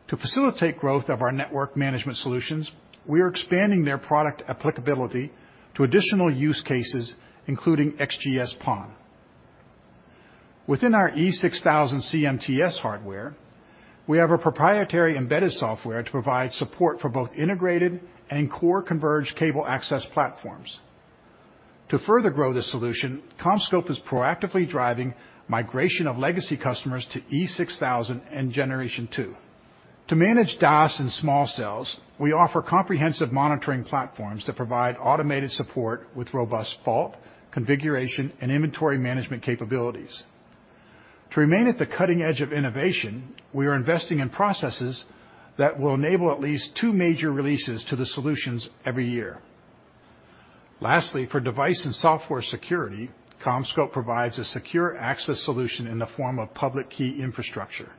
To facilitate growth of our network management solutions, we are expanding their product applicability to additional use cases, including XGS-PON. Within our E6000 CMTS hardware, we have a proprietary embedded software to provide support for both integrated and core converged cable access platforms. To further grow this solution, CommScope is proactively driving migration of legacy customers to E6000 and Generation 2. To manage DAS and small cells, we offer comprehensive monitoring platforms that provide automated support with robust fault, configuration, and inventory management capabilities. To remain at the cutting edge of innovation, we are investing in processes that will enable at least two major releases to the solutions every year. Lastly, for device and software security, CommScope provides a secure access solution in the form of public key infrastructure.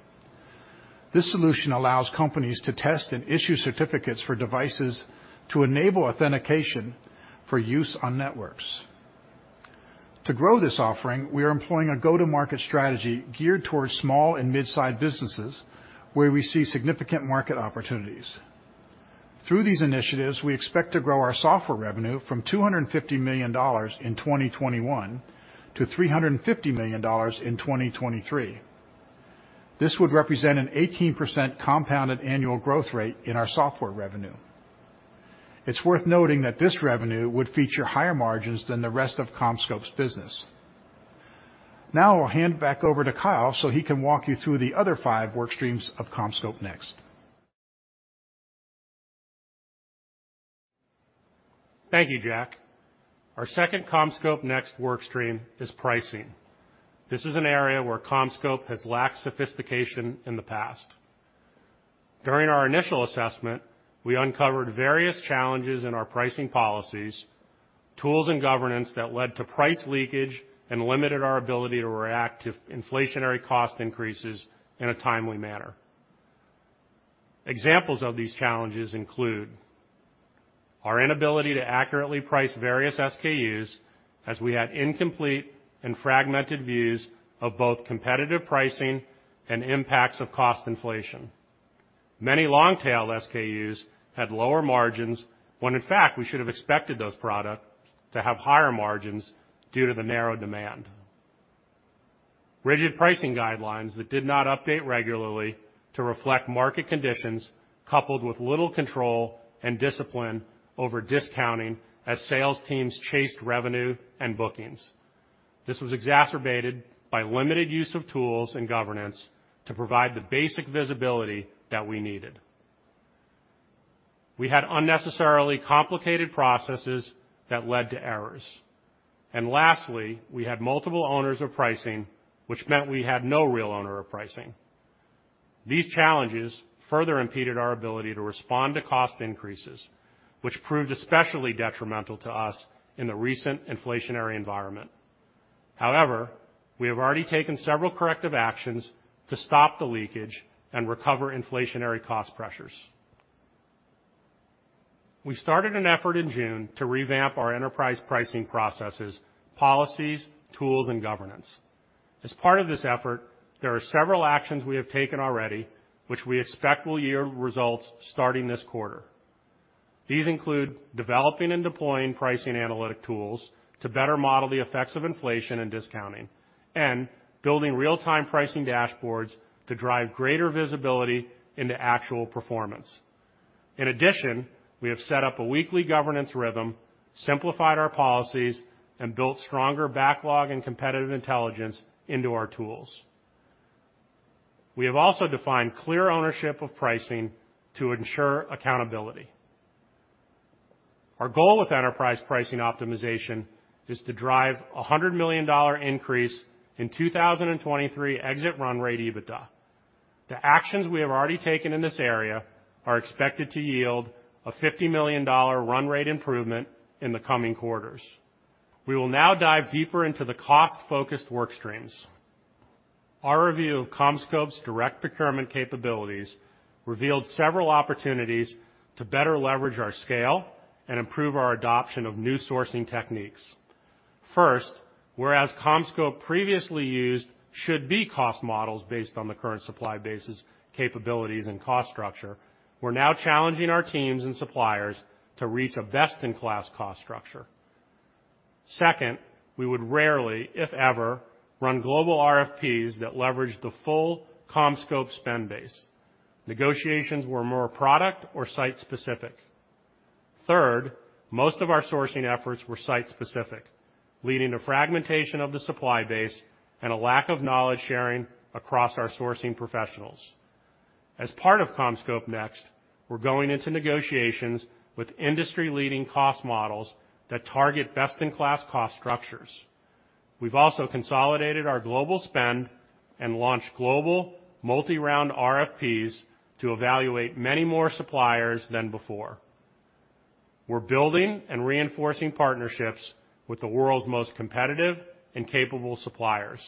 This solution allows companies to test and issue certificates for devices to enable authentication for use on networks. To grow this offering, we are employing a go-to-market strategy geared towards small and mid-sized businesses where we see significant market opportunities. Through these initiatives, we expect to grow our software revenue from $250 million in 2021-$350 million in 2023. This would represent an 18% compounded annual growth rate in our software revenue. It's worth noting that this revenue would feature higher margins than the rest of CommScope's business. Now I'll hand back over to Kyle so he can walk you through the other five work streams of CommScope NEXT. Thank you, Jack. Our second CommScope NEXT work stream is pricing. This is an area where CommScope has lacked sophistication in the past. During our initial assessment, we uncovered various challenges in our pricing policies, tools, and governance that led to price leakage and limited our ability to react to inflationary cost increases in a timely manner. Examples of these challenges include our inability to accurately price various SKUs as we had incomplete and fragmented views of both competitive pricing and impacts of cost inflation. Many long-tail SKUs had lower margins when, in fact, we should have expected those products to have higher margins due to the narrow demand. Rigid pricing guidelines that did not update regularly to reflect market conditions, coupled with little control and discipline over discounting as sales teams chased revenue and bookings. This was exacerbated by limited use of tools and governance to provide the basic visibility that we needed. We had unnecessarily complicated processes that led to errors. Lastly, we had multiple owners of pricing, which meant we had no real owner of pricing. These challenges further impeded our ability to respond to cost increases, which proved especially detrimental to us in the recent inflationary environment. However, we have already taken several corrective actions to stop the leakage and recover inflationary cost pressures. We started an effort in June to revamp our enterprise pricing processes, policies, tools, and governance. As part of this effort, there are several actions we have taken already which we expect will yield results starting this quarter. These include developing and deploying pricing analytic tools to better model the effects of inflation and discounting, and building real-time pricing dashboards to drive greater visibility into actual performance. In addition, we have set up a weekly governance rhythm, simplified our policies, and built stronger backlog and competitive intelligence into our tools. We have also defined clear ownership of pricing to ensure accountability. Our goal with enterprise pricing optimization is to drive a $100 million increase in 2023 exit run rate EBITDA. The actions we have already taken in this area are expected to yield a $50 million run rate improvement in the coming quarters. We will now dive deeper into the cost-focused work streams. Our review of CommScope's direct procurement capabilities revealed several opportunities to better leverage our scale and improve our adoption of new sourcing techniques. First, whereas CommScope previously used should-be cost models based on the current supply bases, capabilities, and cost structure, we're now challenging our teams and suppliers to reach a best-in-class cost structure. Second, we would rarely, if ever, run global RFPs that leverage the full CommScope spend base. Negotiations were more product or site-specific. Third, most of our sourcing efforts were site-specific, leading to fragmentation of the supply base and a lack of knowledge sharing across our sourcing professionals. As part of CommScope NEXT, we're going into negotiations with industry-leading cost models that target best-in-class cost structures. We've also consolidated our global spend and launched global multi-round RFPs to evaluate many more suppliers than before. We're building and reinforcing partnerships with the world's most competitive and capable suppliers.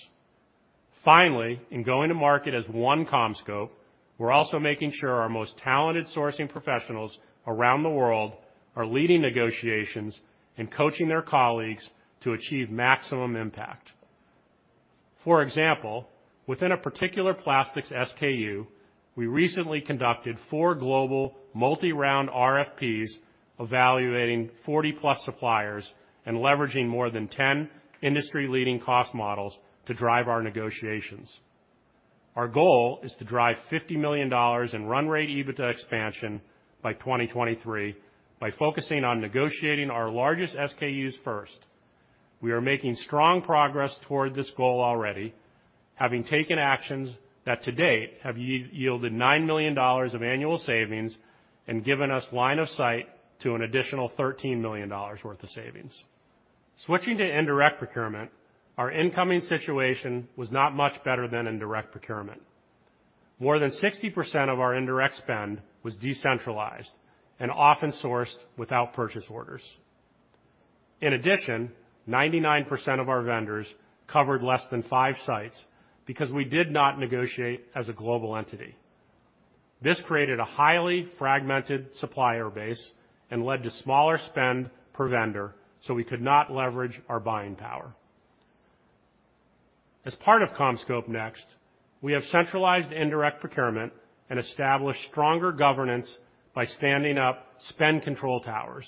Finally, in going to market as one CommScope, we're also making sure our most talented sourcing professionals around the world are leading negotiations and coaching their colleagues to achieve maximum impact. For example, within a particular plastics SKU. We recently conducted four global multi-round RFPs evaluating 40+ suppliers and leveraging more than 10 industry-leading cost models to drive our negotiations. Our goal is to drive $50 million in run rate EBITDA expansion by 2023 by focusing on negotiating our largest SKUs first. We are making strong progress toward this goal already, having taken actions that to date have yielded $9 million of annual savings and given us line of sight to an additional $13 million worth of savings. Switching to indirect procurement, our incoming situation was not much better than in direct procurement. More than 60% of our indirect spend was decentralized and often sourced without purchase orders. In addition, 99% of our vendors covered less than 5 sites because we did not negotiate as a global entity. This created a highly fragmented supplier base and led to smaller spend per vendor, so we could not leverage our buying power. As part of CommScope NEXT, we have centralized indirect procurement and established stronger governance by standing up spend control towers.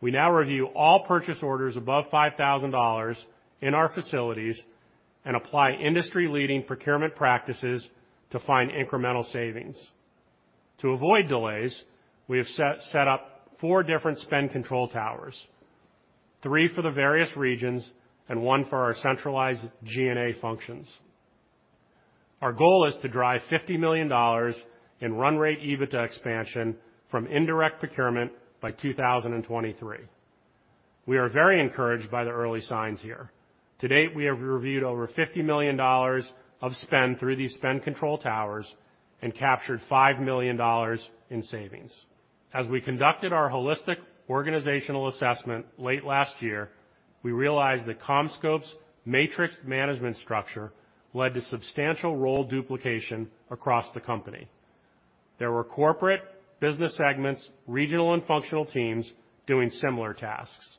We now review all purchase orders above $5,000 in our facilities and apply industry-leading procurement practices to find incremental savings. To avoid delays, we have set up four different spend control towers, three for the various regions and one for our centralized G&A functions. Our goal is to drive $50 million in run rate EBITDA expansion from indirect procurement by 2023. We are very encouraged by the early signs here. To date, we have reviewed over $50 million of spend through these spend control towers and captured $5 million in savings. As we conducted our holistic organizational assessment late last year, we realized that CommScope's matrix management structure led to substantial role duplication across the company. There were corporate business segments, regional and functional teams doing similar tasks.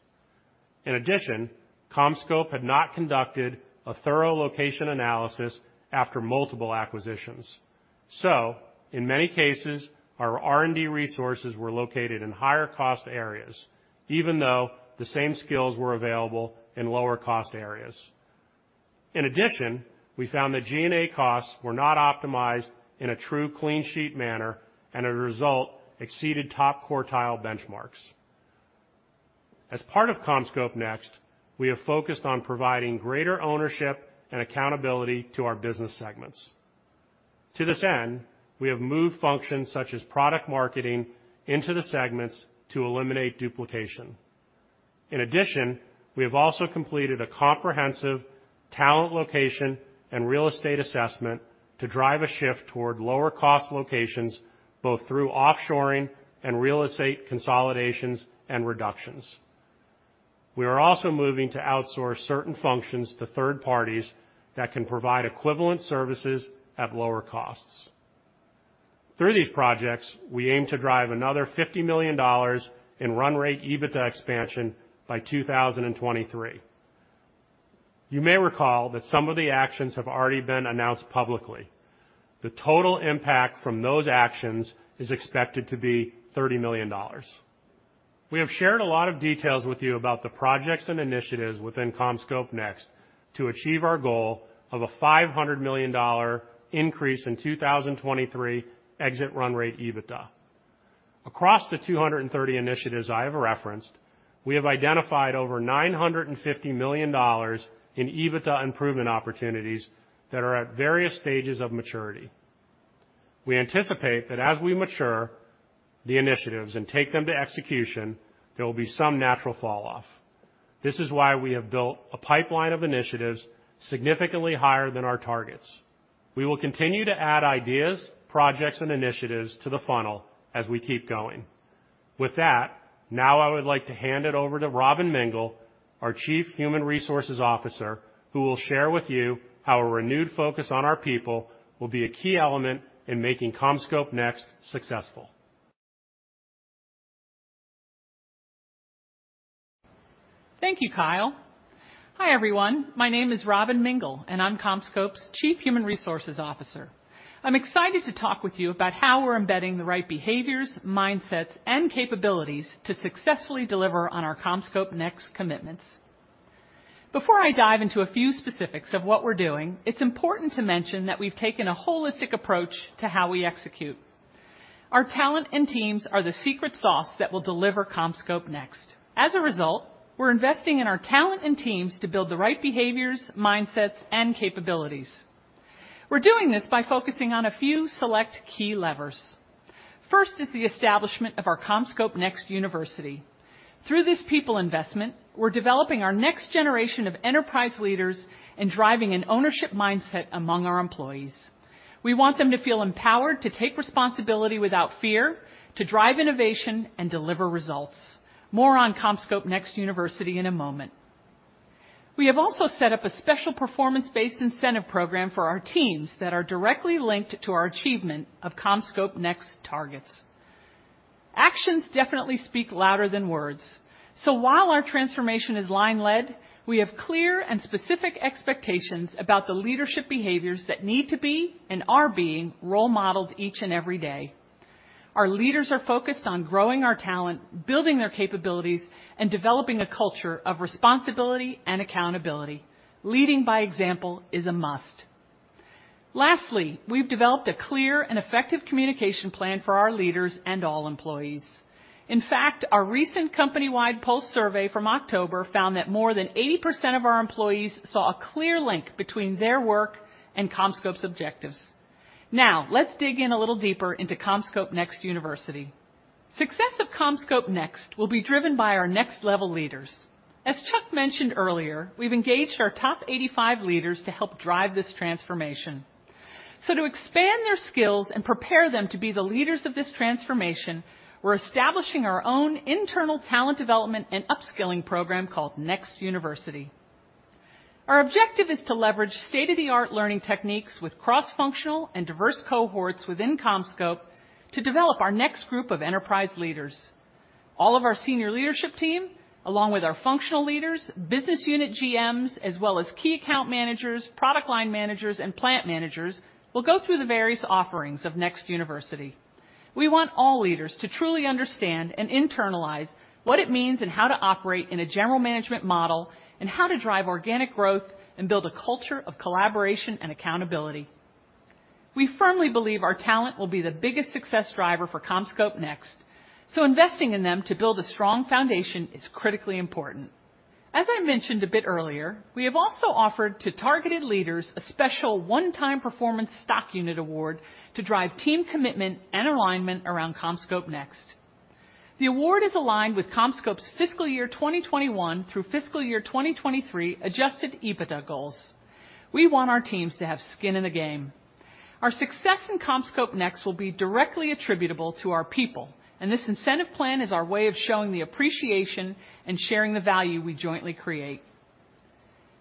In addition, CommScope had not conducted a thorough location analysis after multiple acquisitions. In many cases, our R&D resources were located in higher cost areas, even though the same skills were available in lower cost areas. In addition, we found that G&A costs were not optimized in a true clean sheet manner, and as a result exceeded top quartile benchmarks. As part of CommScope NEXT, we have focused on providing greater ownership and accountability to our business segments. To this end, we have moved functions such as product marketing into the segments to eliminate duplication. In addition, we have also completed a comprehensive talent location and real estate assessment to drive a shift toward lower cost locations, both through offshoring and real estate consolidations and reductions. We are also moving to outsource certain functions to third parties that can provide equivalent services at lower costs. Through these projects, we aim to drive another $50 million in run rate EBITDA expansion by 2023. You may recall that some of the actions have already been announced publicly. The total impact from those actions is expected to be $30 million. We have shared a lot of details with you about the projects and initiatives within CommScope NEXT to achieve our goal of a $500 million increase in 2023 exit run rate EBITDA. Across the 230 initiatives I have referenced, we have identified over $950 million in EBITDA improvement opportunities that are at various stages of maturity. We anticipate that as we mature the initiatives and take them to execution, there will be some natural fall off. This is why we have built a pipeline of initiatives significantly higher than our targets. We will continue to add ideas, projects, and initiatives to the funnel as we keep going. With that, now I would like to hand it over to Robyn Mingle, our Chief Human Resources Officer, who will share with you how a renewed focus on our people will be a key element in making CommScope NEXT successful. Thank you, Kyle. Hi, everyone. My name is Robyn Mingle, and I'm CommScope's Chief Human Resources Officer. I'm excited to talk with you about how we're embedding the right behaviors, mindsets, and capabilities to successfully deliver on our CommScope NEXT commitments. Before I dive into a few specifics of what we're doing, it's important to mention that we've taken a holistic approach to how we execute. Our talent and teams are the secret sauce that will deliver CommScope NEXT. As a result, we're investing in our talent and teams to build the right behaviors, mindsets, and capabilities. We're doing this by focusing on a few select key levers. First is the establishment of our CommScope NEXT University. Through this people investment, we're developing our next generation of enterprise leaders and driving an ownership mindset among our employees. We want them to feel empowered to take responsibility without fear, to drive innovation and deliver results. More on CommScope NEXT University in a moment. We have also set up a special performance-based incentive program for our teams that are directly linked to our achievement of CommScope NEXT targets. Actions definitely speak louder than words. While our transformation is line led, we have clear and specific expectations about the leadership behaviors that need to be and are being role modeled each and every day. Our leaders are focused on growing our talent, building their capabilities, and developing a culture of responsibility and accountability. Leading by example is a must. Lastly, we've developed a clear and effective communication plan for our leaders and all employees. In fact, our recent company-wide pulse survey from October found that more than 80% of our employees saw a clear link between their work and CommScope's objectives. Now, let's dig in a little deeper into CommScope NEXT University. Success of CommScope NEXT will be driven by our next level leaders. As Chuck mentioned earlier, we've engaged our top 85 leaders to help drive this transformation. To expand their skills and prepare them to be the leaders of this transformation, we're establishing our own internal talent development and upskilling program called NEXT University. Our objective is to leverage state-of-the-art learning techniques with cross-functional and diverse cohorts within CommScope to develop our next group of enterprise leaders. All of our senior leadership team, along with our functional leaders, business unit GMs, as well as key account managers, product line managers, and plant managers will go through the various offerings of NEXT University. We want all leaders to truly understand and internalize what it means and how to operate in a general management model, and how to drive organic growth and build a culture of collaboration and accountability. We firmly believe our talent will be the biggest success driver for CommScope NEXT, so investing in them to build a strong foundation is critically important. As I mentioned a bit earlier, we have also offered to targeted leaders a special one-time performance stock unit award to drive team commitment and alignment around CommScope NEXT. The award is aligned with CommScope's fiscal year 2021 through fiscal year 2023 adjusted EBITDA goals. We want our teams to have skin in the game. Our success in CommScope NEXT will be directly attributable to our people, and this incentive plan is our way of showing the appreciation and sharing the value we jointly create.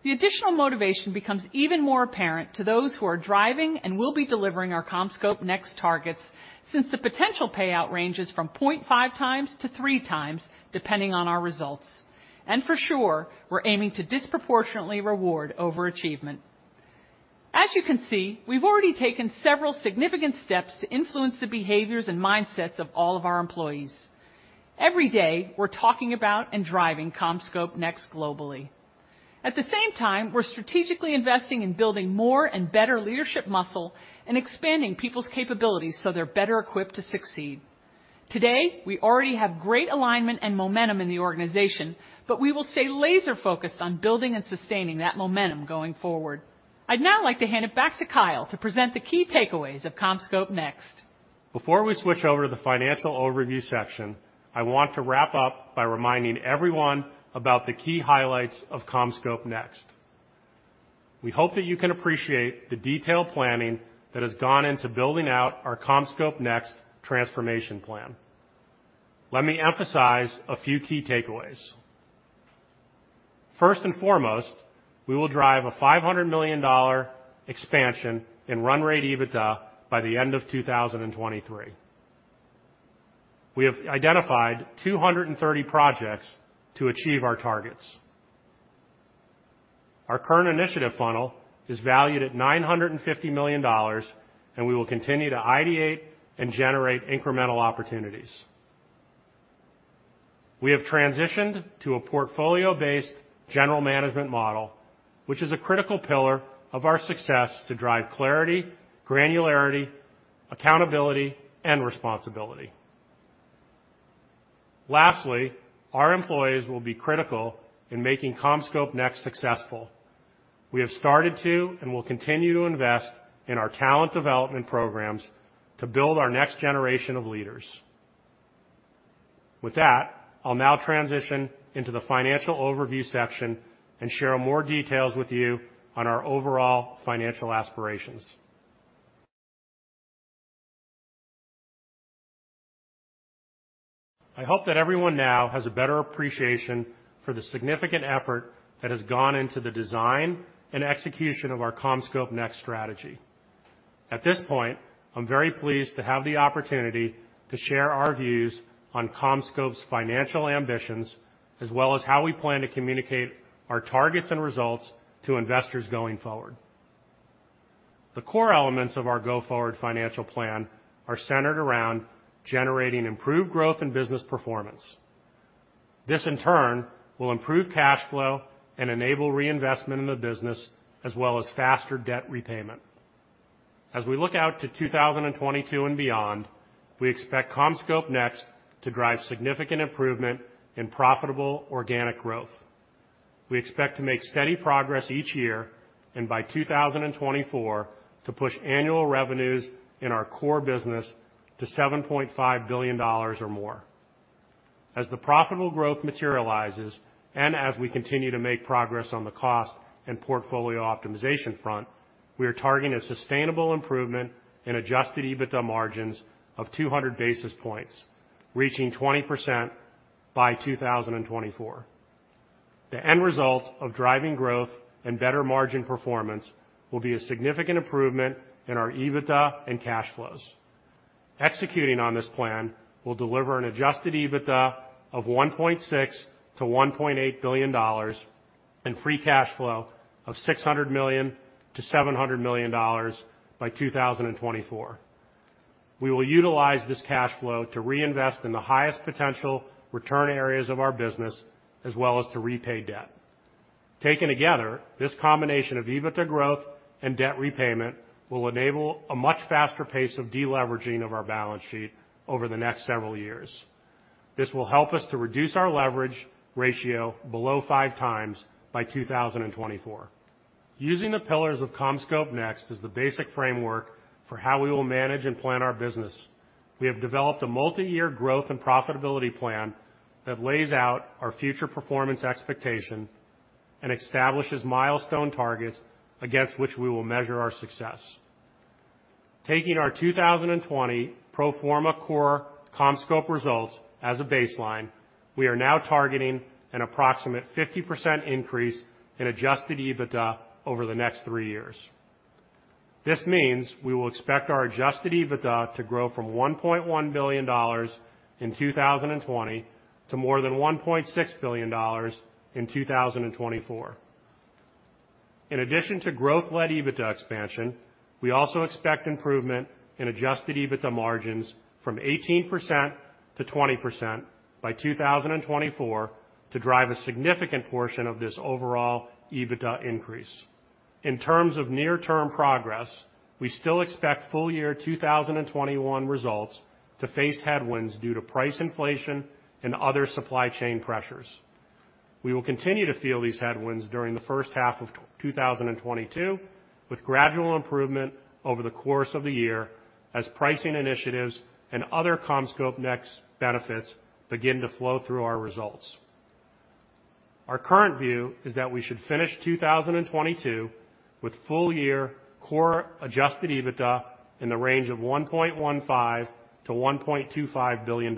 The additional motivation becomes even more apparent to those who are driving and will be delivering our CommScope NEXT targets since the potential payout ranges from 0.5x-3x, depending on our results. For sure, we're aiming to disproportionately reward overachievement. As you can see, we've already taken several significant steps to influence the behaviors and mindsets of all of our employees. Every day, we're talking about and driving CommScope NEXT globally. At the same time, we're strategically investing in building more and better leadership muscle and expanding people's capabilities so they're better equipped to succeed. Today, we already have great alignment and momentum in the organization, but we will stay laser focused on building and sustaining that momentum going forward. I'd now like to hand it back to Kyle to present the key takeaways of CommScope NEXT. Before we switch over to the financial overview section, I want to wrap up by reminding everyone about the key highlights of CommScope NEXT. We hope that you can appreciate the detailed planning that has gone into building out our CommScope NEXT transformation plan. Let me emphasize a few key takeaways. First and foremost, we will drive a $500 million expansion in run rate EBITDA by the end of 2023. We have identified 230 projects to achieve our targets. Our current initiative funnel is valued at $950 million, and we will continue to ideate and generate incremental opportunities. We have transitioned to a portfolio-based general management model, which is a critical pillar of our success to drive clarity, granularity, accountability, and responsibility. Lastly, our employees will be critical in making CommScope NEXT successful. We have started to and will continue to invest in our talent development programs to build our next generation of leaders. With that, I'll now transition into the financial overview section and share more details with you on our overall financial aspirations. I hope that everyone now has a better appreciation for the significant effort that has gone into the design and execution of our CommScope NEXT strategy. At this point, I'm very pleased to have the opportunity to share our views on CommScope's financial ambitions, as well as how we plan to communicate our targets and results to investors going forward. The core elements of our go-forward financial plan are centered around generating improved growth and business performance. This, in turn, will improve cash flow and enable reinvestment in the business, as well as faster debt repayment. As we look out to 2022 and beyond, we expect CommScope NEXT to drive significant improvement in profitable organic growth. We expect to make steady progress each year, and by 2024, to push annual revenues in our core business to $7.5 billion or more. As the profitable growth materializes, and as we continue to make progress on the cost and portfolio optimization front, we are targeting a sustainable improvement in adjusted EBITDA margins of 200 basis points, reaching 20% by 2024. The end result of driving growth and better margin performance will be a significant improvement in our EBITDA and cash flows. Executing on this plan will deliver an adjusted EBITDA of $1.6 billion-$1.8 billion and free cash flow of $600 million-$700 million by 2024. We will utilize this cash flow to reinvest in the highest potential return areas of our business as well as to repay debt. Taken together, this combination of EBITDA growth and debt repayment will enable a much faster pace of deleveraging of our balance sheet over the next several years. This will help us to reduce our leverage ratio below 5x by 2024. Using the pillars of CommScope NEXT is the basic framework for how we will manage and plan our business. We have developed a multi-year growth and profitability plan that lays out our future performance expectation and establishes milestone targets against which we will measure our success. Taking our 2020 pro forma core CommScope results as a baseline, we are now targeting an approximate 50% increase in adjusted EBITDA over the next three years. This means we will expect our adjusted EBITDA to grow from $1.1 billion in 2020 to more than $1.6 billion in 2024. In addition to growth-led EBITDA expansion, we also expect improvement in adjusted EBITDA margins from 18%-20% by 2024 to drive a significant portion of this overall EBITDA increase. In terms of near-term progress, we still expect full year 2021 results to face headwinds due to price inflation and other supply chain pressures. We will continue to feel these headwinds during the first half of 2022, with gradual improvement over the course of the year as pricing initiatives and other CommScope NEXT benefits begin to flow through our results. Our current view is that we should finish 2022 with full year core adjusted EBITDA in the range of $1.15 billion-$1.25 billion.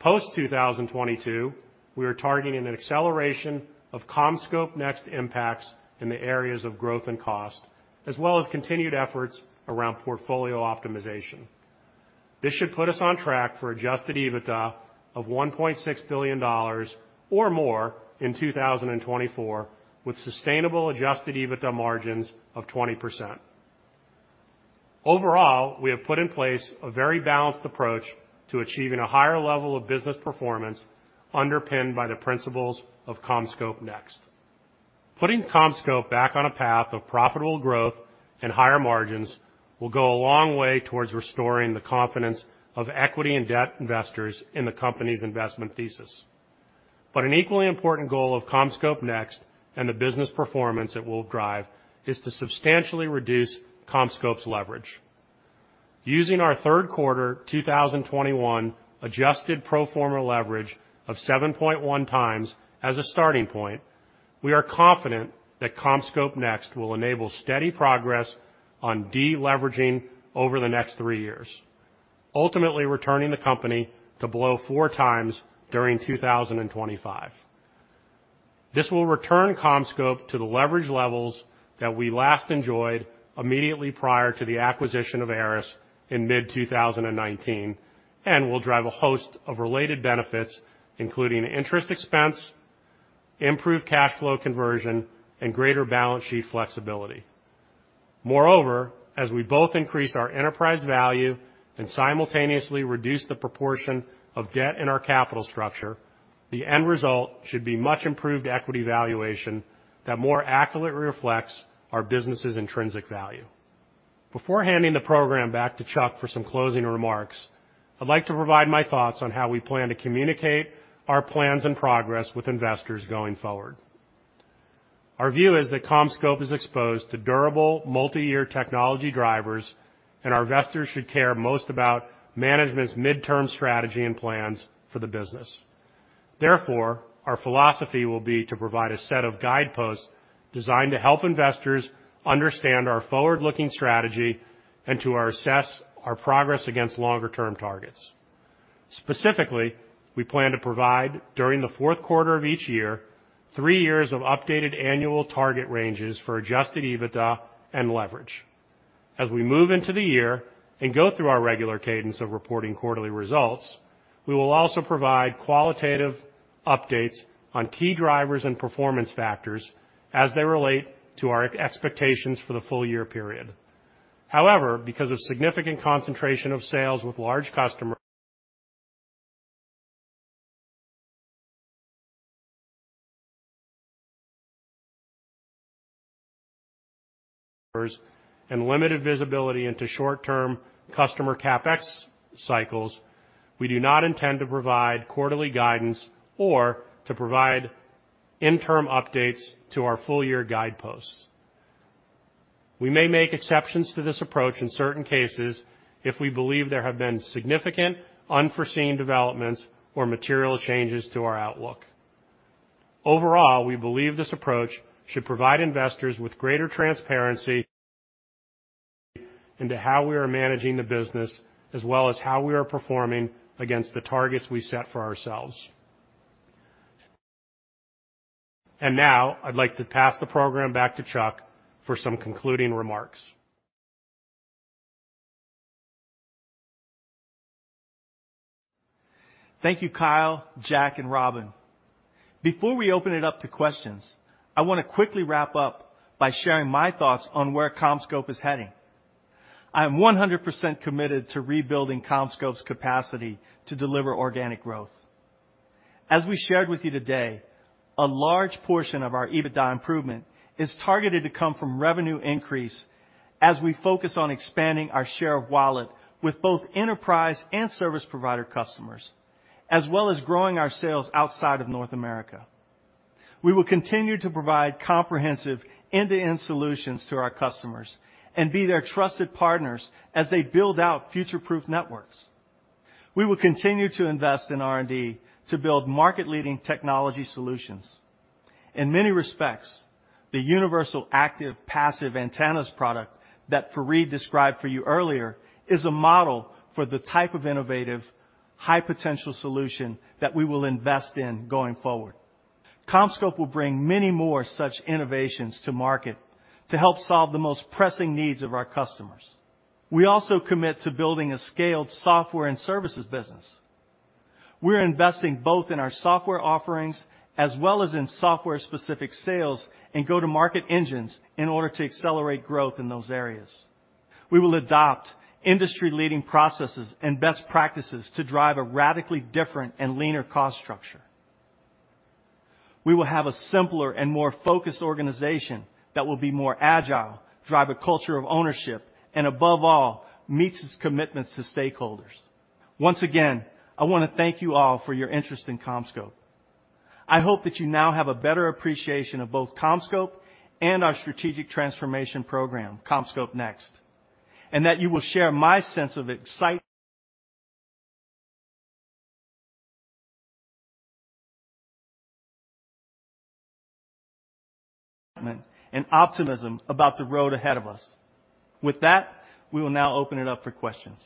Post 2022, we are targeting an acceleration of CommScope NEXT impacts in the areas of growth and cost, as well as continued efforts around portfolio optimization. This should put us on track for adjusted EBITDA of $1.6 billion or more in 2024, with sustainable adjusted EBITDA margins of 20%. Overall, we have put in place a very balanced approach to achieving a higher level of business performance underpinned by the principles of CommScope NEXT. Putting CommScope back on a path of profitable growth and higher margins will go a long way towards restoring the confidence of equity and debt investors in the company's investment thesis. An equally important goal of CommScope NEXT and the business performance it will drive is to substantially reduce CommScope's leverage. Using our third quarter 2021 adjusted pro forma leverage of 7.1x as a starting point, we are confident that CommScope NEXT will enable steady progress on deleveraging over the next three years, ultimately returning the company to below 4x during 2025. This will return CommScope to the leverage levels that we last enjoyed immediately prior to the acquisition of ARRIS in mid 2019 and will drive a host of related benefits, including interest expense, improved cash flow conversion, and greater balance sheet flexibility. Moreover, as we both increase our enterprise value and simultaneously reduce the proportion of debt in our capital structure, the end result should be much improved equity valuation that more accurately reflects our business's intrinsic value. Before handing the program back to Chuck for some closing remarks, I'd like to provide my thoughts on how we plan to communicate our plans and progress with investors going forward. Our view is that CommScope is exposed to durable multi-year technology drivers, and our investors should care most about management's midterm strategy and plans for the business. Therefore, our philosophy will be to provide a set of guideposts designed to help investors understand our forward-looking strategy and to assess our progress against longer-term targets. Specifically, we plan to provide, during the fourth quarter of each year, three years of updated annual target ranges for adjusted EBITDA and leverage. As we move into the year and go through our regular cadence of reporting quarterly results, we will also provide qualitative updates on key drivers and performance factors as they relate to our expectations for the full year period. However, because of significant concentration of sales with large customers and limited visibility into short-term customer CapEx cycles, we do not intend to provide quarterly guidance or to provide interim updates to our full year guideposts. We may make exceptions to this approach in certain cases if we believe there have been significant unforeseen developments or material changes to our outlook. Overall, we believe this approach should provide investors with greater transparency. into how we are managing the business, as well as how we are performing against the targets we set for ourselves. Now I'd like to pass the program back to Chuck for some concluding remarks. Thank you, Kyle, Jack, and Robyn. Before we open it up to questions, I wanna quickly wrap up by sharing my thoughts on where CommScope is heading. I am 100% committed to rebuilding CommScope's capacity to deliver organic growth. As we shared with you today, a large portion of our EBITDA improvement is targeted to come from revenue increase as we focus on expanding our share of wallet with both enterprise and service provider customers, as well as growing our sales outside of North America. We will continue to provide comprehensive end-to-end solutions to our customers and be their trusted partners as they build out future-proof networks. We will continue to invest in R&D to build market-leading technology solutions. In many respects, the Universal Active Passive Antennas product that Farid described for you earlier is a model for the type of innovative, high-potential solution that we will invest in going forward. CommScope will bring many more such innovations to market to help solve the most pressing needs of our customers. We also commit to building a scaled software and services business. We're investing both in our software offerings as well as in software specific sales and go-to-market engines in order to accelerate growth in those areas. We will adopt industry-leading processes and best practices to drive a radically different and leaner cost structure. We will have a simpler and more focused organization that will be more agile, drive a culture of ownership, and above all, meets its commitments to stakeholders. Once again, I wanna thank you all for your interest in CommScope. I hope that you now have a better appreciation of both CommScope and our strategic transformation program, CommScope NEXT, and that you will share my sense of optimism about the road ahead of us. With that, we will now open it up for questions.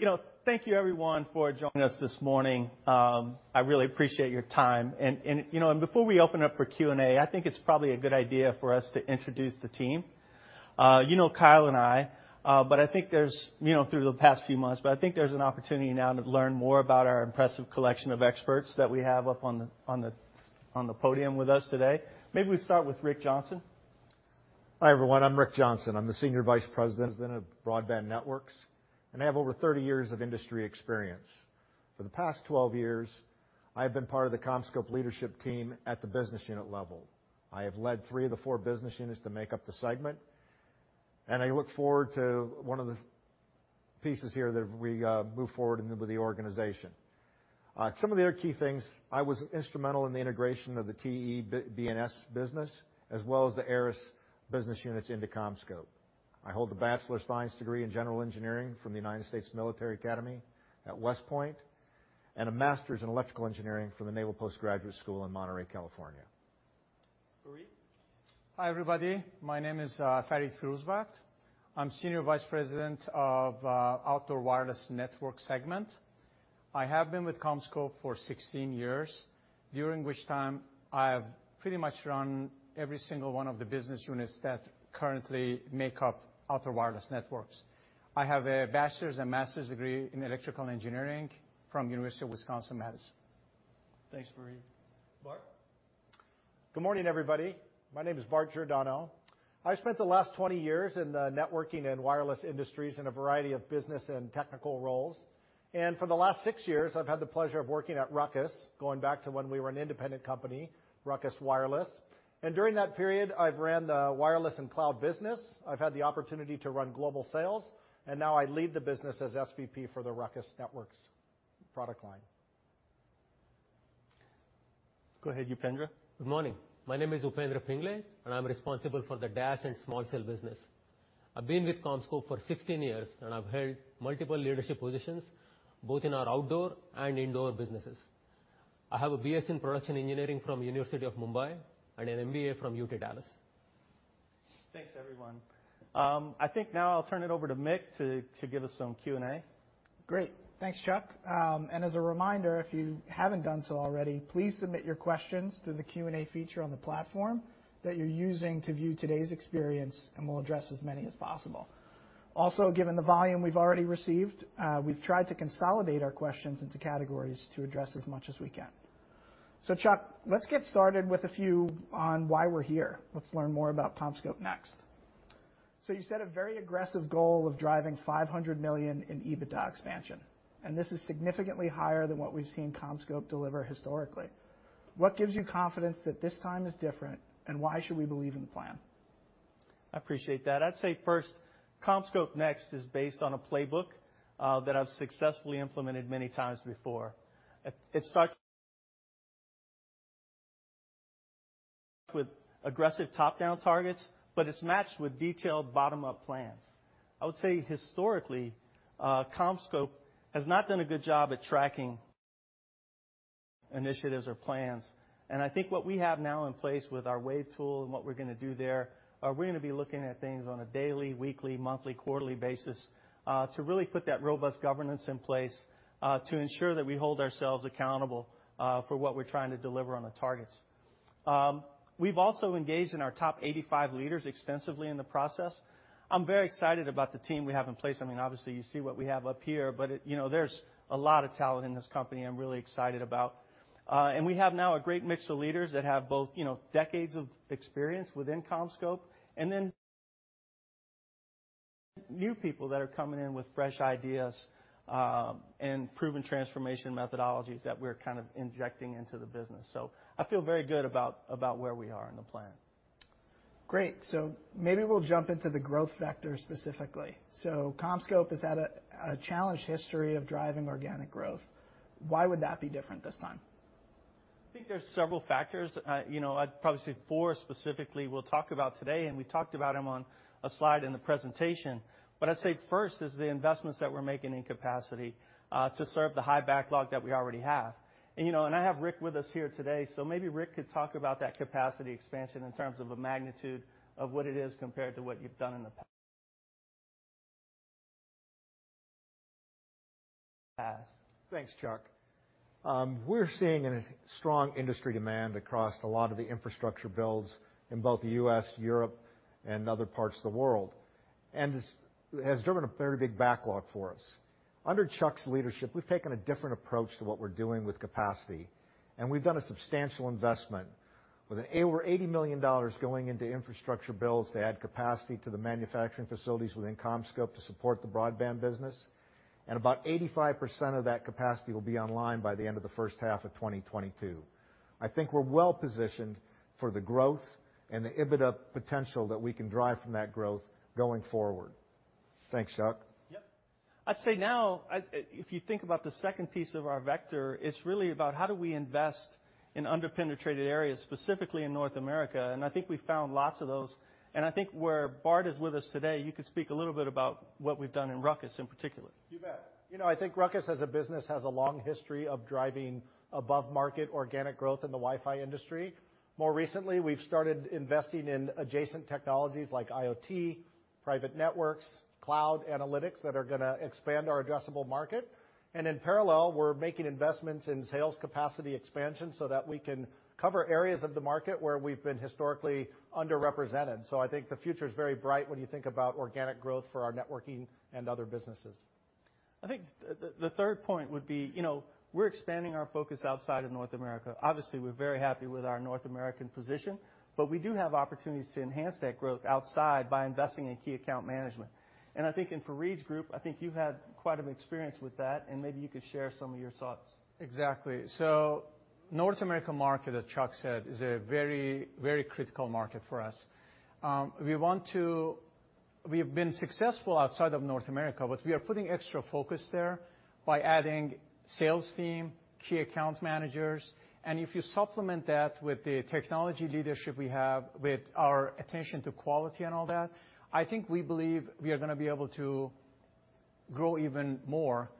You know, thank you everyone for joining us this morning. I really appreciate your time. Before we open up for Q&A, I think it's probably a good idea for us to introduce the team. You know Kyle and I, but I think there's an opportunity now to learn more about our impressive collection of experts that we have up on the podium with us today. Maybe we start with Ric Johnsen. Hi, everyone. I'm Ric Johnsen. I'm the Senior Vice President of Broadband Networks, and I have over 30 years of industry experience. For the past 12 years, I've been part of the CommScope leadership team at the business unit level. I have led three of the four business units that make up the segment, and I look forward to one of the pieces here that we move forward in with the organization. Some of the other key things, I was instrumental in the integration of the TE BNS business, as well as the ARRIS business units into CommScope. I hold a Bachelor of Science degree in General Engineering from the United States Military Academy at West Point, and a Master's in Electrical Engineering from the Naval Postgraduate School in Monterey, California. Hi, everybody. My name is Farid Firouzbakht. I'm Senior Vice President of Outdoor Wireless Networks. I have been with CommScope for 16 years, during which time I have pretty much run every single one of the business units that currently make up Outdoor Wireless Networks. I have a bachelor's and master's degree in electrical engineering from University of Wisconsin, Madison. Thanks, Farid. Bart? Good morning, everybody. My name is Bart Giordano. I spent the last 20 years in the networking and wireless industries in a variety of business and technical roles. For the last six years, I've had the pleasure of working at RUCKUS, going back to when we were an independent company, RUCKUS Wireless. During that period, I've ran the wireless and cloud business. I've had the opportunity to run global sales, and now I lead the business as SVP for the RUCKUS Networks product line. Go ahead, Upendra. Good morning. My name is Upendra Pingle, and I'm responsible for the DAS and small cell business. I've been with CommScope for 16 years, and I've held multiple leadership positions, both in our outdoor and indoor businesses. I have a BS in production engineering from University of Mumbai and an MBA from UT Dallas. Thanks, everyone. I think now I'll turn it over to Mick to give us some Q&A. Great. Thanks, Chuck. And as a reminder, if you haven't done so already, please submit your questions through the Q&A feature on the platform that you're using to view today's experience, and we'll address as many as possible. Also, given the volume we've already received, we've tried to consolidate our questions into categories to address as much as we can. Chuck, let's get started with a few on why we're here. Let's learn more about CommScope NEXT. You set a very aggressive goal of driving $500 million in EBITDA expansion, and this is significantly higher than what we've seen CommScope deliver historically. What gives you confidence that this time is different, and why should we believe in the plan? I appreciate that. I'd say first, CommScope NEXT is based on a playbook that I've successfully implemented many times before. It starts with aggressive top-down targets, but it's matched with detailed bottom-up plans. I would say historically, CommScope has not done a good job at tracking initiatives or plans. I think what we have now in place with our Wave tool and what we're gonna do there, we're gonna be looking at things on a daily, weekly, monthly, quarterly basis to really put that robust governance in place to ensure that we hold ourselves accountable for what we're trying to deliver on the targets. We've also engaged our top 85 leaders extensively in the process. I'm very excited about the team we have in place. I mean, obviously you see what we have up here, but it, you know, there's a lot of talent in this company I'm really excited about. We have now a great mix of leaders that have both, you know, decades of experience within CommScope and then new people that are coming in with fresh ideas, and proven transformation methodologies that we're kind of injecting into the business. I feel very good about where we are in the plan. Great. Maybe we'll jump into the growth vector specifically. CommScope has had a challenged history of driving organic growth. Why would that be different this time? I think there's several factors. You know, I'd probably say four specifically we'll talk about today, and we talked about them on a slide in the presentation. I'd say first is the investments that we're making in capacity, to serve the high backlog that we already have. You know, and I have Ric with us here today, so maybe Ric could talk about that capacity expansion in terms of a magnitude of what it is compared to what you've done in the past. Thanks, Chuck. We're seeing a strong industry demand across a lot of the infrastructure builds in both the U.S., Europe, and other parts of the world. It has driven a very big backlog for us. Under Chuck's leadership, we've taken a different approach to what we're doing with capacity, and we've done a substantial investment with over $80 million going into infrastructure builds to add capacity to the manufacturing facilities within CommScope to support the broadband business, and about 85% of that capacity will be online by the end of the first half of 2022. I think we're well positioned for the growth and the EBITDA potential that we can drive from that growth going forward. Thanks, Chuck. Yep. I'd say now as if you think about the second piece of our vector, it's really about how do we invest in under-penetrated areas, specifically in North America, and I think we found lots of those. I think where Bart is with us today, you could speak a little bit about what we've done in Ruckus in particular. You bet. You know, I think RUCKUS as a business has a long history of driving above-market organic growth in the Wi-Fi industry. More recently, we've started investing in adjacent technologies like IoT, private networks, cloud analytics that are gonna expand our addressable market. In parallel, we're making investments in sales capacity expansion so that we can cover areas of the market where we've been historically underrepresented. I think the future is very bright when you think about organic growth for our networking and other businesses. I think the third point would be, you know, we're expanding our focus outside of North America. Obviously, we're very happy with our North American position, but we do have opportunities to enhance that growth outside by investing in key account management. I think in Farid's group, I think you've had quite an experience with that, and maybe you could share some of your thoughts. Exactly. North American market, as Chuck said, is a very, very critical market for us. We have been successful outside of North America, but we are putting extra focus there by adding sales team, key account managers, and if you supplement that with the technology leadership we have with our attention to quality and all that, I think we believe we are gonna be able to grow even more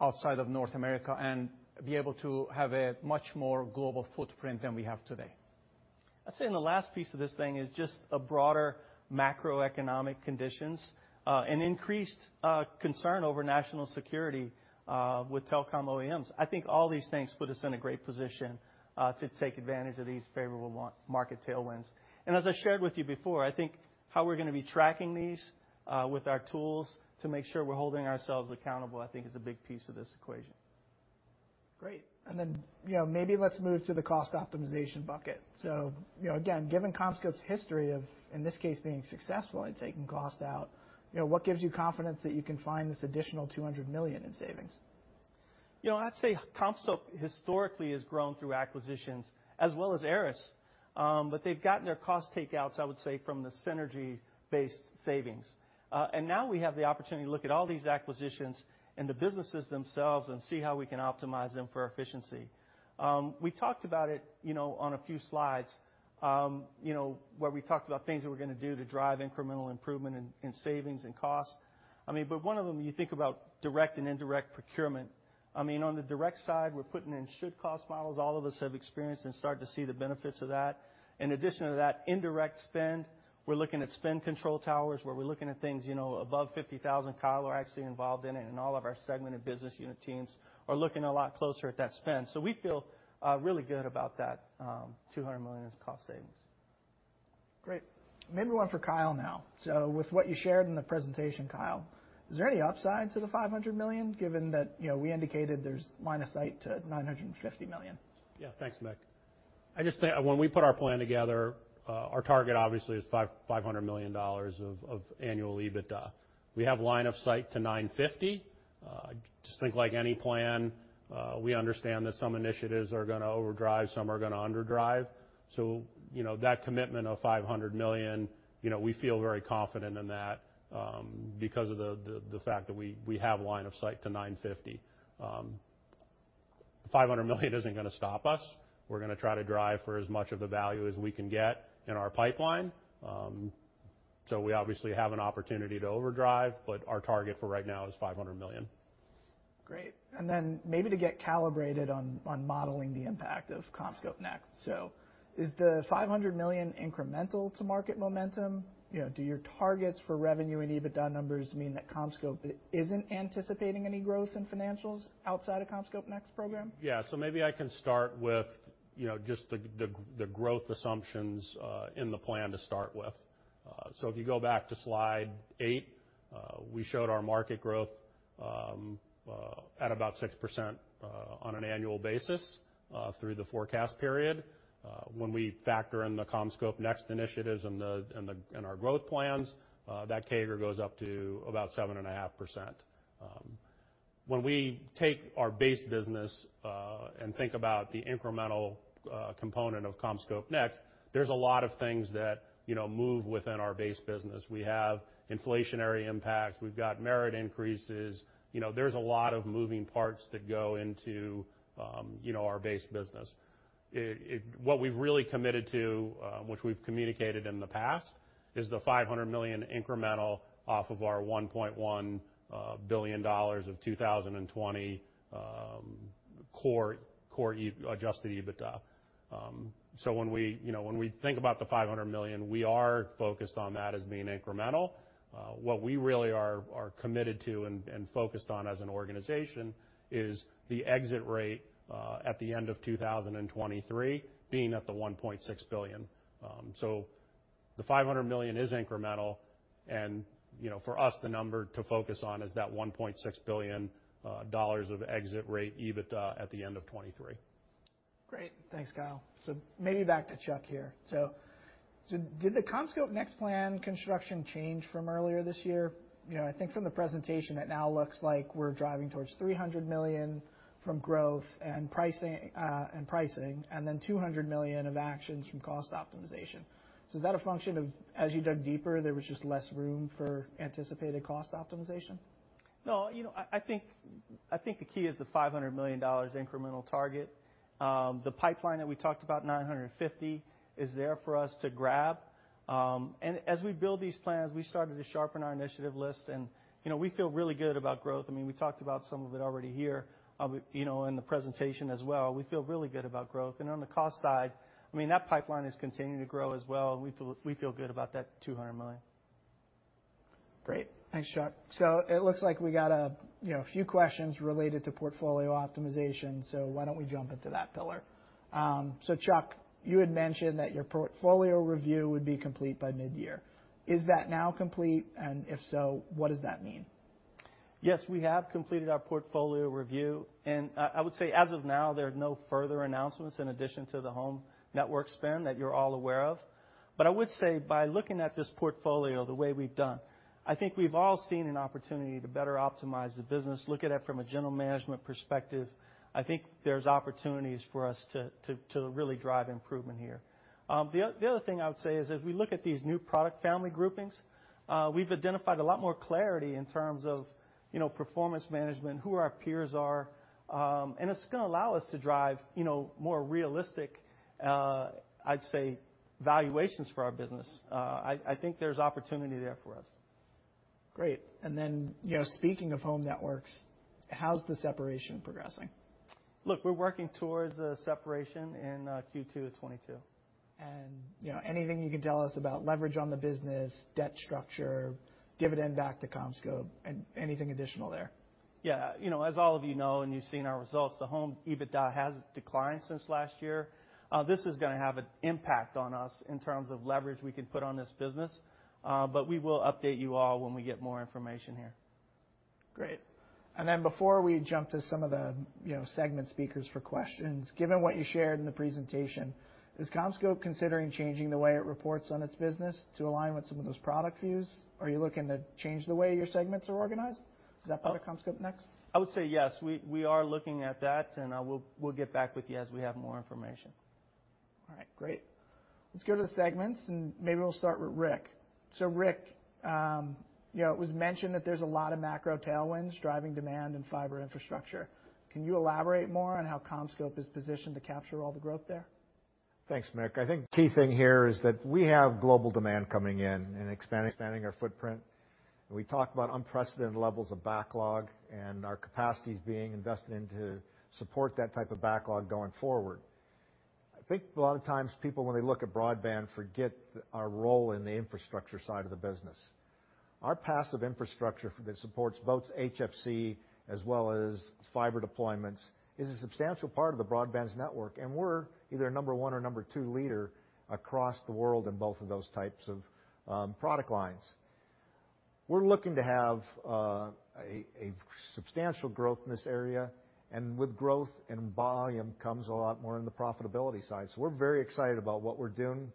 outside of North America and be able to have a much more global footprint than we have today. I'd say the last piece of this thing is just a broader macroeconomic conditions, an increased concern over national security with telecom OEMs. I think all these things put us in a great position to take advantage of these favorable market tailwinds. As I shared with you before, I think how we're gonna be tracking these with our tools to make sure we're holding ourselves accountable, I think is a big piece of this equation. Great. You know, maybe let's move to the cost optimization bucket. You know, again, given CommScope's history of, in this case, being successful in taking cost out, you know, what gives you confidence that you can find this additional $200 million in savings? You know, I'd say CommScope historically has grown through acquisitions as well as ARRIS. They've gotten their cost takeouts, I would say, from the synergy-based savings. Now we have the opportunity to look at all these acquisitions and the businesses themselves and see how we can optimize them for efficiency. We talked about it, you know, on a few slides, you know, where we talked about things that we're gonna do to drive incremental improvement in savings and costs. I mean, but one of them, you think about direct and indirect procurement. I mean, on the direct side, we're putting in should-cost models all of us have experienced and start to see the benefits of that. In addition to that indirect spend, we're looking at spend control towers, where we're looking at things, you know, above $50,000, Kyle, we're actually involved in it, and all of our segmented business unit teams are looking a lot closer at that spend. We feel really good about that $200 million as cost savings. Great. Maybe one for Kyle now. With what you shared in the presentation, Kyle, is there any upside to the $500 million given that, you know, we indicated there's line of sight to $950 million? Yeah. Thanks, Mick. I just think when we put our plan together, our target obviously is $500 million of annual EBITDA. We have line of sight to $950 million. Just think like any plan, we understand that some initiatives are gonna overdrive, some are gonna underdrive. So, you know, that commitment of $500 million, you know, we feel very confident in that, because of the fact that we have line of sight to $950 million. $500 million isn't gonna stop us. We're gonna try to drive for as much of the value as we can get in our pipeline. So we obviously have an opportunity to overdrive, but our target for right now is $500 million. Great. Maybe to get calibrated on modeling the impact of CommScope NEXT. Is the $500 million incremental to market momentum? You know, do your targets for revenue and EBITDA numbers mean that CommScope isn't anticipating any growth in financials outside of CommScope NEXT program? Maybe I can start with, you know, just the growth assumptions in the plan to start with. If you go back to slide eight, we showed our market growth at about 6% on an annual basis through the forecast period. When we factor in the CommScope NEXT initiatives and our growth plans, that CAGR goes up to about 7.5%. When we take our base business and think about the incremental component of CommScope NEXT, there's a lot of things that, you know, move within our base business. We have inflationary impacts, we've got merit increases. You know, there's a lot of moving parts that go into our base business. What we've really committed to, which we've communicated in the past, is the $500 million incremental off of our $1.1 billion of 2020 core adjusted EBITDA. So when we, you know, when we think about the $500 million, we are focused on that as being incremental. What we really are committed to and focused on as an organization is the exit rate at the end of 2023 being at the $1.6 billion. So the $500 million is incremental. You know, for us, the number to focus on is that $1.6 billion of exit rate EBITDA at the end of 2023. Great. Thanks, Kyle. Maybe back to Chuck here. Did the CommScope NEXT plan construction change from earlier this year? You know, I think from the presentation, it now looks like we're driving towards $300 million from growth and pricing, and then $200 million of actions from cost optimization. Is that a function of, as you dug deeper, there was just less room for anticipated cost optimization? No, you know, I think the key is the $500 million incremental target. The pipeline that we talked about, $950 million, is there for us to grab. As we build these plans, we started to sharpen our initiative list, and, you know, we feel really good about growth. I mean, we talked about some of it already here, you know, in the presentation as well. We feel really good about growth. On the cost side, I mean, that pipeline is continuing to grow as well, and we feel good about that $200 million. Great. Thanks, Chuck. It looks like we got a, you know, few questions related to portfolio optimization, so why don't we jump into that pillar? Chuck, you had mentioned that your portfolio review would be complete by mid-year. Is that now complete? And if so, what does that mean? Yes, we have completed our portfolio review. I would say as of now, there are no further announcements in addition to the home network spend that you're all aware of. I would say by looking at this portfolio the way we've done, I think we've all seen an opportunity to better optimize the business, look at it from a general management perspective. I think there's opportunities for us to really drive improvement here. The other thing I would say is, as we look at these new product family groupings, we've identified a lot more clarity in terms of, you know, performance management, who our peers are, and it's gonna allow us to drive, you know, more realistic, I'd say, valuations for our business. I think there's opportunity there for us. Great. You know, speaking of Home Networks, how's the separation progressing? Look, we're working towards a separation in Q2 of 2022. You know, anything you can tell us about leverage on the business, debt structure, dividend back to CommScope and anything additional there? Yeah. You know, as all of you know and you've seen our results, the Home EBITDA has declined since last year. This is gonna have an impact on us in terms of leverage we can put on this business, we will update you all when we get more information here. Great. Before we jump to some of the, you know, segment speakers for questions, given what you shared in the presentation, is CommScope considering changing the way it reports on its business to align with some of those product views? Are you looking to change the way your segments are organized? Is that part of CommScope NEXT? I would say yes, we are looking at that, and we'll get back with you as we have more information. All right, great. Let's go to the segments, and maybe we'll start with Ric. Ric, you know, it was mentioned that there's a lot of macro tailwinds driving demand in fiber infrastructure. Can you elaborate more on how CommScope is positioned to capture all the growth there? Thanks, Mick. I think the key thing here is that we have global demand coming in and expanding our footprint. We talk about unprecedented levels of backlog and our capacities being invested in to support that type of backlog going forward. I think a lot of times people, when they look at broadband, forget our role in the infrastructure side of the business. Our passive infrastructure that supports both HFC as well as fiber deployments is a substantial part of the broadband's network, and we're either number one or number two leader across the world in both of those types of product lines. We're looking to have a substantial growth in this area, and with growth and volume comes a lot more in the profitability side. We're very excited about what we're doing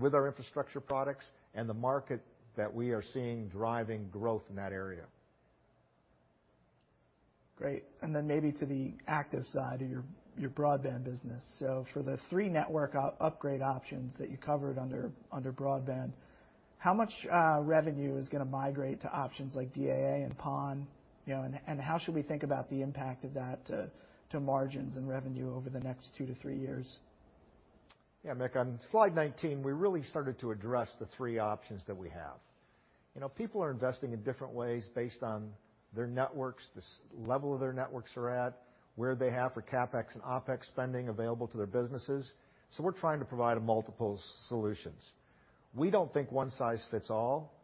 with our infrastructure products and the market that we are seeing driving growth in that area. Great. Then maybe to the active side of your broadband business. For the three network upgrade options that you covered under broadband, how much revenue is gonna migrate to options like DAA and PON? You know, and how should we think about the impact of that to margins and revenue over the next two to three years? Yeah, Mick, on slide 19, we really started to address the three options that we have. You know, people are investing in different ways based on their networks, the scale level their networks are at, where they have for CapEx and OpEx spending available to their businesses. We're trying to provide multiple solutions. We don't think one size fits all,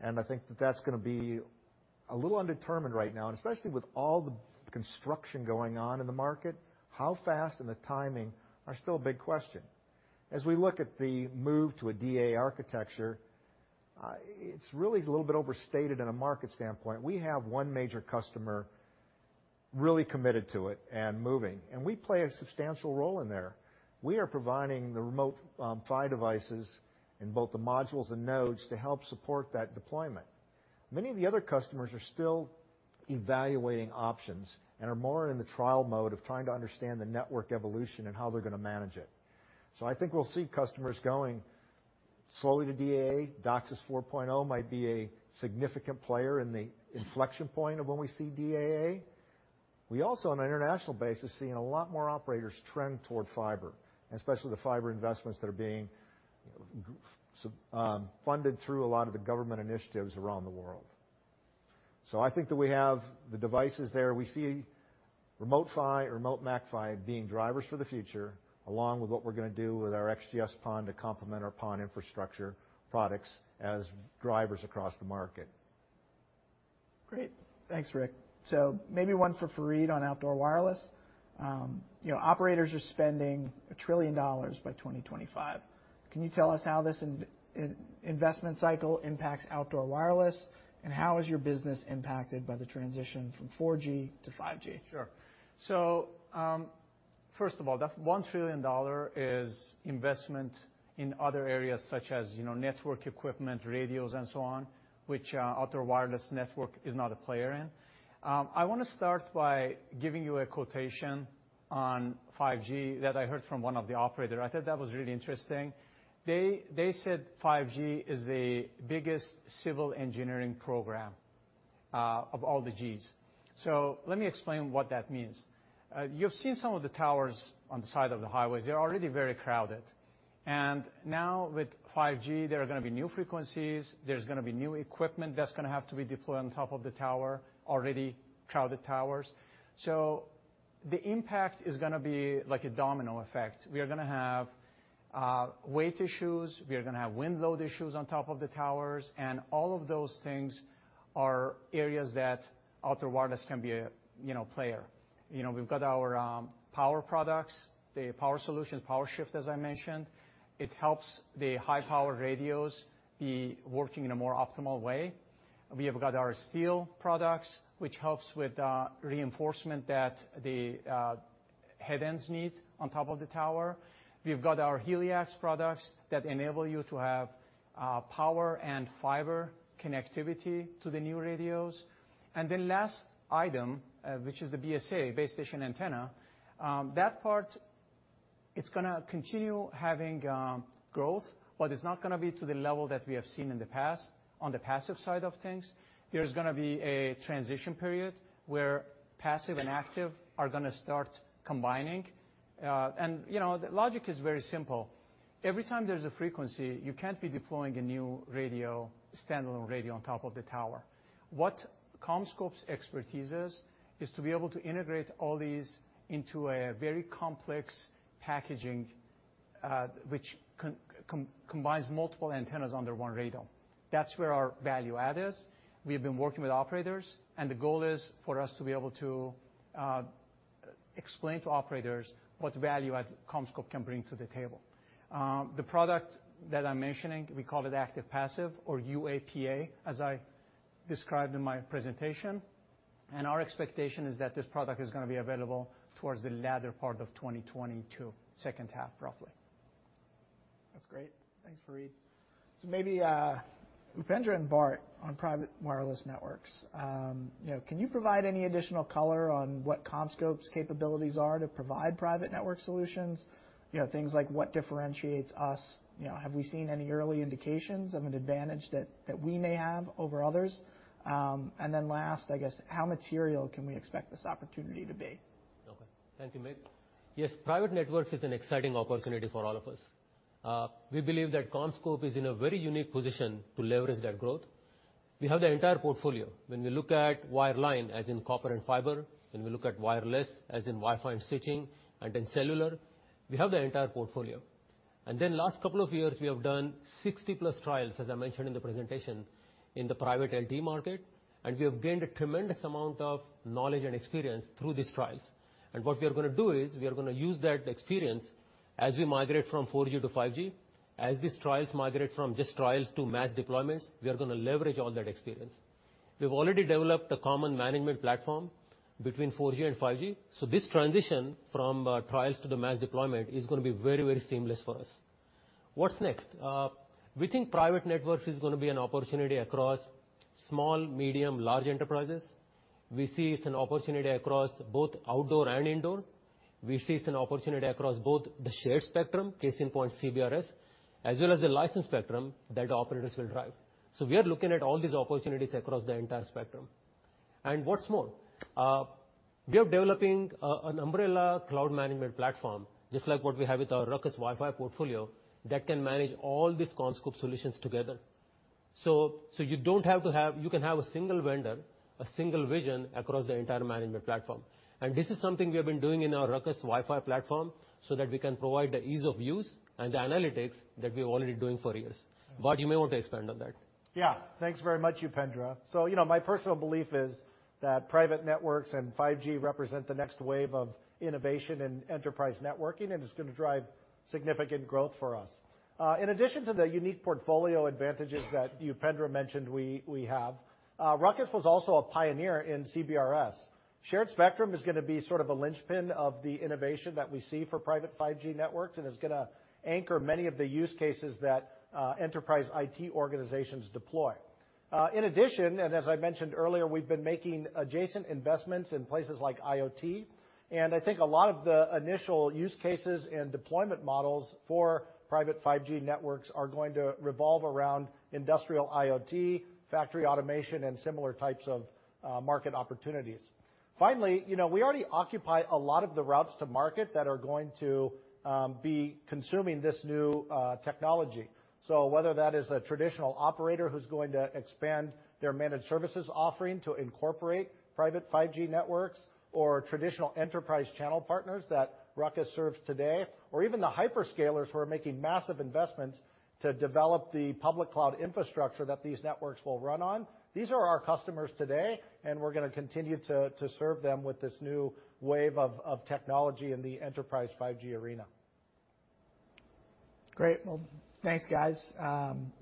and I think that that's gonna be a little undetermined right now. Especially with all the construction going on in the market, how fast and the timing are still a big question. As we look at the move to a DAA architecture, it's really a little bit overstated in a market standpoint. We have one major customer really committed to it and moving, and we play a substantial role in there. We are providing the remote PHY devices in both the modules and nodes to help support that deployment. Many of the other customers are still evaluating options and are more in the trial mode of trying to understand the network evolution and how they're gonna manage it. I think we'll see customers going slowly to DAA. DOCSIS 4.0 might be a significant player in the inflection point of when we see DAA. We also, on an international basis, we're seeing a lot more operators trend toward fiber, and especially the fiber investments that are being funded through a lot of the government initiatives around the world. I think that we have the devices there. We see remote PHY, remote MAC-PHY being drivers for the future, along with what we're gonna do with our XGS-PON to complement our PON infrastructure products as drivers across the market. Great. Thanks, Ric. Maybe one for Farid on outdoor wireless. You know, operators are spending $1 trillion by 2025. Can you tell us how this investment cycle impacts outdoor wireless, and how is your business impacted by the transition from 4G to 5G? Sure. First of all, that $1 trillion is investment in other areas such as, you know, network equipment, radios and so on, which, Outdoor Wireless Networks is not a player in. I wanna start by giving you a quotation on 5G that I heard from one of the operator. I thought that was really interesting. They said 5G is the biggest civil engineering program of all the Gs. Let me explain what that means. You've seen some of the towers on the side of the highways. They're already very crowded. Now with 5G, there are gonna be new frequencies, there's gonna be new equipment that's gonna have to be deployed on top of the tower, already crowded towers. The impact is gonna be like a domino effect. We are gonna have weight issues, we are gonna have wind load issues on top of the towers, and all of those things are areas that outdoor wireless can be a, you know, player. You know, we've got our power products, the power solutions, PowerShift, as I mentioned. It helps the high-power radios be working in a more optimal way. We have got our steel products, which helps with reinforcement that the headends need on top of the tower. We've got our HELIAX products that enable you to have power and fiber connectivity to the new radios. The last item, which is the BSA, base station antenna, that part- It's gonna continue having growth, but it's not gonna be to the level that we have seen in the past on the passive side of things. There's gonna be a transition period where passive and active are gonna start combining. You know, the logic is very simple. Every time there's a frequency, you can't be deploying a new radio, standalone radio on top of the tower. What CommScope's expertise is to be able to integrate all these into a very complex packaging, which combines multiple antennas under one radio. That's where our value add is. We have been working with operators, and the goal is for us to be able to explain to operators what value add CommScope can bring to the table. The product that I'm mentioning, we call it active passive or UAPA, as I described in my presentation. Our expectation is that this product is gonna be available towards the latter part of 2022, second half roughly. That's great. Thanks, Farid. Maybe, Upendra and Bart on private wireless networks. You know, can you provide any additional color on what CommScope's capabilities are to provide private network solutions? You know, things like what differentiates us, you know, have we seen any early indications of an advantage that we may have over others? And then last, I guess, how material can we expect this opportunity to be? Okay. Thank you, Mick. Yes, private networks is an exciting opportunity for all of us. We believe that CommScope is in a very unique position to leverage that growth. We have the entire portfolio. When we look at wireline, as in copper and fiber, when we look at wireless, as in Wi-Fi and switching, and in cellular, we have the entire portfolio. Last couple of years, we have done 60+ trials, as I mentioned in the presentation, in the private LTE market, and we have gained a tremendous amount of knowledge and experience through these trials. What we are gonna do is we are gonna use that experience as we migrate from 4G to 5G. As these trials migrate from just trials to mass deployments, we are gonna leverage all that experience. We've already developed a common management platform between 4G and 5G. This transition from trials to the mass deployment is gonna be very, very seamless for us. What's next? We think private networks is gonna be an opportunity across small, medium, large enterprises. We see it's an opportunity across both outdoor and indoor. We see it's an opportunity across both the shared spectrum, case in point CBRS, as well as the licensed spectrum that operators will drive. We are looking at all these opportunities across the entire spectrum. What's more, we are developing an umbrella cloud management platform, just like what we have with our RUCKUS Wi-Fi portfolio, that can manage all these CommScope solutions together. So you don't have to have. You can have a single vendor, a single vision across the entire management platform. This is something we have been doing in our RUCKUS Wi-Fi platform so that we can provide the ease of use and the analytics that we're already doing for years. Bart, you may want to expand on that. Yeah. Thanks very much, Upendra. My personal belief is that private networks and 5G represent the next wave of innovation in enterprise networking, and it's gonna drive significant growth for us. In addition to the unique portfolio advantages that Upendra mentioned we have, Ruckus was also a pioneer in CBRS. Shared spectrum is gonna be sort of a linchpin of the innovation that we see for private 5G networks and is gonna anchor many of the use cases that enterprise IT organizations deploy. In addition, and as I mentioned earlier, we've been making adjacent investments in places like IoT, and I think a lot of the initial use cases and deployment models for private 5G networks are going to revolve around industrial IoT, factory automation, and similar types of market opportunities. Finally, you know, we already occupy a lot of the routes to market that are going to be consuming this new technology. Whether that is a traditional operator who's going to expand their managed services offering to incorporate private 5G networks or traditional enterprise channel partners that RUCKUS serves today, or even the hyperscalers who are making massive investments to develop the public cloud infrastructure that these networks will run on, these are our customers today, and we're gonna continue to serve them with this new wave of technology in the enterprise 5G arena. Great. Well, thanks, guys.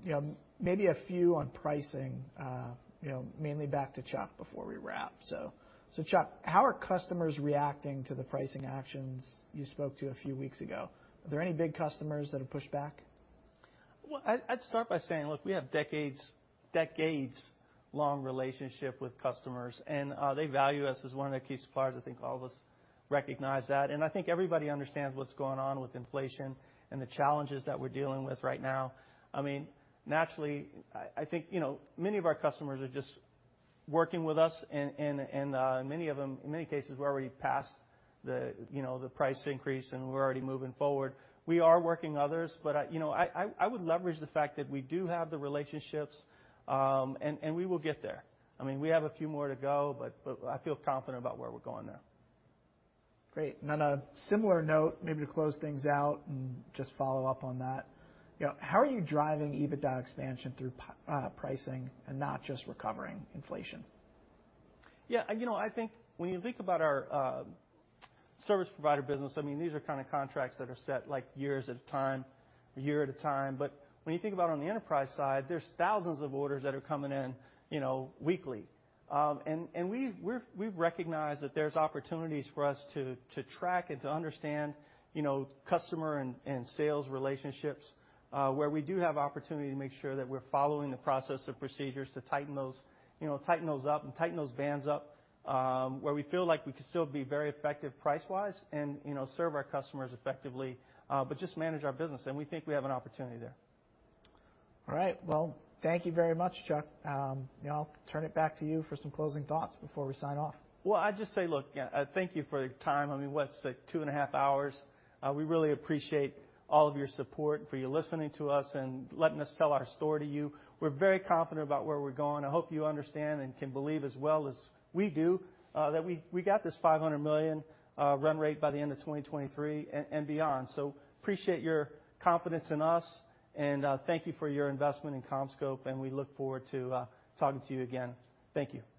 You know, maybe a few on pricing, you know, mainly back to Chuck before we wrap. Chuck, how are customers reacting to the pricing actions you spoke to a few weeks ago? Are there any big customers that have pushed back? Well, I'd start by saying, look, we have a decades-long relationship with customers, and they value us as one of their key suppliers. I think all of us recognize that. I think everybody understands what's going on with inflation and the challenges that we're dealing with right now. I mean, naturally, I think, you know, many of our customers are just working with us and many of them, in many cases, we're already past the, you know, the price increase, and we're already moving forward. We are working others, but I, you know, I would leverage the fact that we do have the relationships, and we will get there. I mean, we have a few more to go, but I feel confident about where we're going now. Great. On a similar note, maybe to close things out and just follow up on that, you know, how are you driving EBITDA expansion through pricing and not just recovering inflation? Yeah, you know, I think when you think about our service provider business, I mean, these are kinda contracts that are set, like, years at a time, a year at a time. When you think about on the enterprise side, there's thousands of orders that are coming in, you know, weekly. And we've recognized that there's opportunities for us to track and to understand, you know, customer and sales relationships, where we do have opportunity to make sure that we're following the process and procedures to tighten those, you know, tighten those up and tighten those bands up, where we feel like we can still be very effective price-wise and, you know, serve our customers effectively, but just manage our business, and we think we have an opportunity there. All right. Well, thank you very much, Chuck. You know, I'll turn it back to you for some closing thoughts before we sign off. Well, I'd just say, look, thank you for your time. I mean, what, it's like two and a half hours. We really appreciate all of your support, for you listening to us and letting us tell our story to you. We're very confident about where we're going. I hope you understand and can believe as well as we do, that we got this $500 million run rate by the end of 2023 and beyond. Appreciate your confidence in us, and thank you for your investment in CommScope, and we look forward to talking to you again. Thank you.